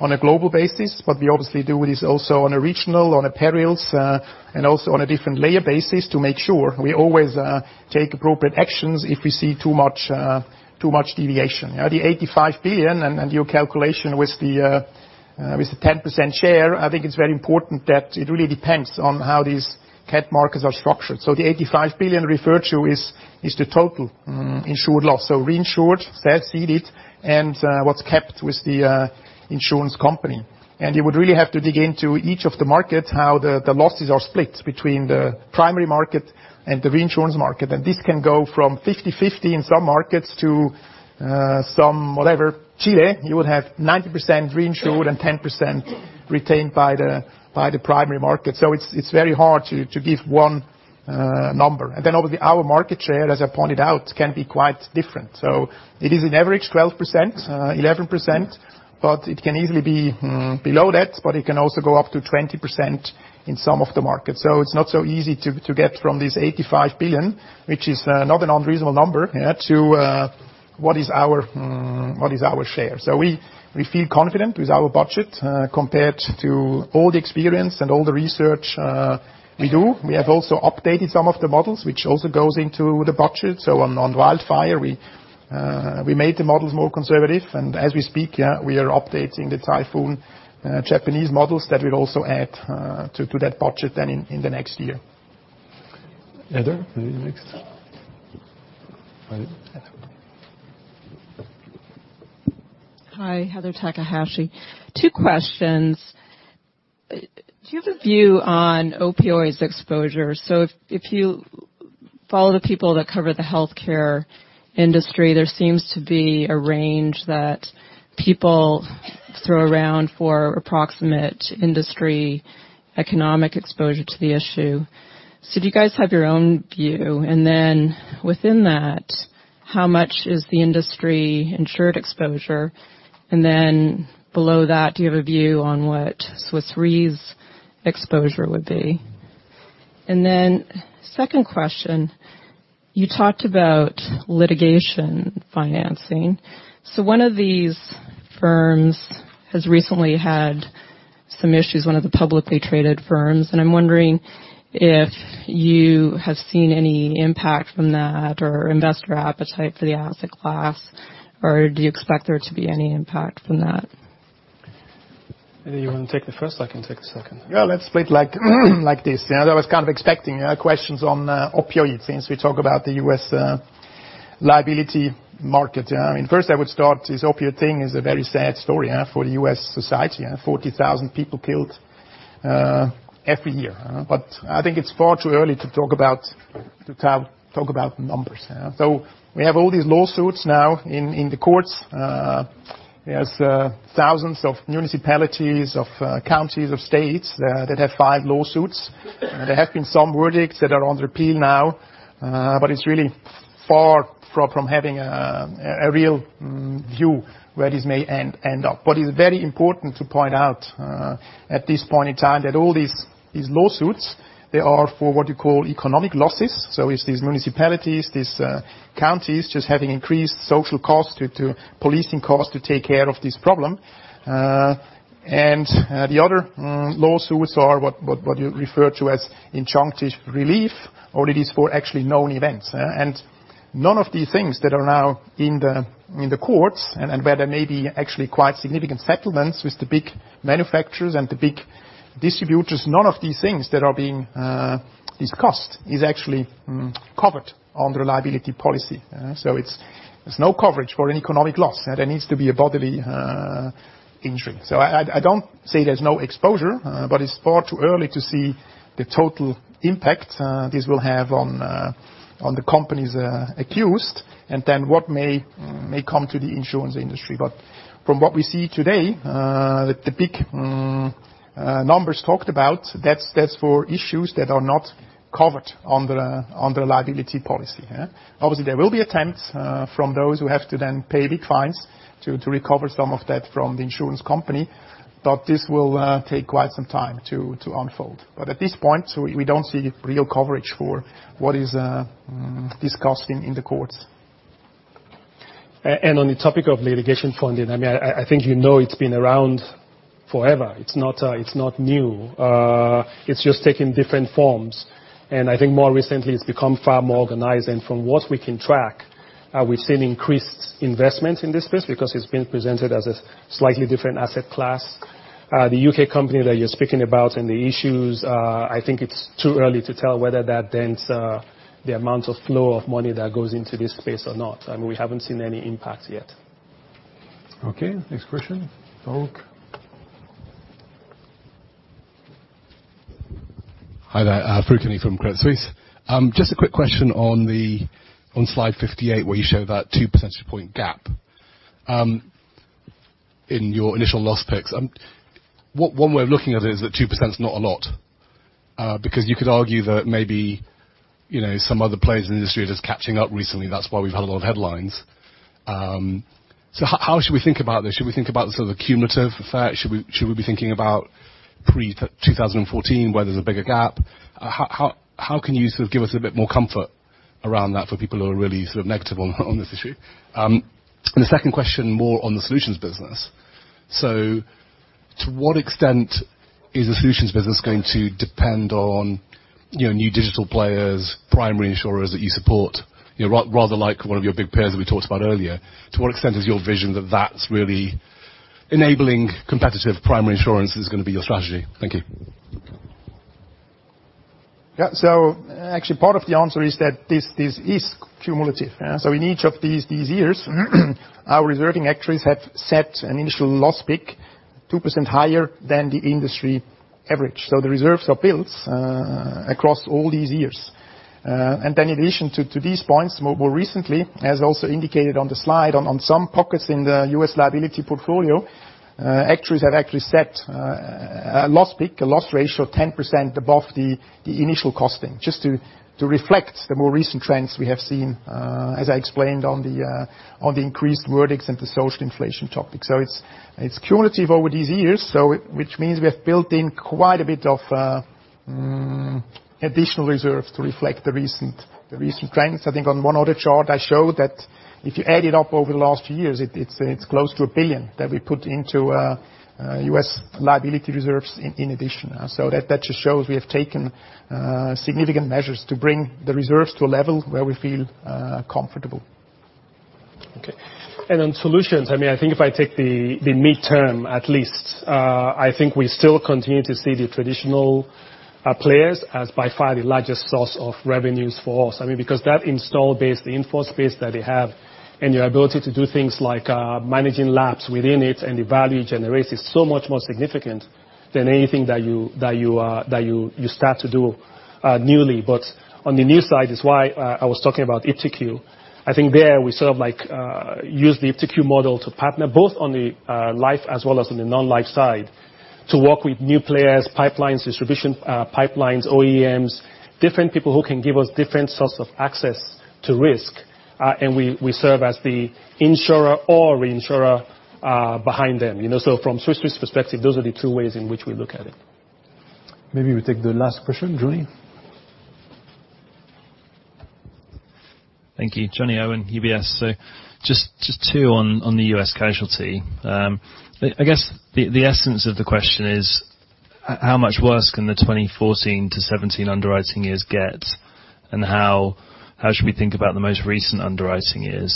on a global basis. We obviously do this also on a regional, on a perils, and also on a different layer basis to make sure we always take appropriate actions if we see too much deviation. The $85 billion and your calculation with the 10% share, I think it's very important that it really depends on how these Cat markets are structured. The $85 billion referred to is the total insured loss. Reinsured, ceded, and what's kept with the insurance company. You would really have to dig into each of the markets, how the losses are split between the primary market and the reinsurance market. This can go from 50/50 in some markets to some whatever. Chile, you would have 90% reinsured and 10% retained by the primary market. It's very hard to give one number. Obviously our market share, as I pointed out, can be quite different. It is an average 12%, 11%, but it can easily be below that, but it can also go up to 20% in some of the markets. It's not so easy to get from this $85 billion, which is not an unreasonable number, to what is our share. We feel confident with our budget, compared to all the experience and all the research we do. We have also updated some of the models, which also goes into the budget. On wildfire, we made the models more conservative. As we speak, we are updating the typhoon Japanese models that we'll also add to that budget then in the next year. Heather, are you next? Are you? Hi, Heather Takahashi. Two questions. Do you have a view on opioids exposure? If you follow the people that cover the healthcare industry, there seems to be a range that people throw around for approximate industry economic exposure to the issue. Do you guys have your own view? Within that, how much is the industry insured exposure? Below that, do you have a view on what Swiss Re's exposure would be? Second question, you talked about litigation financing. One of these firms has recently had some issues, one of the publicly traded firms. I'm wondering if you have seen any impact from that or investor appetite for the asset class, or do you expect there to be any impact from that? Maybe you want to take the first, I can take the second. Yeah, let's split like this. I was kind of expecting questions on opioids since we talk about the U.S. liability market. First I would start, this opioid thing is a very sad story for U.S. society, 40,000 people killed every year. I think it's far too early to talk about numbers. We have all these lawsuits now in the courts. There's thousands of municipalities, of counties, of states that have filed lawsuits. There have been some verdicts that are under appeal now. It's really far from having a real view where this may end up. What is very important to point out at this point in time, that all these lawsuits, they are for what you call economic losses. It's these municipalities, these counties just having increased social costs due to policing costs to take care of this problem. The other lawsuits are what you refer to as injunctive relief, or it is for actually known events. None of these things that are now in the courts, and where there may be actually quite significant settlements with the big manufacturers and the big distributors, none of these things that are being discussed is actually covered under a liability policy. There's no coverage for an economic loss. There needs to be a bodily injury. I don't say there's no exposure, but it's far too early to see the total impact this will have on the companies accused, and then what may come to the insurance industry. From what we see today, the big numbers talked about, that's for issues that are not covered under a liability policy. Obviously, there will be attempts from those who have to then pay big fines to recover some of that from the insurance company. This will take quite some time to unfold. At this point, we don't see real coverage for what is discussed in the courts. On the topic of litigation funding, I think you know it's been around forever. It's not new. It's just taking different forms. I think more recently it's become far more organized. From what we can track, we've seen increased investment in this space because it's been presented as a slightly different asset class. The U.K. company that you're speaking about and the issues, I think it's too early to tell whether that dents the amount of flow of money that goes into this space or not. We haven't seen any impact yet. Okay. Next question. Farooq? Hi there. Farooq Hanif from Credit Suisse. Just a quick question on slide 58, where you show that two percentage point gap in your initial loss picks. One way of looking at it is that 2% is not a lot. You could argue that maybe some other players in the industry are just catching up recently, that's why we've had a lot of headlines. How should we think about this? Should we think about the cumulative effect? Should we be thinking about pre-2014, where there's a bigger gap? How can you give us a bit more comfort around that for people who are really negative on this issue? The second question, more on the solutions business. To what extent is the solutions business going to depend on new digital players, primary insurers that you support? Rather like one of your big peers that we talked about earlier. To what extent is your vision that that's really enabling competitive primary insurance is going to be your strategy? Thank you. Actually part of the answer is that this is cumulative. In each of these years our reserving actuaries have set an initial loss pick 2% higher than the industry average. The reserves are built across all these years. Then in addition to these points, more recently, as also indicated on the slide, on some pockets in the U.S. liability portfolio, actuaries have actually set a loss pick, a loss ratio of 10% above the initial costing, just to reflect the more recent trends we have seen, as I explained on the increased verdicts and the social inflation topic. It's cumulative over these years, which means we have built in quite a bit of additional reserves to reflect the recent trends. I think on one other chart I showed that if you add it up over the last few years, it's close to $1 billion that we put into U.S. liability reserves in addition. That just shows we have taken significant measures to bring the reserves to a level where we feel comfortable. Okay. On solutions, I think if I take the midterm, at least, I think we still continue to see the traditional players as by far the largest source of revenues for us. Because that install base, the inforce base that they have, and your ability to do things like managing lapses within it and the value generated is so much more significant than anything that you start to do newly. On the new side is why I was talking about iptiQ. I think there we sort of use the iptiQ model to partner, both on the life as well as on the non-life side, to work with new players, pipelines, distribution pipelines, OEMs, different people who can give us different sorts of access to risk. We serve as the insurer or reinsurer behind them. From Swiss Re's perspective, those are the two ways in which we look at it. Maybe we take the last question. Jonny? Thank you. Jonny Urwin, UBS. Just two on the U.S. casualty. I guess the essence of the question is, how much worse can the 2014 to 2017 underwriting years get? How should we think about the most recent underwriting years?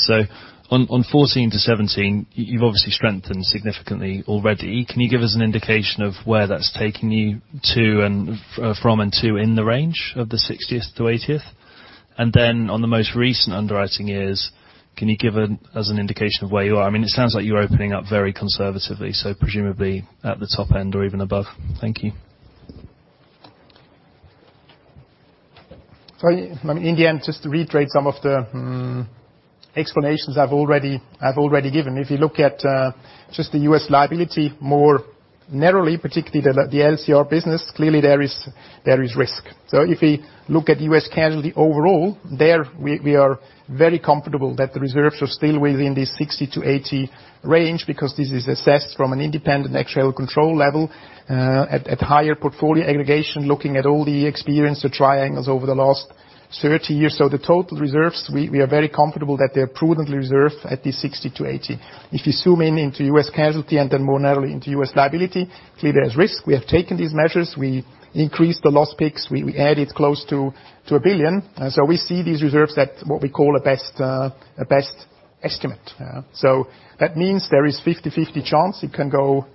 On 2014 to 2017, you've obviously strengthened significantly already. Can you give us an indication of where that's taking you from and to in the range of the 60th to 80th? On the most recent underwriting years, can you give us an indication of where you are? It sounds like you're opening up very conservatively, so presumably at the top end or even above. Thank you. In the end, just to reiterate some of the explanations I've already given. If you look at just the U.S. liability more narrowly, particularly the LCR business, clearly there is risk. If we look at U.S. casualty overall, there we are very comfortable that the reserves are still within the 60-80 range because this is assessed from an independent actuarial control level, at higher portfolio aggregation, looking at all the experience, the triangles over the last 30 years. The total reserves, we are very comfortable that they are prudently reserved at the 60-80. If you zoom in into U.S. casualty and then more narrowly into U.S. liability, clearly there's risk. We have taken these measures. We increased the loss peaks. We added close to $1 billion. We see these reserves at what we call a best estimate. That means there is 50/50 chance it can go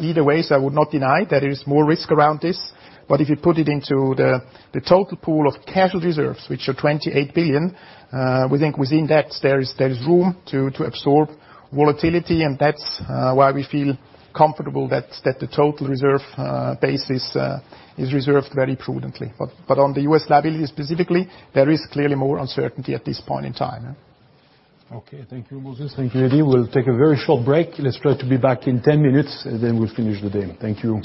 either way. I would not deny there is more risk around this. If you put it into the total pool of casualty reserves, which are $28 billion, we think within that there is room to absorb volatility, and that's why we feel comfortable that the total reserve base is reserved very prudently. On the U.S. liability specifically, there is clearly more uncertainty at this point in time. Okay. Thank you, Moses. Thank you, Edi. We'll take a very short break. Let's try to be back in 10 minutes, and then we'll finish the day. Thank you.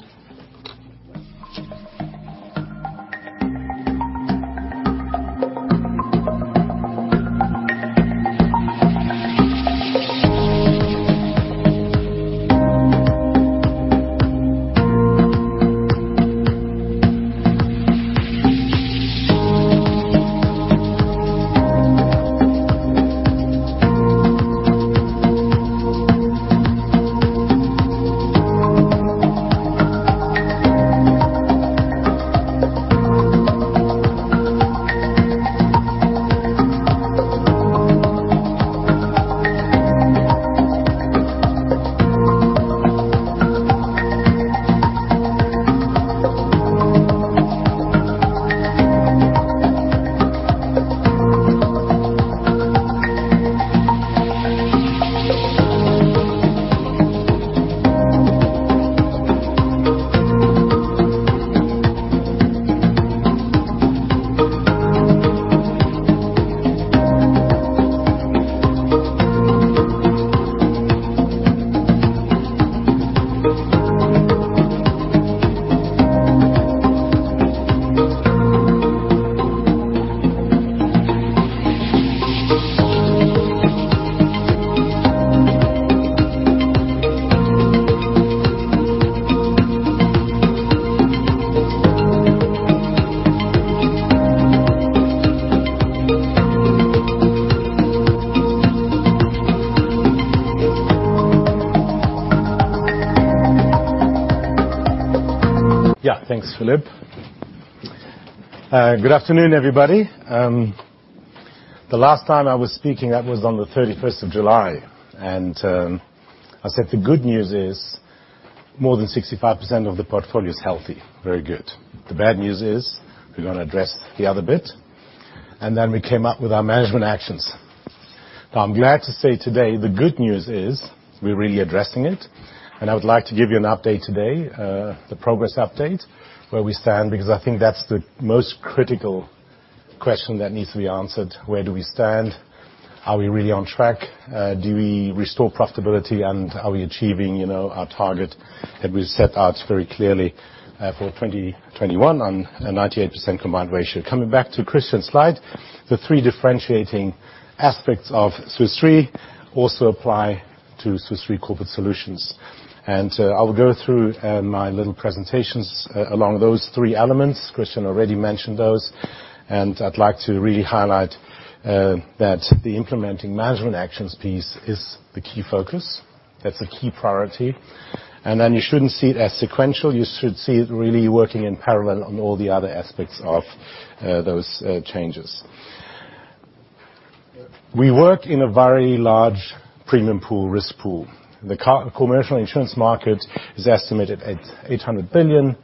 Yeah. Thanks, Philippe. Good afternoon, everybody. The last time I was speaking, that was on the 31st of July, and I said the good news is more than 65% of the portfolio is healthy, very good. The bad news is we're going to address the other bit. We came up with our management actions. I'm glad to say today the good news is we're really addressing it, and I would like to give you an update today, the progress update, where we stand, because I think that's the most critical question that needs to be answered. Where do we stand? Are we really on track? Do we restore profitability? Are we achieving our target that we set out very clearly for 2021 on a 98% combined ratio? Coming back to Christian's slide, the three differentiating aspects of Swiss Re also apply to Swiss Re Corporate Solutions. I will go through my little presentations along those three elements. Christian already mentioned those. I'd like to really highlight that the implementing management actions piece is the key focus. That's a key priority. You shouldn't see it as sequential. You should see it really working in parallel on all the other aspects of those changes. We work in a very large premium pool, risk pool. The commercial insurance market is estimated at $800 billion,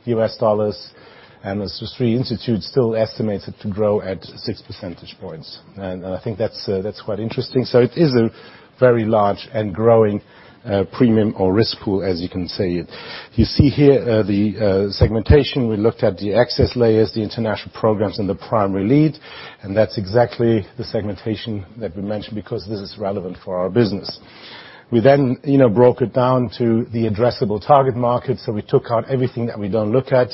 and the Swiss Re Institute still estimates it to grow at six percentage points. I think that's quite interesting. It is a very large and growing premium or risk pool, as you can say. You see here the segmentation. We looked at the excess layers, the international programs and the primary lead. That's exactly the segmentation that we mentioned because this is relevant for our business. We broke it down to the addressable target market. We took out everything that we don't look at,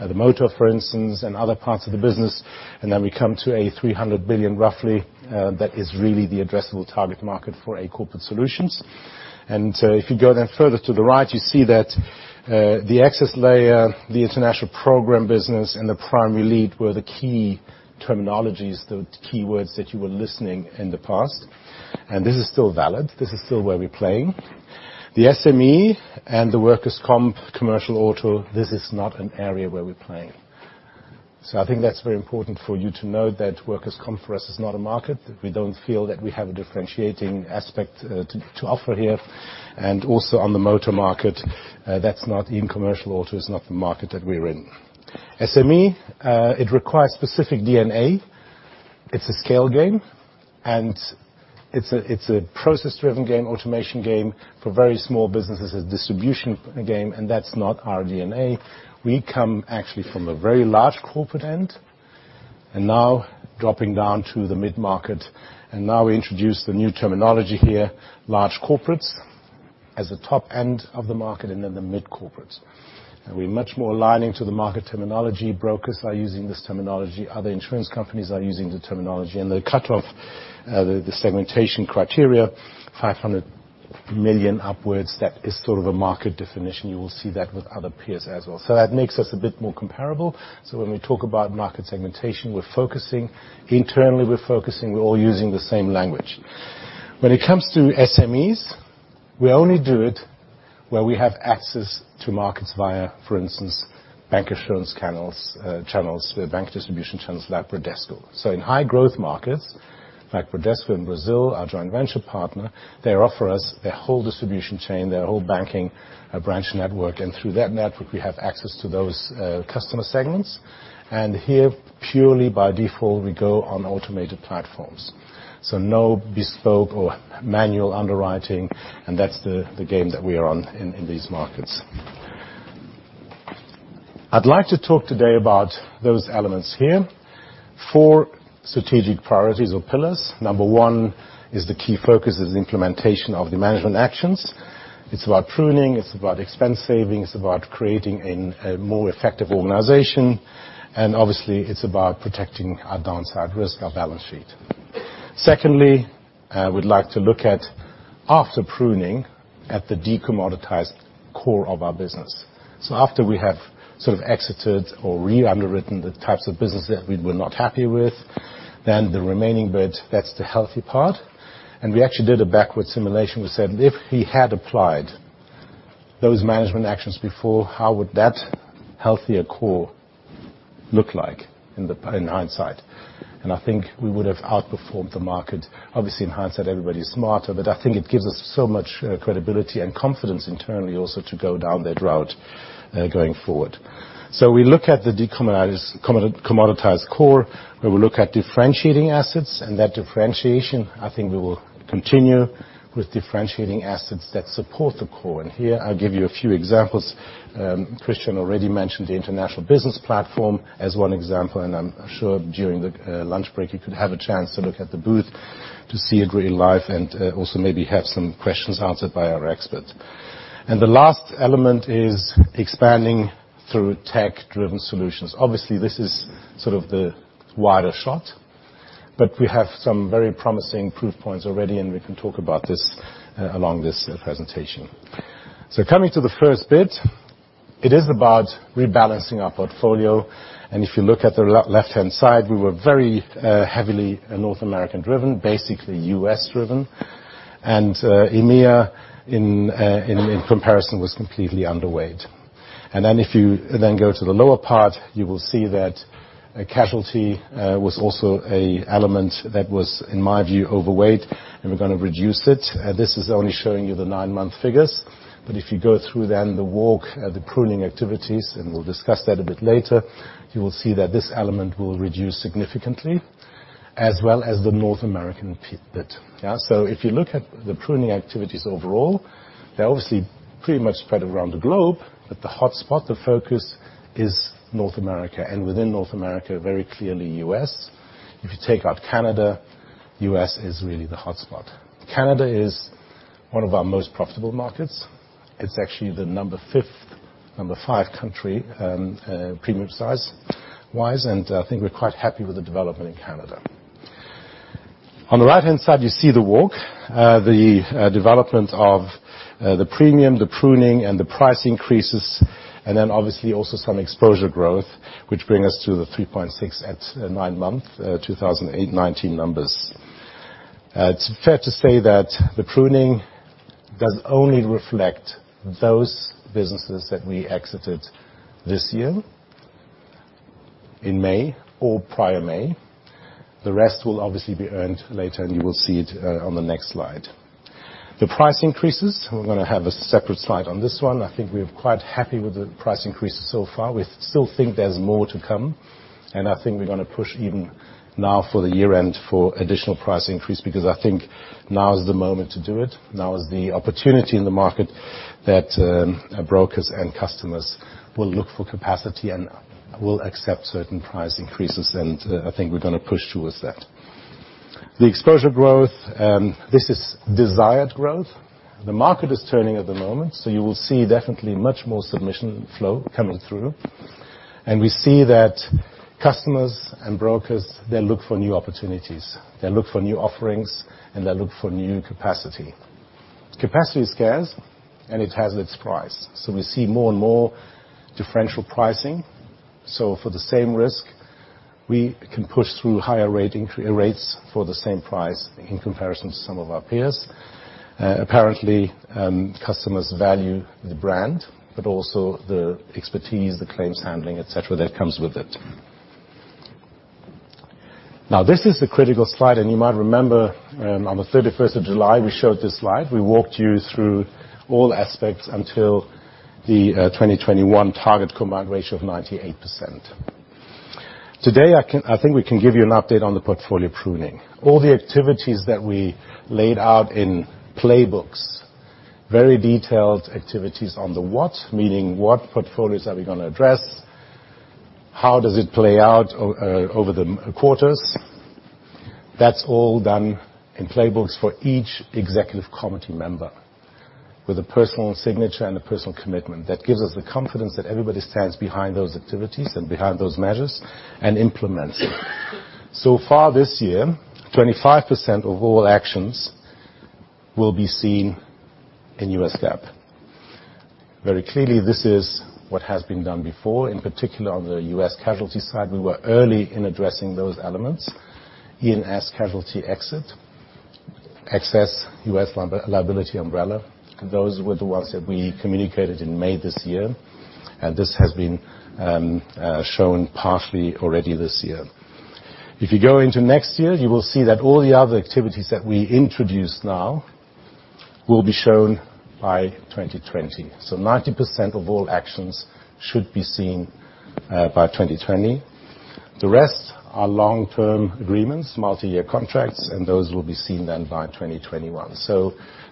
the motor, for instance, and other parts of the business. We come to a $300 billion roughly, that is really the addressable target market for Corporate Solutions. If you go further to the right, you see that the excess layer, the international program business, and the primary lead were the key terminologies, the keywords that you were listening in the past. This is still valid. This is still where we're playing. The SME and the workers' comp commercial auto, this is not an area where we're playing. I think that's very important for you to know that workers' comp for us is not a market, that we don't feel that we have a differentiating aspect to offer here. On the motor market, even commercial auto is not the market that we're in. SME, it requires specific DNA. It's a scale game, a process-driven game, automation game, for very small businesses. It's a distribution game, that's not our DNA. We come actually from a very large corporate end, dropping down to the mid-market. We introduce the new terminology here, large corporates as the top end of the market, then the mid corporates. We're much more aligning to the market terminology. Brokers are using this terminology. Other insurance companies are using the terminology. The cutoff, the segmentation criteria, $500 million upwards, that is sort of a market definition. You will see that with other peers as well. That makes us a bit more comparable. When we talk about market segmentation, we're focusing. Internally, we're focusing. We're all using the same language. When it comes to SMEs, we only do it where we have access to markets via, for instance, bank insurance channels, bank distribution channels like Bradesco. In high growth markets, like Bradesco in Brazil, our joint venture partner, they offer us their whole distribution chain, their whole banking branch network. Through that network, we have access to those customer segments. Here, purely by default, we go on automated platforms. No bespoke or manual underwriting, and that's the game that we are on in these markets. I'd like to talk today about those elements here. Four strategic priorities or pillars. Number one is the key focus is implementation of the management actions. It's about pruning, it's about expense savings, it's about creating a more effective organization, and obviously, it's about protecting our downside risk, our balance sheet. Secondly, I would like to look at after pruning at the decommoditized core of our business. After we have sort of exited or re-underwritten the types of business that we were not happy with, the remaining bit, that's the healthy part. We actually did a backward simulation. We said if we had applied those management actions before, how would that healthier core look like in hindsight? I think we would have outperformed the market. Obviously, in hindsight, everybody's smarter, but I think it gives us so much credibility and confidence internally also to go down that route going forward. We look at the decommoditized core, where we look at differentiating assets. That differentiation, I think we will continue with differentiating assets that support the core. Here I'll give you a few examples. Christian already mentioned the international business platform as one example, and I'm sure during the lunch break, you could have a chance to look at the booth to see it real-life and also maybe have some questions answered by our experts. The last element is expanding through tech-driven solutions. Obviously, this is sort of the wider shot, but we have some very promising proof points already, and we can talk about this along this presentation. Coming to the first bit, it is about rebalancing our portfolio. If you look at the left-hand side, we were very heavily North American driven, basically U.S.-driven. EMEA, in comparison, was completely underweight. If you then go to the lower part, you will see that casualty was also an element that was, in my view, overweight, and we're going to reduce it. This is only showing you the 9-month figures. If you go through then the walk, the pruning activities, and we'll discuss that a bit later, you will see that this element will reduce significantly, as well as the North American bit. Yeah, if you look at the pruning activities overall, they're obviously pretty much spread around the globe. The hotspot, the focus is North America, and within North America, very clearly U.S. If you take out Canada, U.S. is really the hotspot. Canada is one of our most profitable markets. It's actually the number 5 country premium size wise, and I think we're quite happy with the development in Canada. On the right-hand side, you see the walk, the development of the premium, the pruning, and the price increases, and then obviously also some exposure growth, which bring us to the 3.6 at 9-month 2019 numbers. It's fair to say that the pruning does only reflect those businesses that we exited this year in May or prior May. The rest will obviously be earned later, and you will see it on the next slide. The price increases, we're going to have a separate slide on this one. I think we're quite happy with the price increases so far. We still think there's more to come, and I think we're going to push even now for the year end for additional price increase because I think now is the moment to do it. Now is the opportunity in the market that brokers and customers will look for capacity and will accept certain price increases, and I think we're going to push towards that. The exposure growth, this is desired growth. The market is turning at the moment. You will see definitely much more submission flow coming through. We see that customers and brokers, they look for new opportunities. They look for new offerings. They look for new capacity. Capacity is scarce. It has its price. We see more and more differential pricing. For the same risk. We can push through higher rates for the same price in comparison to some of our peers. Apparently, customers value the brand, but also the expertise, the claims handling, et cetera, that comes with it. Now, this is the critical slide. You might remember on the 31st of July, we showed this slide. We walked you through all aspects until the 2021 target combined ratio of 98%. Today, I think we can give you an update on the portfolio pruning. All the activities that we laid out in playbooks, very detailed activities on the what, meaning what portfolios are we going to address? How does it play out over the quarters? That's all done in playbooks for each executive committee member with a personal signature and a personal commitment. That gives us the confidence that everybody stands behind those activities and behind those measures and implements. So far this year, 25% of all actions will be seen in US GAAP. Very clearly, this is what has been done before. In particular on the U.S. casualty side, we were early in addressing those elements. E&S casualty exit, Excess U.S. Liability Umbrella. Those were the ones that we communicated in May this year. This has been shown partially already this year. If you go into next year, you will see that all the other activities that we introduce now will be shown by 2020. 90% of all actions should be seen by 2020. The rest are long-term agreements, multi-year contracts, and those will be seen then by 2021.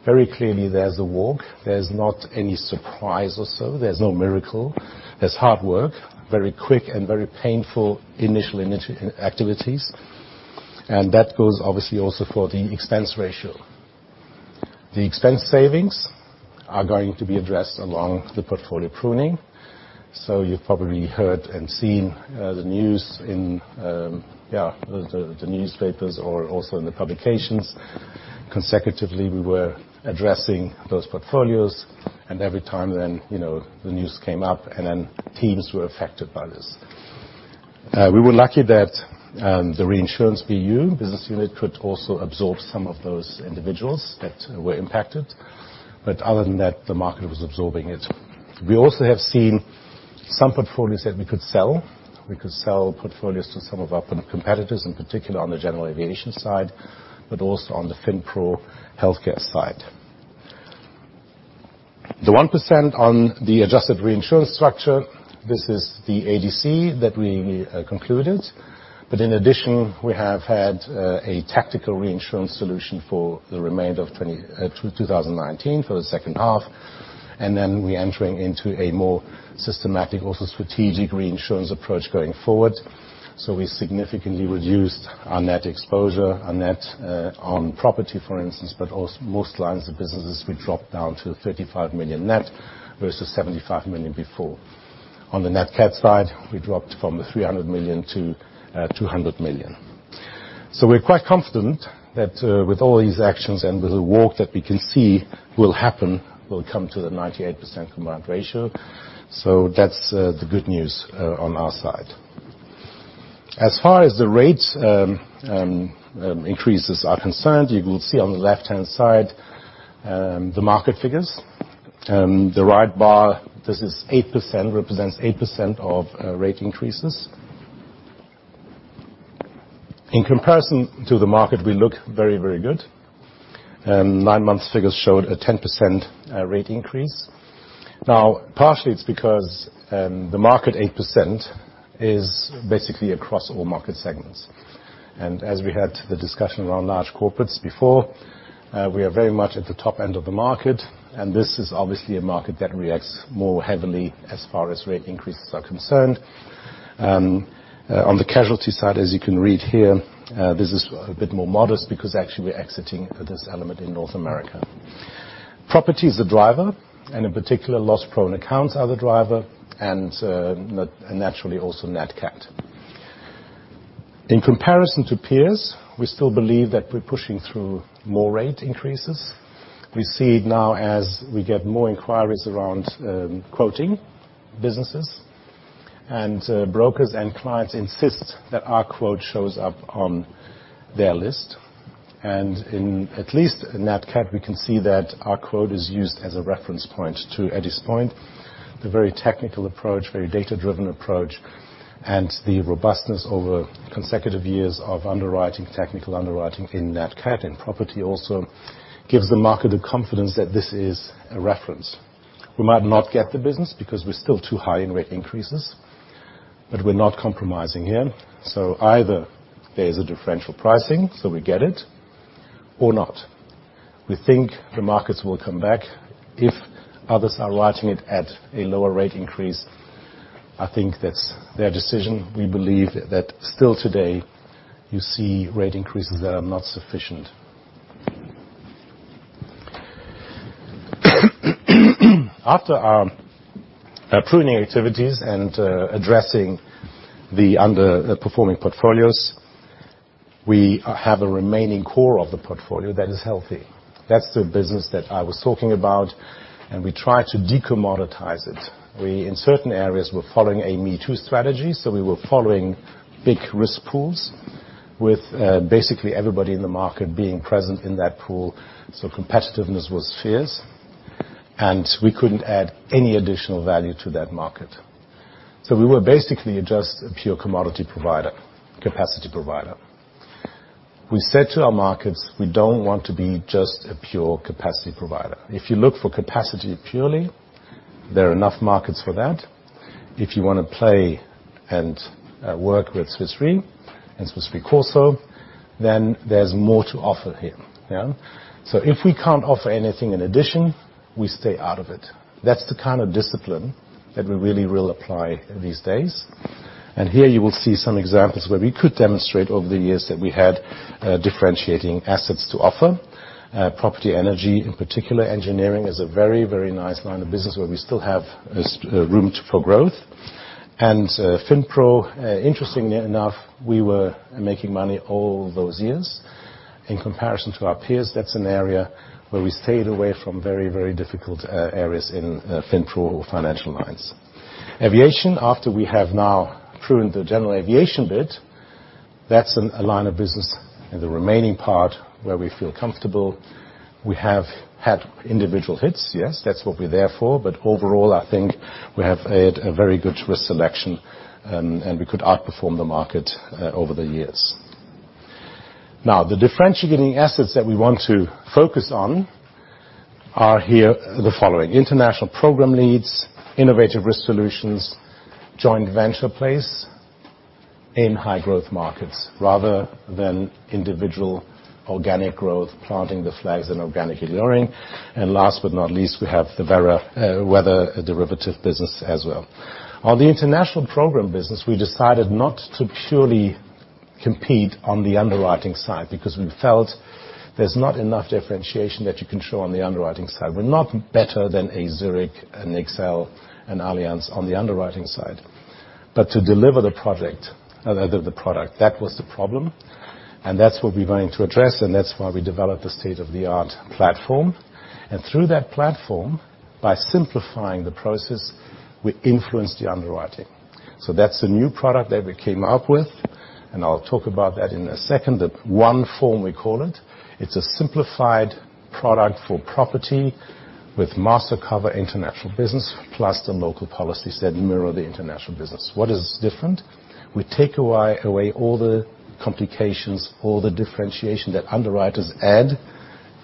Very clearly there's a walk. There's not any surprise or so. There's no miracle. There's hard work, very quick and very painful initial activities. That goes obviously also for the expense ratio. The expense savings are going to be addressed along the portfolio pruning. You've probably heard and seen the news in the newspapers or also in the publications. Consecutively, we were addressing those portfolios and every time then the news came up and then teams were affected by this. We were lucky that the reinsurance BU, business unit, could also absorb some of those individuals that were impacted. Other than that, the market was absorbing it. We also have seen some portfolios that we could sell. We could sell portfolios to some of our competitors, in particular on the general aviation side, but also on the FinPro healthcare side. The 1% on the adjusted reinsurance structure, this is the ADC that we concluded. In addition, we have had a tactical reinsurance solution for the remainder of 2019, for the second half. We entering into a more systematic, also strategic reinsurance approach going forward. We significantly reduced our net exposure, our net on property, for instance, but also most lines of businesses, we dropped down to $35 million net versus $75 million before. On Nat Cat side, we dropped from $300 million to $200 million. We're quite confident that with all these actions and with the work that we can see will happen, we'll come to the 98% combined ratio. That's the good news on our side. As far as the rate increases are concerned, you will see on the left-hand side the market figures. The right bar, this is 8%, represents 8% of rate increases. In comparison to the market, we look very, very good. Nine months figures showed a 10% rate increase. Partially it's because the market 8% is basically across all market segments. As we had the discussion around large corporates before, we are very much at the top end of the market, and this is obviously a market that reacts more heavily as far as rate increases are concerned. On the casualty side, as you can read here, this is a bit more modest because actually we're exiting this element in North America. Property is a driver, and in particular, loss-prone accounts are the driver, and naturally Nat Cat. in comparison to peers, we still believe that we're pushing through more rate increases. We see now as we get more inquiries around quoting businesses and brokers and clients insist that our quote shows up on their list. In at least Nat Cat, we can see that our quote is used as a reference point to Eddie's point. The very technical approach, very data-driven approach, and the robustness over consecutive years of underwriting, technical underwriting Nat Cat and property also gives the market the confidence that this is a reference. We might not get the business because we're still too high in rate increases, but we're not compromising here. Either there's a differential pricing, so we get it, or not. We think the markets will come back if others are writing it at a lower rate increase. I think that's their decision. We believe that still today you see rate increases that are not sufficient. After our pruning activities and addressing the underperforming portfolios. We have a remaining core of the portfolio that is healthy. That's the business that I was talking about, and we try to decommoditize it. We, in certain areas, were following a me too strategy, so we were following big risk pools with basically everybody in the market being present in that pool. Competitiveness was fierce, and we couldn't add any additional value to that market. We were basically just a pure commodity provider, capacity provider. We said to our markets, we don't want to be just a pure capacity provider. If you look for capacity purely, there are enough markets for that. If you want to play and work with Swiss Re and Swiss Re CorSo, then there's more to offer here. If we can't offer anything in addition, we stay out of it. That's the kind of discipline that we really will apply these days. Here you will see some examples where we could demonstrate over the years that we had differentiating assets to offer. Property energy in particular. Engineering is a very nice line of business where we still have room for growth. FinPro, interestingly enough, we were making money all those years. In comparison to our peers, that's an area where we stayed away from very difficult areas in FinPro or financial lines. Aviation, after we have now pruned the general aviation bit, that's a line of business in the remaining part where we feel comfortable. We have had individual hits, yes. That's what we're there for. Overall, I think we have had a very good risk selection, and we could outperform the market over the years. Now, the differentiating assets that we want to focus on are here the following. International program leads, innovative risk solutions, joint venture place in high growth markets, rather than individual organic growth, planting the flags and organically learning. Last but not least, we have the weather derivative business as well. On the international program business, we decided not to purely compete on the underwriting side because we felt there's not enough differentiation that you can show on the underwriting side. We're not better than a Zurich, an XL, an Allianz on the underwriting side. To deliver the product, that was the problem, and that's what we're going to address, and that's why we developed a state-of-the-art platform. Through that platform, by simplifying the process, we influence the underwriting. That's the new product that we came up with, and I'll talk about that in a second. The ONE Form, we call it. It's a simplified product for property with master cover international business, plus the local policies that mirror the international business. What is different? We take away all the complications, all the differentiation that underwriters add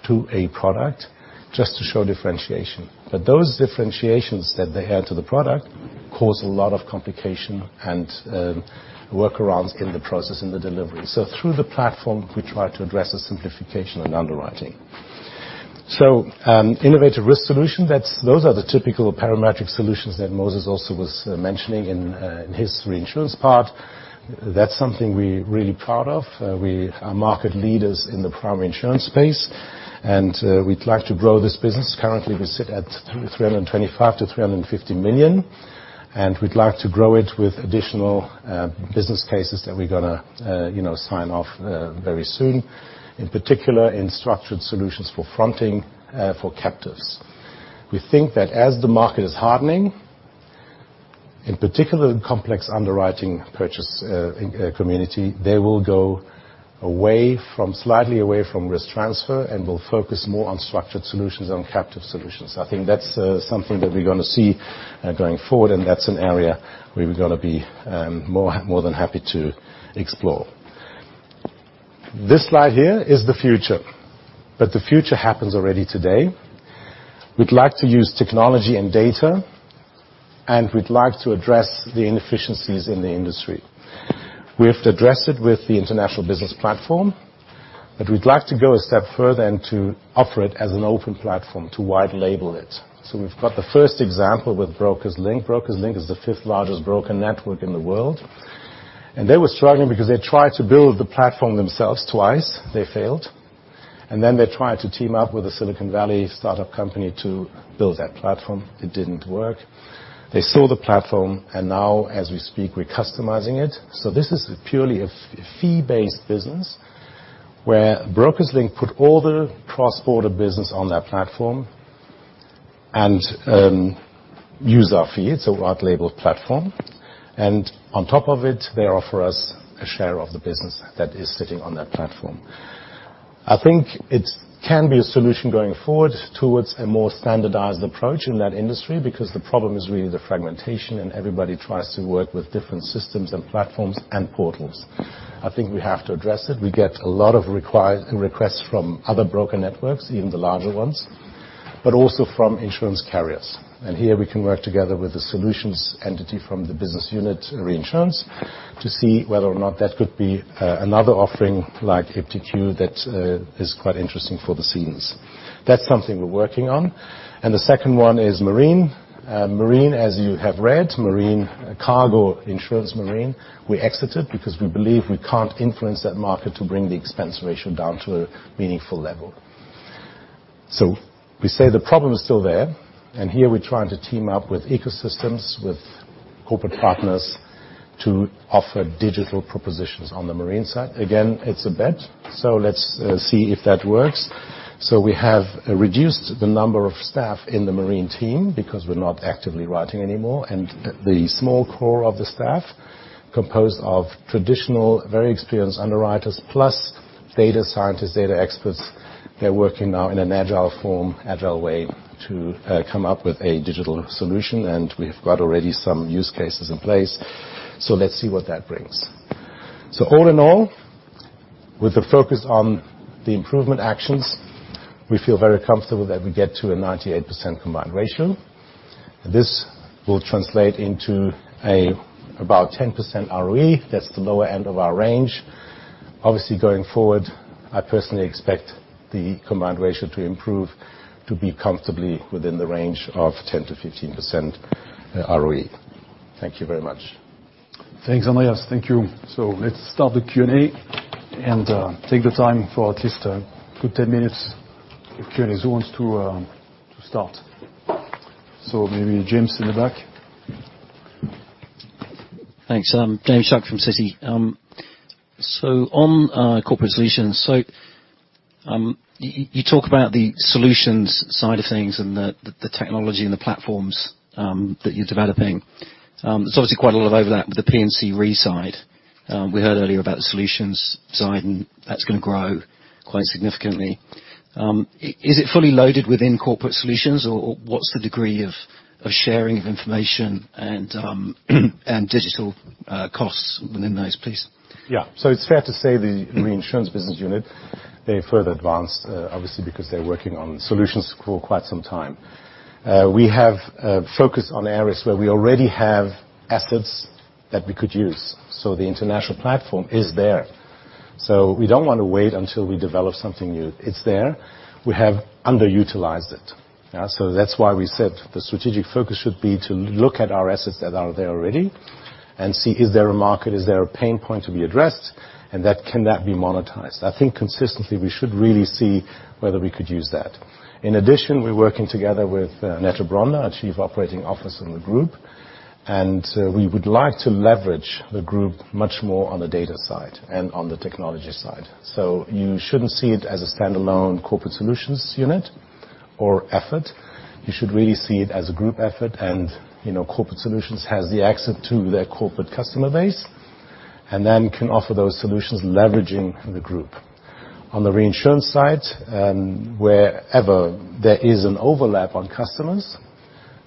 to a product just to show differentiation. Those differentiations that they add to the product cause a lot of complication and workarounds in the process, in the delivery. Through the platform, we try to address the simplification and underwriting. Innovative risk solution, those are the typical parametric solutions that Moses also was mentioning in his reinsurance part. That's something we're really proud of. We are market leaders in the primary insurance space, and we'd like to grow this business. Currently, we sit at $325 million-$350 million, and we'd like to grow it with additional business cases that we're going to sign off very soon. In particular, in structured solutions for fronting for captives. We think that as the market is hardening, in particular the complex underwriting purchase community, they will go slightly away from risk transfer and will focus more on structured solutions and on captive solutions. I think that's something that we're going to see going forward, and that's an area where we're going to be more than happy to explore. This slide here is the future. The future happens already today. We'd like to use technology and data, and we'd like to address the inefficiencies in the industry. We have to address it with the international business platform, but we'd like to go a step further and to offer it as an open platform to white label it. We've got the first example with Brokerslink. Brokerslink is the fifth largest broker network in the world. They were struggling because they tried to build the platform themselves twice. They failed. Then they tried to team up with a Silicon Valley startup company to build that platform. It didn't work. They saw the platform, and now as we speak, we're customizing it. This is purely a fee-based business where Brokerslink put all the cross-border business on that platform and use our fee. It's a white labeled platform. On top of it, they offer us a share of the business that is sitting on that platform. I think it can be a solution going forward towards a more standardized approach in that industry because the problem is really the fragmentation and everybody tries to work with different systems and platforms and portals. I think we have to address it. We get a lot of requests from other broker networks, even the larger ones, but also from insurance carriers. Here we can work together with the solutions entity from the business unit reinsurance to see whether or not that could be another offering like iptiQ that is quite interesting for Swiss Re. That's something we're working on. The second one is marine. Marine, as you have read, marine cargo insurance. Marine, we exited because we believe we can't influence that market to bring the expense ratio down to a meaningful level. We say the problem is still there, and here we're trying to team up with ecosystems, with corporate partners, to offer digital propositions on the marine side. Again, it's a bet. Let's see if that works. We have reduced the number of staff in the marine team because we're not actively writing anymore, and the small core of the staff, composed of traditional, very experienced underwriters plus data scientists, data experts, they're working now in an agile form, agile way to come up with a digital solution. We've got already some use cases in place. Let's see what that brings. All in all, with the focus on the improvement actions, we feel very comfortable that we get to a 98% combined ratio. This will translate into about 10% ROE. That's the lower end of our range. Obviously, going forward, I personally expect the combined ratio to improve to be comfortably within the range of 10%-15% ROE. Thank you very much. Thanks, Andreas. Thank you. Let's start the Q&A and take the time for at least a good 10 minutes of Q&A. Who wants to start? Maybe James in the back. Thanks. James Shuck from Citi. On Corporate Solutions, you talk about the solutions side of things and the technology and the platforms that you're developing. There's obviously quite a lot of overlap with the P&C Re side. We heard earlier about the solutions side, and that's going to grow quite significantly. Is it fully loaded within Corporate Solutions, or what's the degree of sharing of information and digital costs within those, please? Yeah. It's fair to say the reinsurance business unit, they're further advanced, obviously, because they're working on solutions for quite some time. We have focused on areas where we already have assets that we could use. The international platform is there. We don't want to wait until we develop something new. It's there. We have underutilized it. That's why we said the strategic focus should be to look at our assets that are there already and see, is there a market, is there a pain point to be addressed, and can that be monetized? I think consistently, we should really see whether we could use that. In addition, we're working together with Anette Bronder, our Group Chief Operating Officer in the group, and we would like to leverage the group much more on the data side and on the technology side. You shouldn't see it as a standalone Corporate Solutions unit or effort. You should really see it as a group effort and Corporate Solutions has the access to their corporate customer base, and then can offer those solutions leveraging the group. On the reinsurance side, wherever there is an overlap on customers,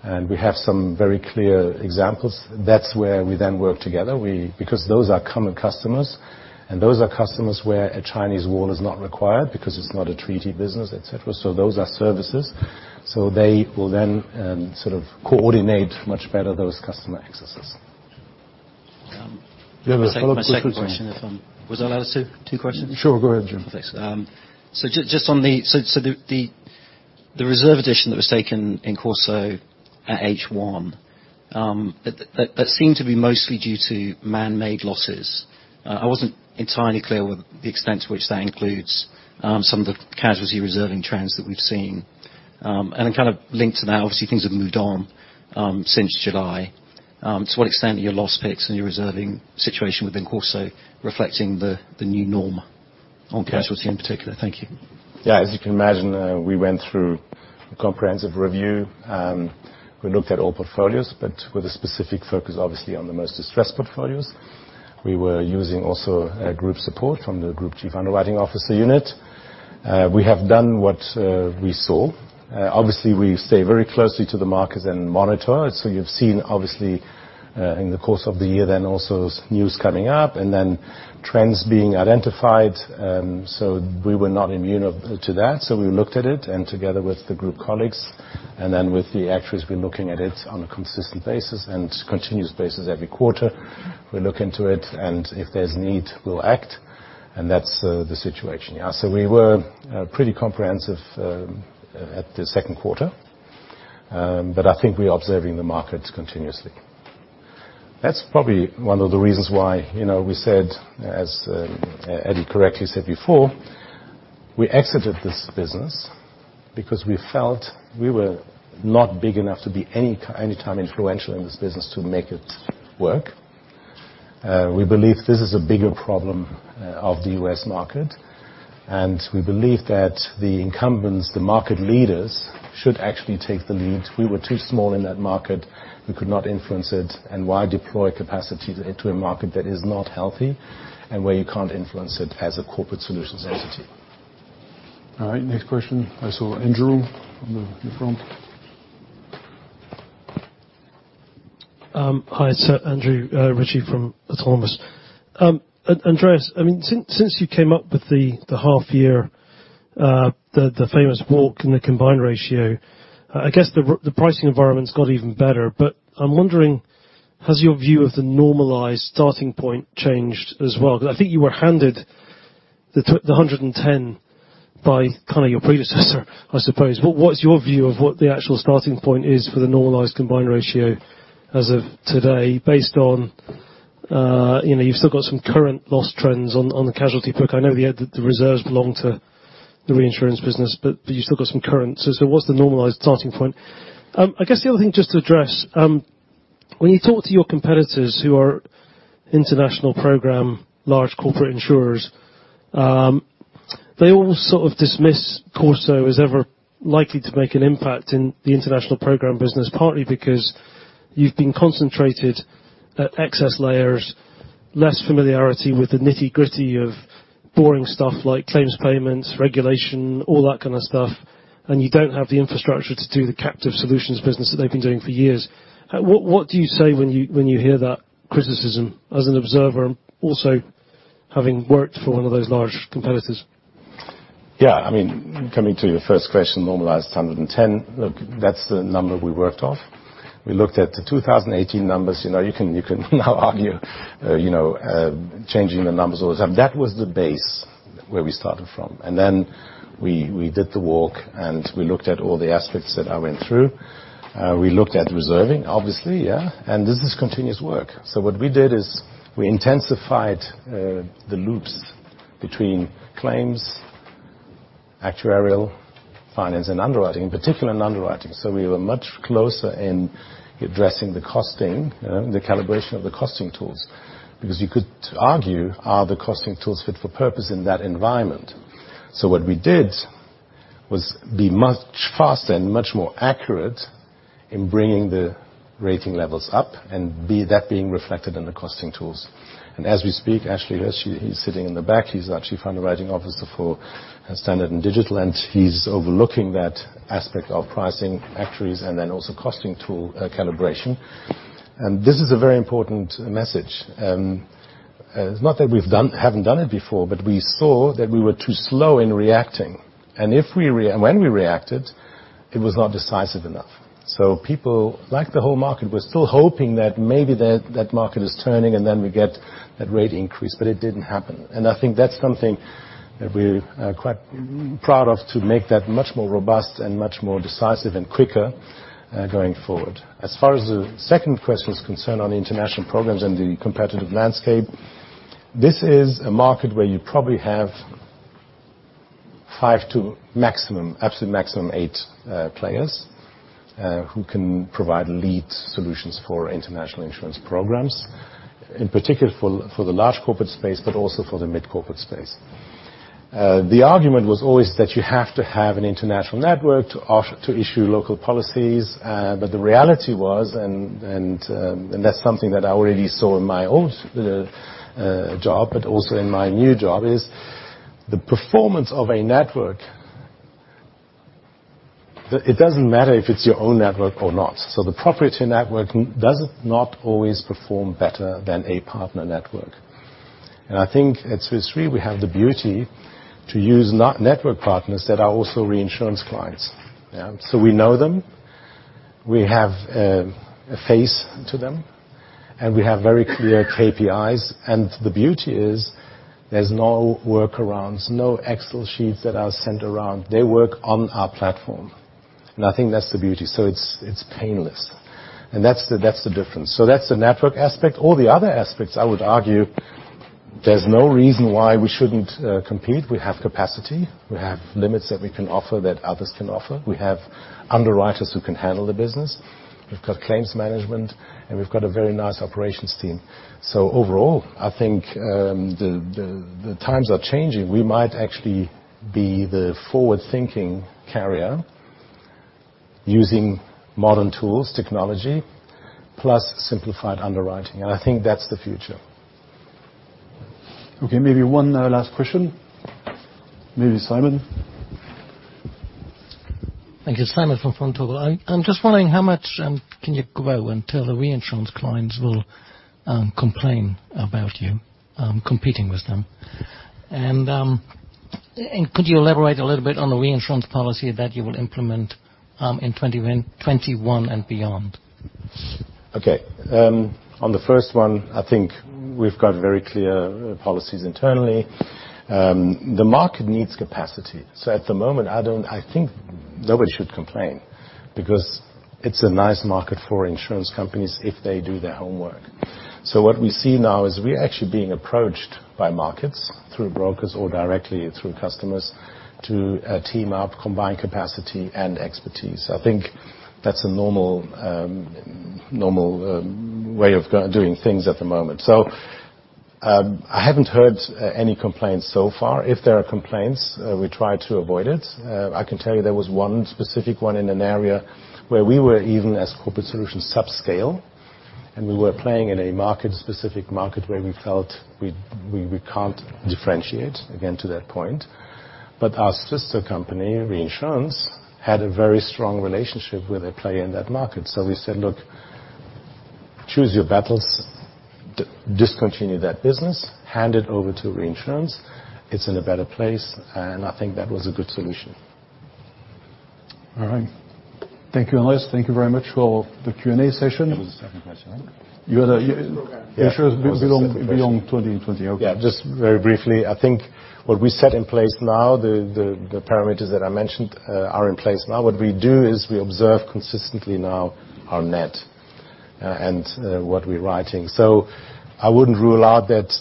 and we have some very clear examples, that's where we then work together. Those are common customers, and those are customers where a Chinese wall is not required because it's not a treaty business, et cetera. Those are services. They will then sort of coordinate much better those customer accesses. You have a follow-up question? My second question, was I allowed two questions? Sure. Go ahead, James. Oh, thanks. The reserve addition that was taken in CorSo at H1, that seemed to be mostly due to man-made losses. I wasn't entirely clear what the extent to which that includes some of the casualty reserving trends that we've seen. Kind of linked to that, obviously things have moved on since July. To what extent are your loss picks and your reserving situation within CorSo reflecting the new norm on casualty in particular? Thank you. As you can imagine, we went through a comprehensive review. We looked at all portfolios, but with a specific focus, obviously, on the most distressed portfolios. We were using also group support from the Group Chief Underwriting Officer unit. We have done what we saw. Obviously, we stay very closely to the markets and monitor. You've seen, obviously, in the course of the year then also news coming up, and then trends being identified. We were not immune to that. We looked at it, and together with the group colleagues, and then with the actuaries, we're looking at it on a consistent basis and continuous basis every quarter. We look into it, and if there's need, we'll act. That's the situation. We were pretty comprehensive at the second quarter. I think we are observing the markets continuously. That's probably one of the reasons why we said, as Edi correctly said before, we exited this business because we felt we were not big enough to be any time influential in this business to make it work. We believe this is a bigger problem of the U.S. market, we believe that the incumbents, the market leaders, should actually take the lead. We were too small in that market. We could not influence it, why deploy capacity into a market that is not healthy and where you can't influence it as a Corporate Solutions entity? All right, next question. I saw Andrew on the front. Hi. It's Andrew Ritchie from Autonomous. Andreas, since you came up with the half year, the famous walk and the combined ratio, I guess the pricing environment's got even better. I'm wondering, has your view of the normalized starting point changed as well? I think you were handed the 110 by kind of your predecessor, I suppose. What's your view of what the actual starting point is for the normalized combined ratio as of today based on. You've still got some current loss trends on the casualty book. I know the reserves belong to the reinsurance business, but you've still got some current. What's the normalized starting point? I guess the other thing just to address, when you talk to your competitors who are international program large corporate insurers, they all sort of dismiss CorSo as ever likely to make an impact in the international program business, partly because you've been concentrated at excess layers. Less familiarity with the nitty-gritty of boring stuff like claims, payments, regulation, all that kind of stuff, and you don't have the infrastructure to do the captive solutions business that they've been doing for years. What do you say when you hear that criticism as an observer? Also, having worked for one of those large competitors. Yeah. Coming to your first question, normalized to 110. Look, that's the number we worked off. We looked at the 2018 numbers. You can now argue changing the numbers all the time. That was the base where we started from. Then we did the work, and we looked at all the aspects that I went through. We looked at reserving, obviously. This is continuous work. What we did is we intensified the loops between claims, actuarial, finance, and underwriting. In particular in underwriting. We were much closer in addressing the costing, the calibration of the costing tools, because you could argue, are the costing tools fit for purpose in that environment? What we did was be much faster and much more accurate in bringing the rating levels up and that being reflected in the costing tools. As we speak, Ashley, he's sitting in the back, he's actually found a writing officer for Standard & Digital, and he's overlooking that aspect of pricing actuaries and then also costing tool calibration. This is a very important message. It's not that we haven't done it before, but we saw that we were too slow in reacting. When we reacted, it was not decisive enough. People, like the whole market, were still hoping that maybe that market is turning and then we get that rate increase, but it didn't happen. I think that's something that we're quite proud of, to make that much more robust and much more decisive and quicker going forward. As far as the second question is concerned on the international programs and the competitive landscape, this is a market where you probably have five to absolute maximum eight players who can provide lead solutions for international insurance programs, in particular for the large corporate space, but also for the mid corporate space. The argument was always that you have to have an international network to issue local policies. The reality was, and that's something that I already saw in my old job, but also in my new job, is the performance of a network. It doesn't matter if it's your own network or not. The proprietary network does not always perform better than a partner network. I think at Swiss Re, we have the beauty to use network partners that are also reinsurance clients. We know them, we have a face to them, and we have very clear KPIs. The beauty is there's no workarounds, no Excel sheets that are sent around. They work on our platform. I think that's the beauty. It's painless. That's the difference. That's the network aspect. All the other aspects, I would argue, there's no reason why we shouldn't compete. We have capacity. We have limits that we can offer that others can't offer. We have underwriters who can handle the business. We've got claims management, and we've got a very nice operations team. Overall, I think the times are changing. We might actually be the forward-thinking carrier using modern tools, technology, plus simplified underwriting. I think that's the future. Okay, maybe one last question. Maybe Simon. Thank you. Simon from Vontobel. I'm just wondering how much can you grow until the reinsurance clients will complain about you competing with them? Could you elaborate a little bit on the reinsurance policy that you will implement in 2021 and beyond? Okay. On the first one, I think we've got very clear policies internally. The market needs capacity. At the moment, I think nobody should complain because it's a nice market for insurance companies if they do their homework. What we see now is we're actually being approached by markets through brokers or directly through customers to team up, combine capacity and expertise. I think that's a normal way of doing things at the moment. I haven't heard any complaints so far. If there are complaints, we try to avoid it. I can tell you there was one specific one in an area where we were even as Corporate Solutions subscale, and we were playing in a market, specific market, where we felt we can't differentiate, again, to that point. Our sister company, Reinsurance, had a very strong relationship with a player in that market. We said, "Look, choose your battles. Discontinue that business. Hand it over to reinsurance. It's in a better place." I think that was a good solution. All right. Thank you, Elias. Thank you very much for the Q&A session. There was a second question. You had a- Program. Insurance beyond 2020. Okay. Just very briefly. I think what we set in place now, the parameters that I mentioned are in place now. What we do is we observe consistently now our net and what we're writing. I wouldn't rule out that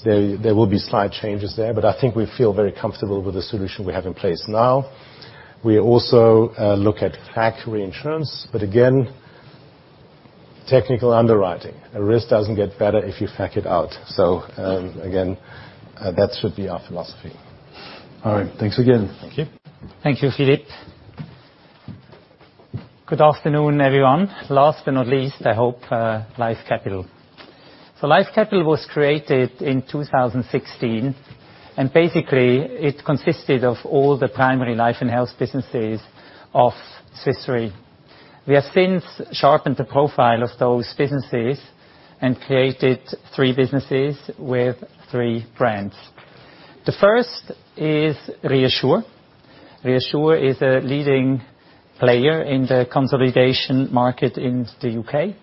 there will be slight changes there, but I think we feel very comfortable with the solution we have in place now. We also look Nat Cat reinsurance, but again, technical underwriting. A risk doesn't get better if you net it out. Again, that should be our philosophy. All right. Thanks again. Thank you. Thank you, Philippe. Good afternoon, everyone. Last but not least, I hope, Life Capital. Life Capital was created in 2016, and basically it consisted of all the primary life and health businesses of Swiss Re. We have since sharpened the profile of those businesses and created three businesses with three brands. The first is ReAssure. ReAssure is a leading player in the consolidation market in the U.K.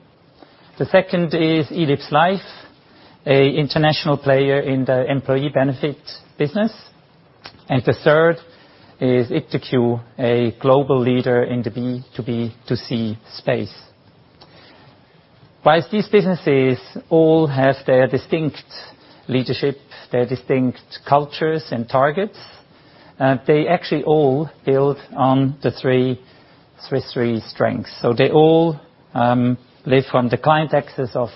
The second is elipsLife, a international player in the employee benefits business. The third is iptiQ, a global leader in the B2B2C space. Whilst these businesses all have their distinct leadership, their distinct cultures and targets, they actually all build on the three Swiss Re strengths. They all live from the client access of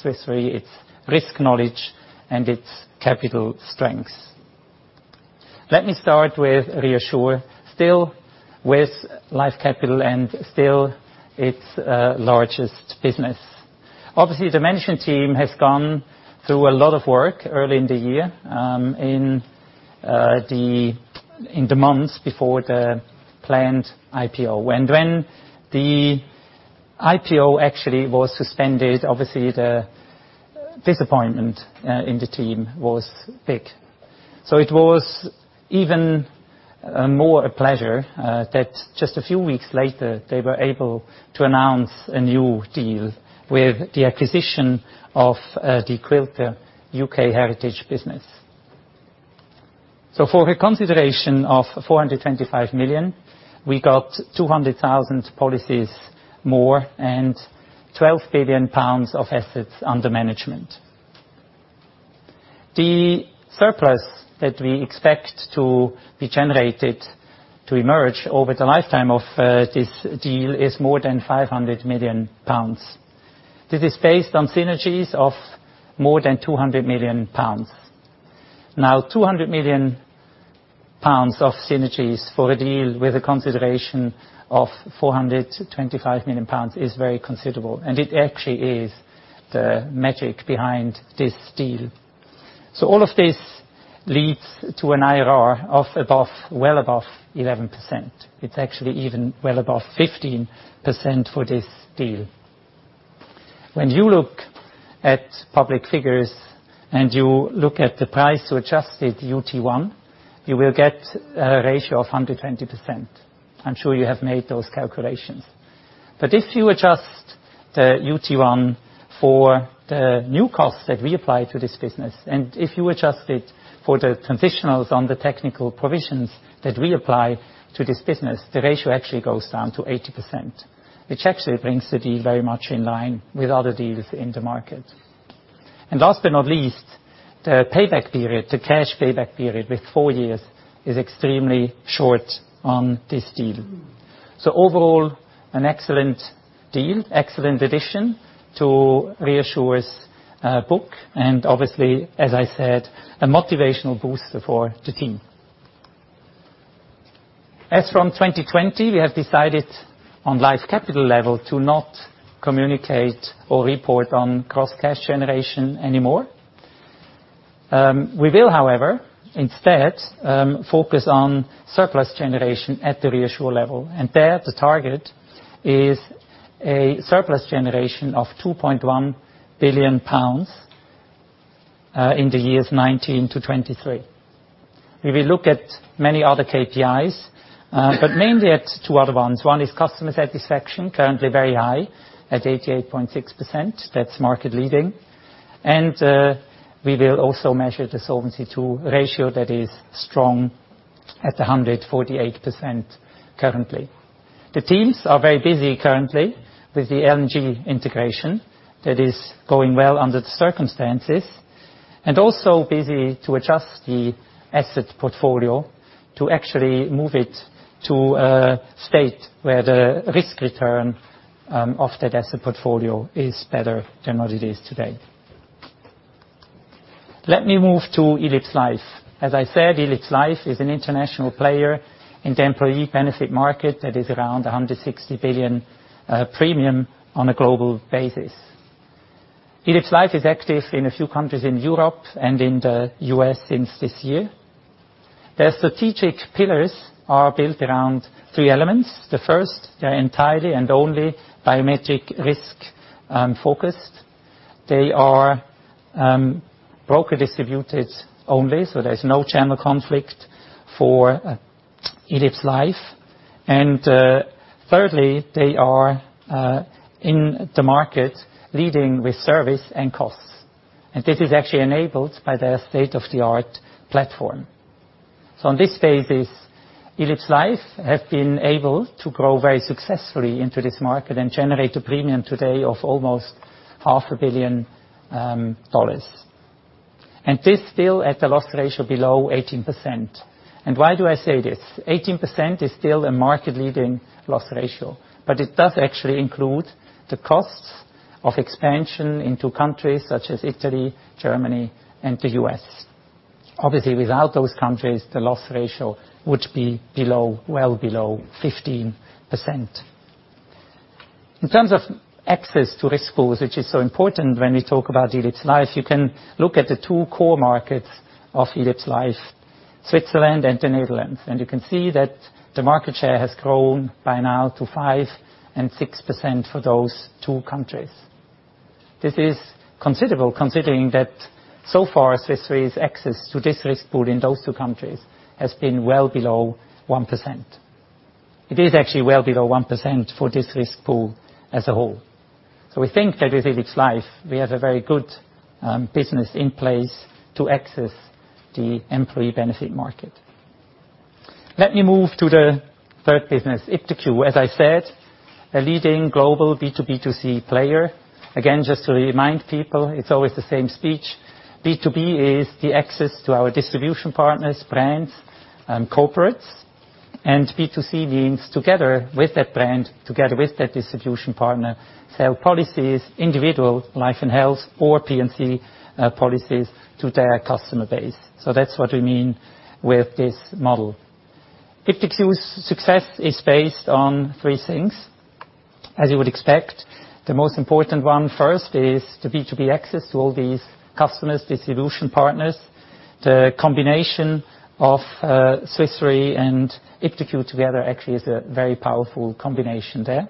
Swiss Re, its risk knowledge, and its capital strengths. Let me start with ReAssure, still with Life Capital and still its largest business. Obviously, the ReAssure team has gone through a lot of work early in the year, in the months before the planned IPO. When the IPO actually was suspended, obviously the disappointment in the team was big. It was even more a pleasure that just a few weeks later, they were able to announce a new deal with the acquisition of the Quilter U.K. heritage business. For a consideration of 425 million, we got 200,000 policies more and 12 billion pounds of assets under management. The surplus that we expect to be generated to emerge over the lifetime of this deal is more than 500 million pounds. This is based on synergies of more than 200 million pounds. 200 million pounds of synergies for a deal with a consideration of 425 million pounds is very considerable, and it actually is the metric behind this deal. All of this leads to an IRR of above, well above 11%. It's actually even well above 15% for this deal. When you look at public figures and you look at the price to adjusted UT1, you will get a ratio of 120%. I'm sure you have made those calculations. If you adjust the UT1 for the new costs that we apply to this business, and if you adjust it for the transitionals on the technical provisions that we apply to this business, the ratio actually goes down to 80%, which actually brings the deal very much in line with other deals in the market. Last but not least, the payback period, the cash payback period with four years is extremely short on this deal. Overall, an excellent deal, excellent addition to ReAssure's book. Obviously, as I said, a motivational booster for the team. As from 2020, we have decided on Life Capital level to not communicate or report on gross cash generation anymore. We will, however, instead focus on surplus generation at the ReAssure level. There, the target is a surplus generation of 2.1 billion pounds in the years 2019 to 2023. We will look at many other KPIs, but mainly at two other ones. One is customer satisfaction, currently very high at 88.6%. That's market leading. We will also measure the Solvency II ratio that is strong at 148% currently. The teams are very busy currently with the L&G integration that is going well under the circumstances. Also busy to adjust the asset portfolio to actually move it to a state where the risk return of that asset portfolio is better than what it is today. Let me move to elipsLife. As I said, elipsLife is an international player in the employee benefit market that is around 160 billion premium on a global basis. elipsLife is active in a few countries in Europe and in the U.S. since this year. Their strategic pillars are built around three elements. The first, they're entirely and only biometric risk focused. They are broker distributed only, so there's no channel conflict for elipsLife. Thirdly, they are in the market leading with service and costs. This is actually enabled by their state-of-the-art platform. On this phase, elipsLife have been able to grow very successfully into this market and generate a premium today of almost half a billion dollars. This still at a loss ratio below 18%. Why do I say this? 18% is still a market-leading loss ratio, but it does actually include the costs of expansion into countries such as Italy, Germany, and the U.S. Obviously, without those countries, the loss ratio would be well below 15%. In terms of access to risk pools, which is so important when we talk about elipsLife, you can look at the two core markets of elipsLife, Switzerland and the Netherlands. You can see that the market share has grown by now to 5% and 6% for those two countries. This is considerable, considering that so far, Swiss Re's access to this risk pool in those two countries has been well below 1%. It is actually well below 1% for this risk pool as a whole. We think that with elipsLife, we have a very good business in place to access the employee benefit market. Let me move to the third business, iptiQ. As I said, a leading global B2B2C player. Just to remind people, it's always the same speech. B2B is the access to our distribution partners, brands, and corporates. B2C means together with that brand, together with that distribution partner, sell policies, individual life and health or P&C policies to their customer base. That's what we mean with this model. iptiQ's success is based on three things. As you would expect, the most important one first is the B2B access to all these customers, distribution partners. The combination of Swiss Re and iptiQ together actually is a very powerful combination there.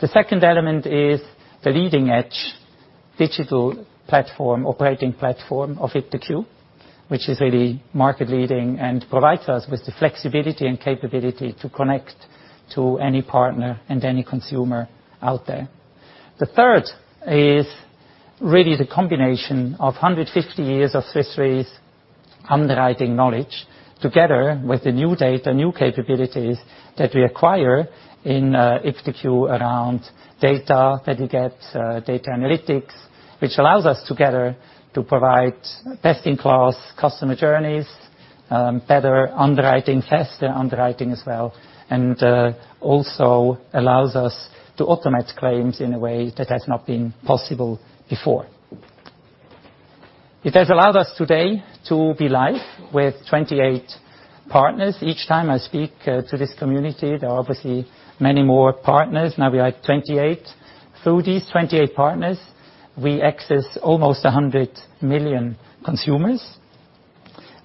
The second element is the leading-edge digital platform, operating platform of iptiQ, which is really market-leading and provides us with the flexibility and capability to connect to any partner and any consumer out there. The third is really the combination of 150 years of Swiss Re's underwriting knowledge, together with the new data, new capabilities that we acquire in iptiQ around data that we get, data analytics, which allows us together to provide best-in-class customer journeys, better underwriting, faster underwriting as well, and also allows us to automate claims in a way that has not been possible before. It has allowed us today to be live with 28 partners. Each time I speak to this community, there are obviously many more partners. We are at 28. Through these 28 partners, we access almost 100 million consumers.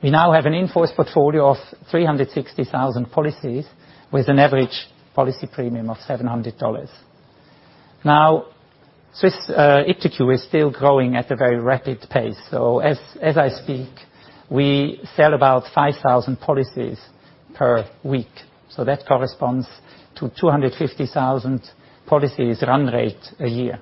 We now have an in-force portfolio of 360,000 policies with an average policy premium of $700. iptiQ is still growing at a very rapid pace. As I speak, we sell about 5,000 policies per week. That corresponds to 250,000 policies run rate a year.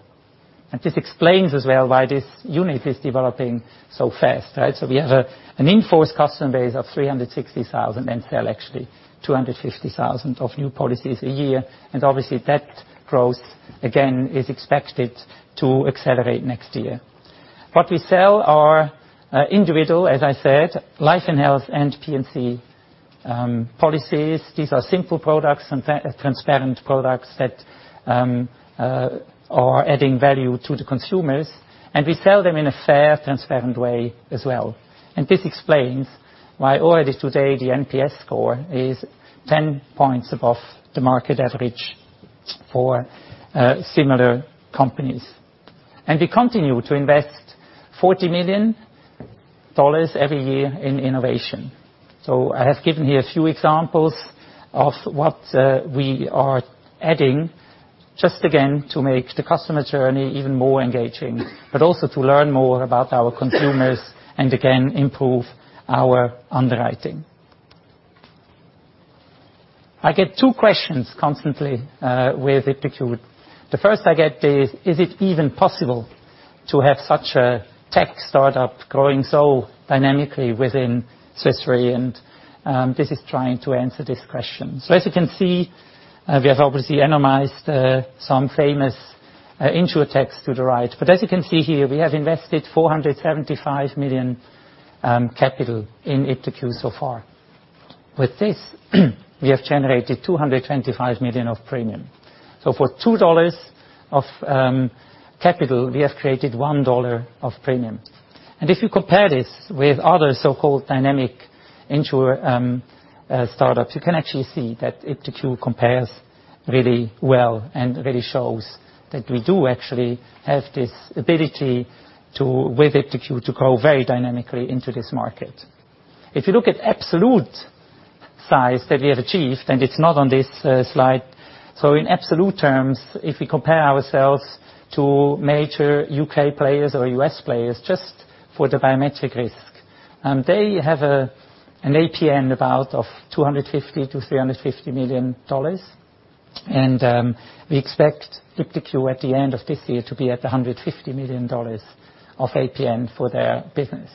This explains as well why this unit is developing so fast, right? We have an in-force customer base of 360,000 and sell actually 250,000 of new policies a year. Obviously, that growth, again, is expected to accelerate next year. What we sell are individual, as I said, life and health and P&C policies. These are simple products and transparent products that are adding value to the consumers, and we sell them in a fair, transparent way as well. This explains why already today the NPS score is 10 points above the market average for similar companies. We continue to invest $40 million every year in innovation. I have given here a few examples of what we are adding just again to make the customer journey even more engaging, but also to learn more about our consumers and again improve our underwriting. I get two questions constantly with iptiQ. The first I get is: Is it even possible to have such a tech startup growing so dynamically within Swiss Re? This is trying to answer this question. As you can see, we have obviously anonymized some famous insurtechs to the right. As you can see here, we have invested $475 million capital in iptiQ so far. With this, we have generated $225 million of premium. For $2 of capital, we have created $1 of premium. If you compare this with other so-called dynamic insurer startups, you can actually see that iptiQ compares really well and really shows that we do actually have this ability with iptiQ to grow very dynamically into this market. If you look at absolute size that we have achieved, and it's not on this slide. In absolute terms, if we compare ourselves to major U.K. players or U.S. players, just for the biometric risk, they have an APE of $250 million-$350 million. We expect iptiQ at the end of this year to be at $150 million of APE for their business.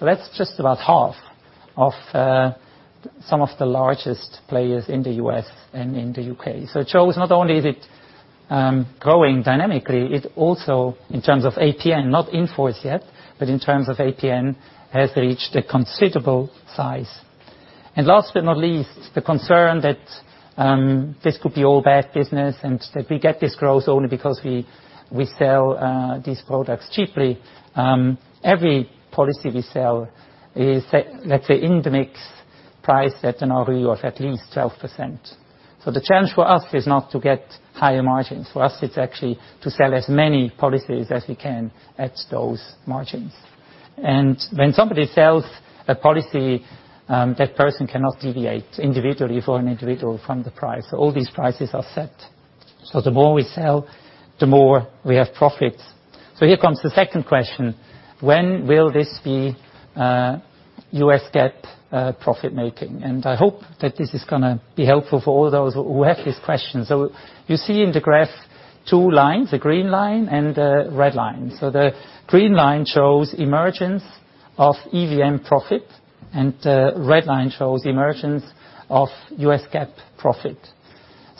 That's just about half of some of the largest players in the U.S. and in the U.K. It shows not only is it growing dynamically, it also, in terms of APE, not in force yet, but in terms of APE, has reached a considerable size. Last but not least, the concern that this could be all bad business and that we get this growth only because we sell these products cheaply. Every policy we sell is, let's say, in the mixed price at an ROE of at least 12%. The challenge for us is not to get higher margins. For us, it's actually to sell as many policies as we can at those margins. When somebody sells a policy, that person cannot deviate individually for an individual from the price. All these prices are set. The more we sell, the more we have profits. Here comes the second question. When will this be US GAAP profit-making? I hope that this is going to be helpful for all those who have this question. You see in the graph two lines, a green line and a red line. The green line shows emergence of EVM profit, and the red line shows the emergence of US GAAP profit.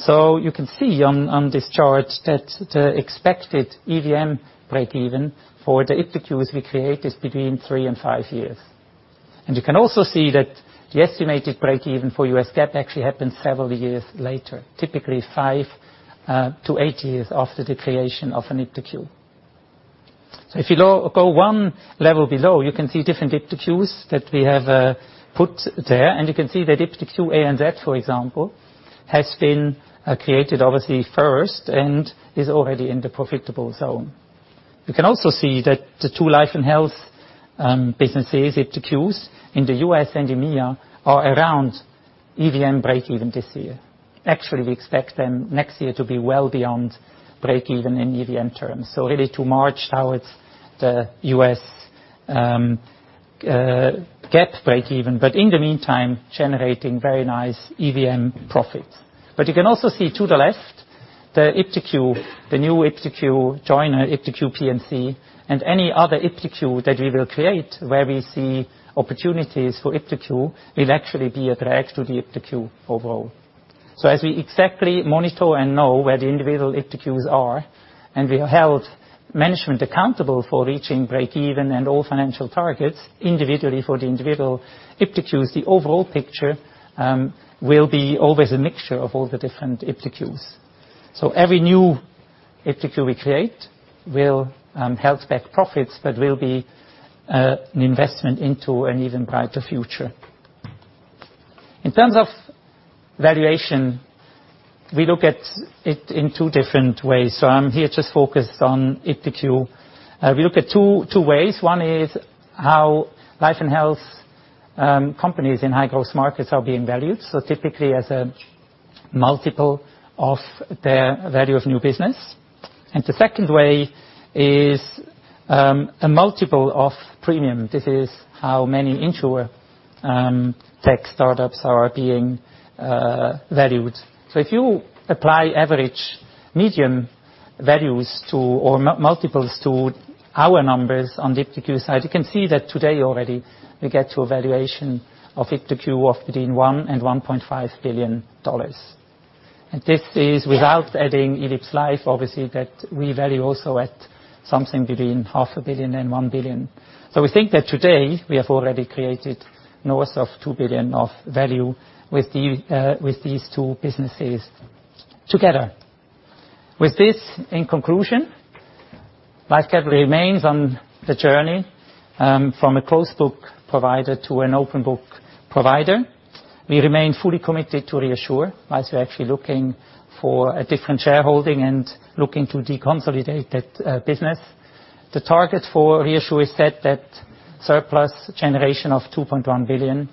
You can see on this chart that the expected EVM break even for the iptiQs we create is between three and five years. You can also see that the estimated break even for US GAAP actually happens several years later, typically five to eight years after the creation of an iptiQ. If you go one level below, you can see different iptiQs that we have put there. You can see that iptiQ A and Z, for example, has been created obviously first and is already in the profitable zone. You can also see that the two life and health businesses, iptiQs in the U.S. and EMEA, are around EVM break even this year. Actually, we expect them next year to be well beyond break even in EVM terms. Really to march towards the US GAAP break even, but in the meantime, generating very nice EVM profits. You can also see to the left, the new iptiQ joiner, iptiQ P&C, and any other iptiQ that we will create where we see opportunities for iptiQ will actually be a drag to the iptiQ overall. As we exactly monitor and know where the individual iptiQs are, and we hold management accountable for reaching break-even and all financial targets individually for the individual iptiQs, the overall picture will be always a mixture of all the different iptiQs. Every new iptiQ we create will hold back profits, but will be an investment into an even brighter future. In terms of valuation, we look at it in two different ways. I'm here just focused on iptiQ. We look at two ways. One is how Life & Health companies in high-growth markets are being valued, so typically as a multiple of the value of new business. The second way is a multiple of premium. This is how many insurtech startups are being valued. If you apply average medium values to, or multiples to our numbers on the iptiQ side, you can see that today already we get to a valuation of iptiQ of between $1 billion and $1.5 billion. This is without adding elipsLife, obviously, that we value also at something between half a billion and $1 billion. We think that today we have already created north of $2 billion of value with these two businesses together. With this, in conclusion, Life Capital remains on the journey from a closed book provider to an open book provider. We remain fully committed to ReAssure, as we're actually looking for a different shareholding and looking to deconsolidate that business. The target for ReAssure is set that surplus generation of $2.1 billion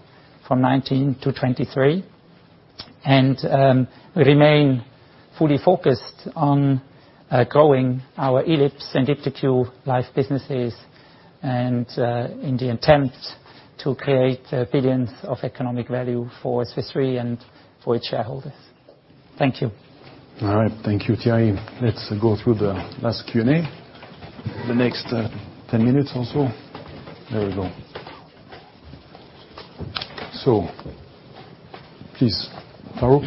from 2019 to 2023. We remain fully focused on growing our elipsLife and iptiQ life businesses, and in the attempt to create billions of economic value for Swiss Re and for its shareholders. Thank you. All right. Thank you, Thierry. Let's go through the last Q&A. The next 10 minutes or so. There we go. Please, Farooq.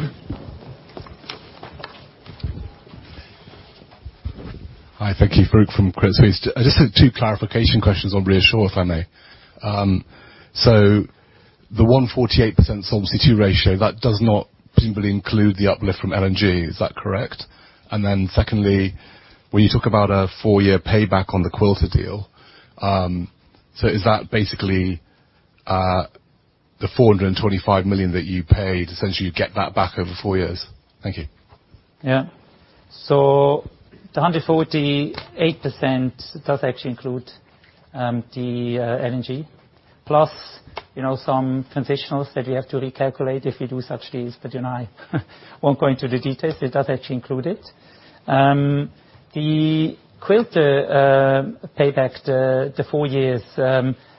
Hi. Thank you. Farooq from Credit Suisse. Just two clarification questions on ReAssure, if I may. The 148% Solvency II ratio, that does not seemingly include the uplift from L&G, is that correct? Secondly, when you talk about a four-year payback on the Quilter deal, is that basically the 425 million that you paid, essentially you get that back over four years? Thank you. The 148% does actually include the L&G, plus some transitionals that you have to recalculate if you do such deals. I won't go into the details. It does actually include it. The Quilter payback, the four years,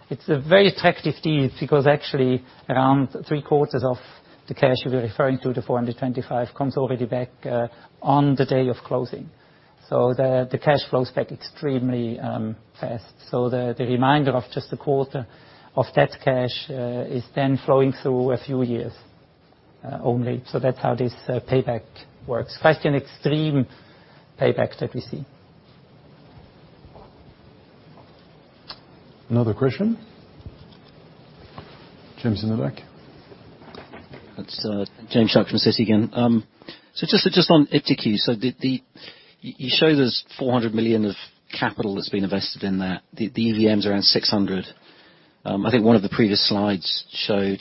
it's a very attractive deal because actually around 3/4 of the cash you're referring to, the $425, comes already back on the day of closing. The cash flows back extremely fast. The remainder of just a quarter of that cash is then flowing through a few years only. That's how this payback works. Quite an extreme payback that we see. Another question? James in the back. It's James Shuck from Citi again. Just on iptiQ, you show there's $400 million of capital that's been invested in that. The EVM is around $600 million. I think one of the previous slides showed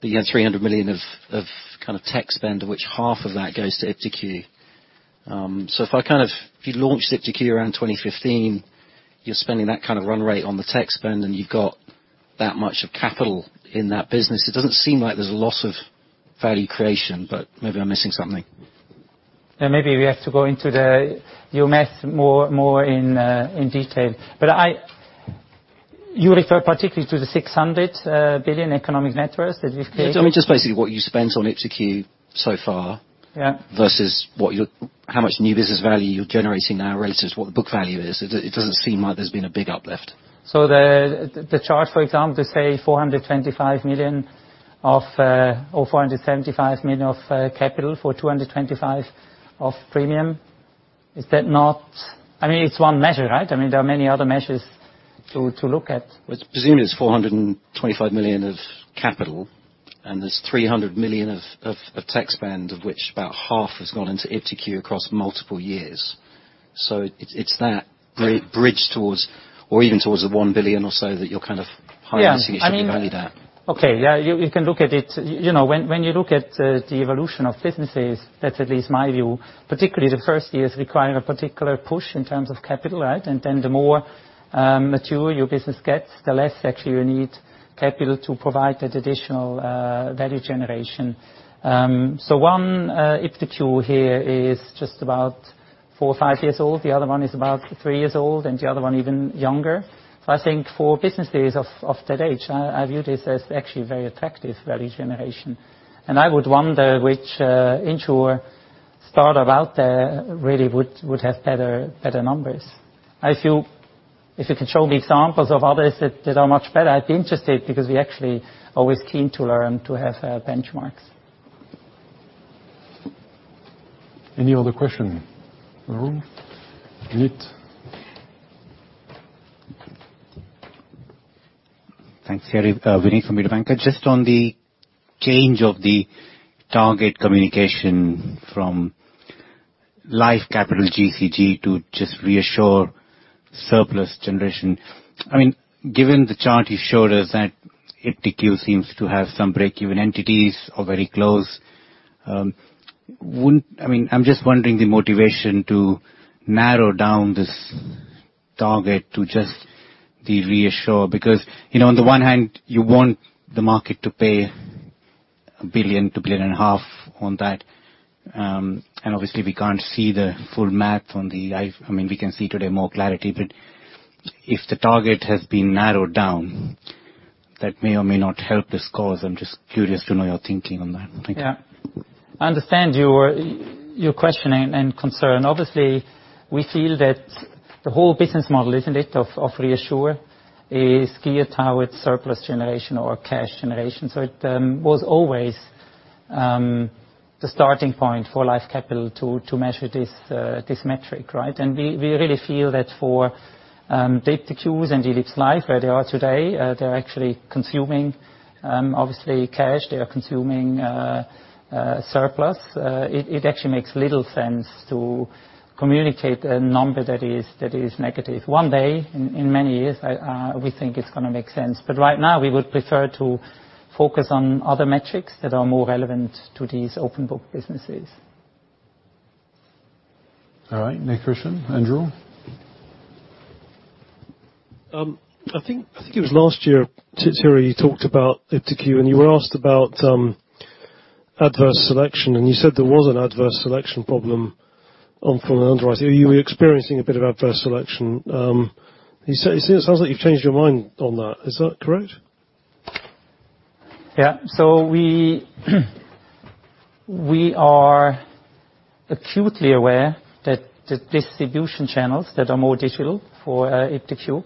that you had $300 million of kind of tech spend, of which half of that goes to iptiQ. If you launched iptiQ around 2015, you're spending that kind of run rate on the tech spend, and you've got that much of capital in that business, it doesn't seem like there's a lot of value creation, but maybe I'm missing something. Maybe we have to go into your math more in detail. You refer particularly to the $600 billion economic networks that we've created? I mean, just basically what you spent on iptiQ so far. Yeah versus how much new business value you're generating now relative to what the book value is. It doesn't seem like there's been a big uplift. The chart, for example, to say $425 million or $475 million of capital for $225 of premium, is that not, I mean, it's one measure, right? There are many other measures to look at. Presumably it's $425 million of capital, and there's $300 million of tech spend, of which about half has gone into iptiQ across multiple years. It's that bridge towards, or even towards the $1 billion or so that you're kind of highlighting. Yeah it should be only that. Okay. Yeah. You can look at it. You look at the evolution of businesses, that's at least my view, particularly the first years require a particular push in terms of capital, right? The more mature your business gets, the less actually you need capital to provide that additional value generation. One iptiQ here is just about four or five years old. The other one is about three years old, the other one even younger. I think for businesses of that age, I view this as actually very attractive value generation. I would wonder which insurer startup out there really would have better numbers. If you could show me examples of others that are much better, I'd be interested, because we actually are always keen to learn to have benchmarks. Any other question in the room? Vineet? Thanks, Thierry. Vineet from Mediobanca. On the change of the target communication from Life Capital GCG to just ReAssure surplus generation. Given the chart you showed us, that iptiQ seems to have some break-even entities or very close. I am wondering the motivation to narrow down this target to just the ReAssure, because, on the one hand, you want the market to pay $1 billion, 2 billion and a half on that. Obviously, we can't see the full math, we can see today more clarity, but if the target has been narrowed down, that may or may not help this cause. I am just curious to know your thinking on that. Thank you. Yeah. I understand your question and concern. Obviously, we feel that the whole business model, isn't it, of ReAssure is geared towards surplus generation or cash generation? It was always the starting point for Life Capital to measure this metric, right? We really feel that for iptiQ and elipsLife, where they are today, they're actually consuming, obviously, cash. They are consuming surplus. It actually makes little sense to communicate a number that is negative. One day, in many years, we think it's going to make sense. Right now, we would prefer to focus on other metrics that are more relevant to these open book businesses. All right, next question. Andrew? I think it was last year, Thierry, you talked about iptiQ, and you were asked about adverse selection, and you said there was an adverse selection problem on full underwriting. You were experiencing a bit of adverse selection. It sounds like you've changed your mind on that. Is that correct? Yeah. We are acutely aware that the distribution channels that are more digital for iptiQ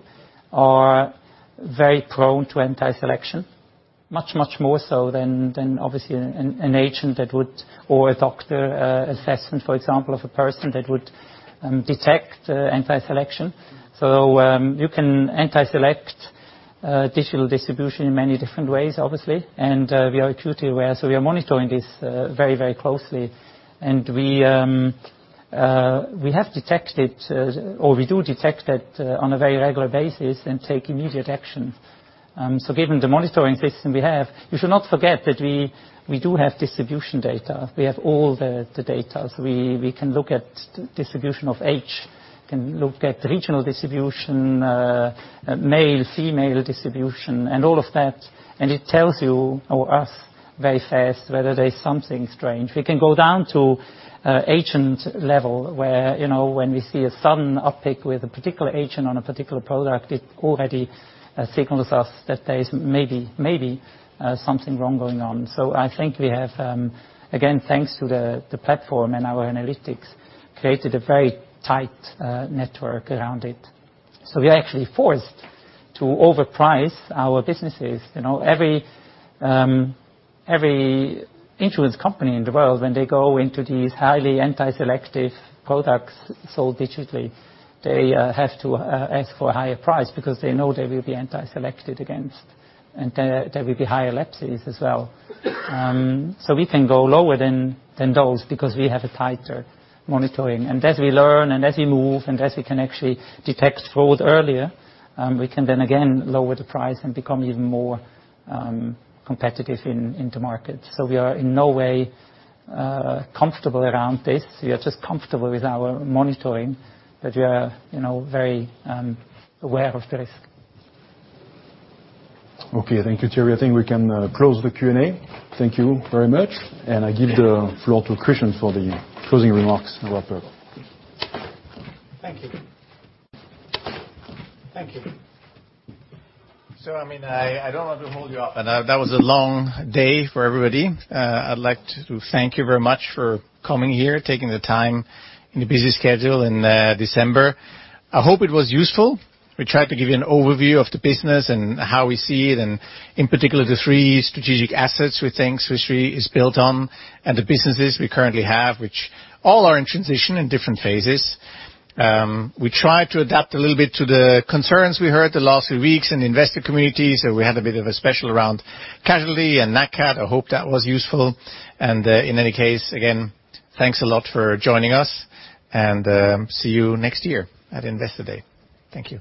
are very prone to anti-selection, much more so than obviously an agent that would or a doctor assessment, for example, of a person that would detect anti-selection. You can anti-select digital distribution in many different ways, obviously, and we are acutely aware. We are monitoring this very closely. We have detected, or we do detect it on a very regular basis and take immediate action. Given the monitoring system we have, you should not forget that we do have distribution data. We have all the data. We can look at distribution of age, we can look at regional distribution, male, female distribution, and all of that, and it tells you or us very fast whether there's something strange. We can go down to agent level where when we see a sudden uptick with a particular agent on a particular product, it already signals us that there is maybe something wrong going on. I think we have, again, thanks to the platform and our analytics, created a very tight network around it. We are actually forced to overprice our businesses. Every insurance company in the world, when they go into these highly anti-selective products sold digitally, they have to ask for a higher price because they know they will be anti-selected against, and there will be higher lapses as well. We can go lower than those because we have tighter monitoring. As we learn and as we move and as we can actually detect fraud earlier, we can then again lower the price and become even more competitive in the market. We are in no way comfortable around this. We are just comfortable with our monitoring, but we are very aware of the risk. Okay. Thank you, Thierry. I think we can close the Q&A. Thank you very much. I give the floor to Christian for the closing remarks about that. Thank you. I don't want to hold you up, and that was a long day for everybody. I'd like to thank you very much for coming here, taking the time in the busy schedule in December. I hope it was useful. We tried to give you an overview of the business and how we see it, and in particular, the three strategic assets we think Swiss Re is built on and the businesses we currently have, which all are in transition in different phases. We tried to adapt a little bit to the concerns we heard the last few weeks in the investor community, so we had a bit of a special round casualty and Nat Cat. I hope that was useful. In any case, again, thanks a lot for joining us, and see you next year at Investor Day. Thank you.